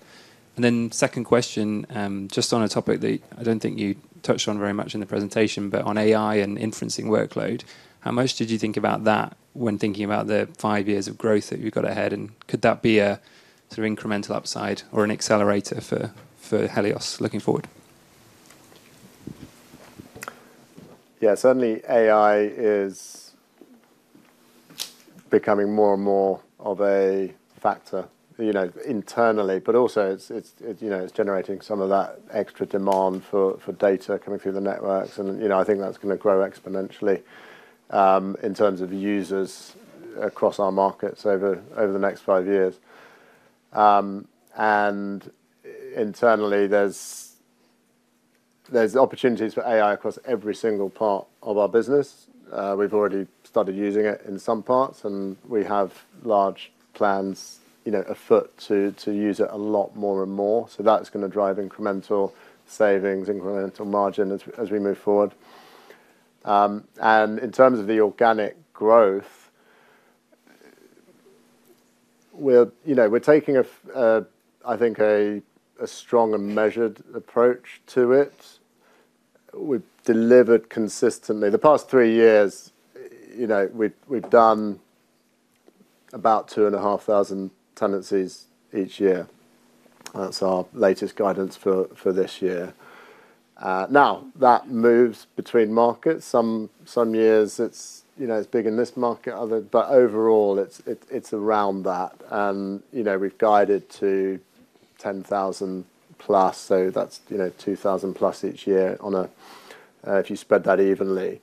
Second question, just on a topic that I don't think you touched on very much in the presentation, but on AI and inferencing workload. How much did you think about that when thinking about the five years of growth that you've got ahead? Could that be a sort of incremental upside or an accelerator for Helios Towers looking forward? Yeah, certainly AI is becoming more and more of a factor internally, but also. It's generating some of that extra demand for data coming through the networks. I think that's going to grow exponentially in terms of users across our markets over the next five years. Internally, there's opportunities for AI across every single part of our business. We've already started using it in some parts, and we have large plans afoot to use it a lot more and more. That's going to drive incremental savings, incremental margin as we move forward. In terms of the organic growth we're taking, I think, a strong and measured approach to it. We've delivered consistently. The past three years, we've done about 2,500 tenancies each year. That's our latest guidance for this year. That moves between markets. Some years, it's big in this market, but overall, it's around that. We've guided to 10,000+. That's 2,000+ each year if you spread that evenly.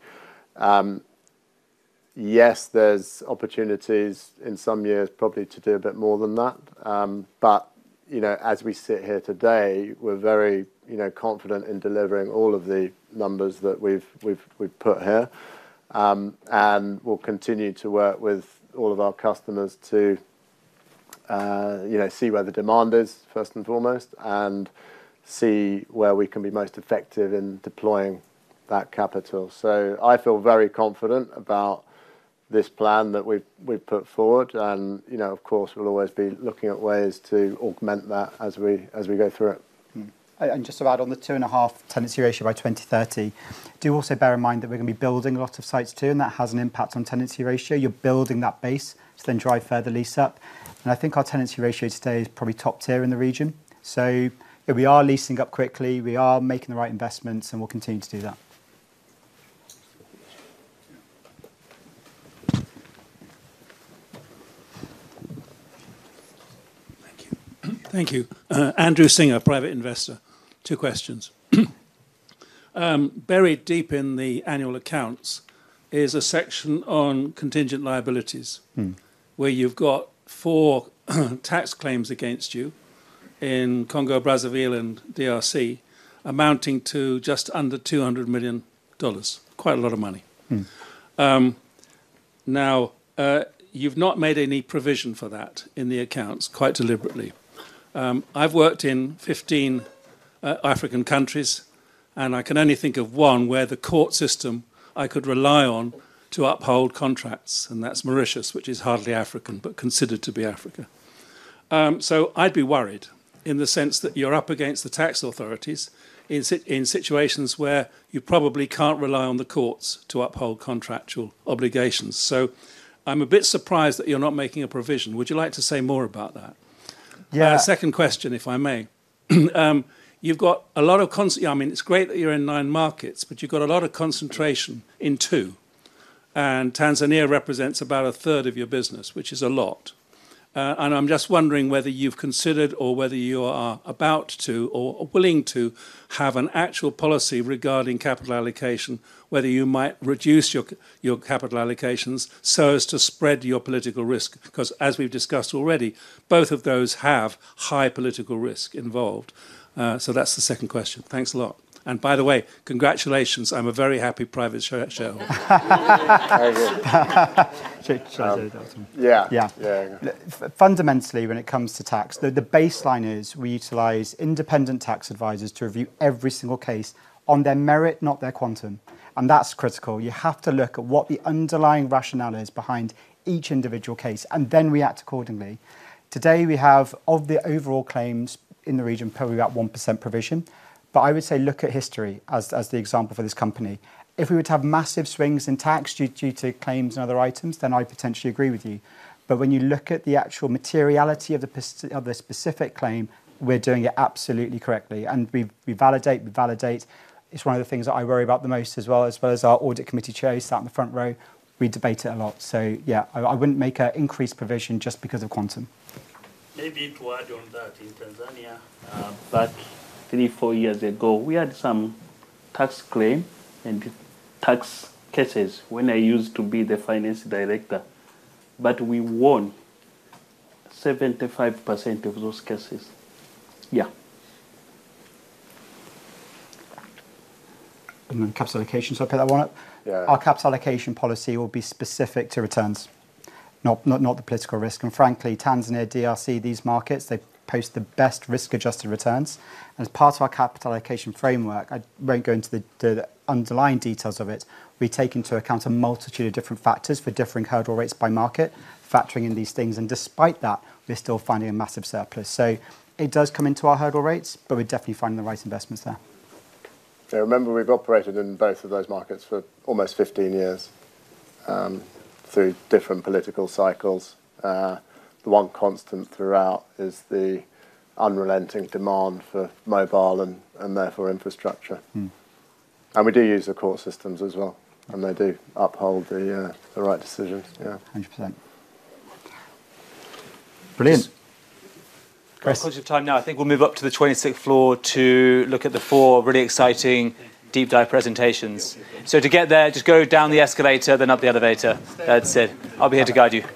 Yes, there's opportunities in some years probably to do a bit more than that. As we sit here today, we're very confident in delivering all of the numbers that we've put here. We'll continue to work with all of our customers to see where the demand is, first and foremost, and see where we can be most effective in deploying that capital. I feel very confident about this plan that we've put forward. Of course, we'll always be looking at ways to augment that as we go through it. Just to add on the two and a half tenancy ratio by 2030, do also bear in mind that we're going to be building a lot of sites too, and that has an impact on tenancy ratio. You're building that base to then drive further lease-up. I think our tenancy ratio today is probably top tier in the region. We are leasing up quickly. We are making the right investments, and we'll continue to do that. Thank you. Andrew Singer, private investor. Two questions. Buried deep in the annual accounts is a section on contingent liabilities where you've got four tax claims against you in Congo Brazzaville and DRC amounting to just under $200 million. Quite a lot of money. Now. You've not made any provision for that in the accounts quite deliberately. I've worked in 15 African countries, and I can only think of one where the court system I could rely on to uphold contracts. That's Mauritius, which is hardly African but considered to be Africa. I'd be worried in the sense that you're up against the tax authorities in situations where you probably can't rely on the courts to uphold contractual obligations. I'm a bit surprised that you're not making a provision. Would you like to say more about that? Yeah. Second question, if I may. You've got a lot of constant, I mean, it's great that you're in nine markets, but you've got a lot of concentration in two. Tanzania represents about a third of your business, which is a lot. I'm just wondering whether you've considered or whether you are about to or willing to have an actual policy regarding capital allocation, whether you might reduce your capital allocations so as to spread your political risk. As we've discussed already, both of those have high political risk involved. That's the second question. Thanks a lot. By the way, congratulations. I'm a very happy private shareholder. Very good. Yeah. Fundamentally, when it comes to tax, the baseline is we utilize independent tax advisors to review every single case on their merit, not their quantum. That's critical. You have to look at what the underlying rationale is behind each individual case and then react accordingly. Today, we have of the overall claims in the region, probably about 1% provision. I would say look at history as the example for this company. If we were to have massive swings in tax due to claims and other items, I potentially agree with you. When you look at the actual materiality of the specific claim, we're doing it absolutely correctly. We validate, we validate. It's one of the things that I worry about the most as well, as well as our Audit Committee Chair sat in the front row. We debate it a lot. Yeah, I wouldn't make an increased provision just because of quantum. Maybe to add on that, in Tanzania, three, four years ago, we had some tax claims and tax cases when I used to be the Finance Director. We won 75% of those cases. Yeah. Then CapEx allocation. I'll pick that one up. Our CapEx allocation policy will be specific to returns, not the political risk. Frankly, Tanzania, DRC, these markets, they post the best risk-adjusted returns. As part of our capital allocation framework, I won't go into the underlying details of it. We take into account a multitude of different factors for differing hurdle rates by market, factoring in these things. Despite that, we're still finding a massive surplus. It does come into our hurdle rates, but we're definitely finding the right investments there. I remember we've operated in both of those markets for almost 15 years through different political cycles. The one constant throughout is the unrelenting demand for mobile and therefore infrastructure. We do use the core systems as well, and they do uphold the right decisions. Yeah, 100%. Brilliant. Chris, questions of time now. I think we'll move up to the 26th floor to look at the four really exciting deep-dive presentations. To get there, just go down the escalator, then up the elevator. That's it. I'll be here to guide you.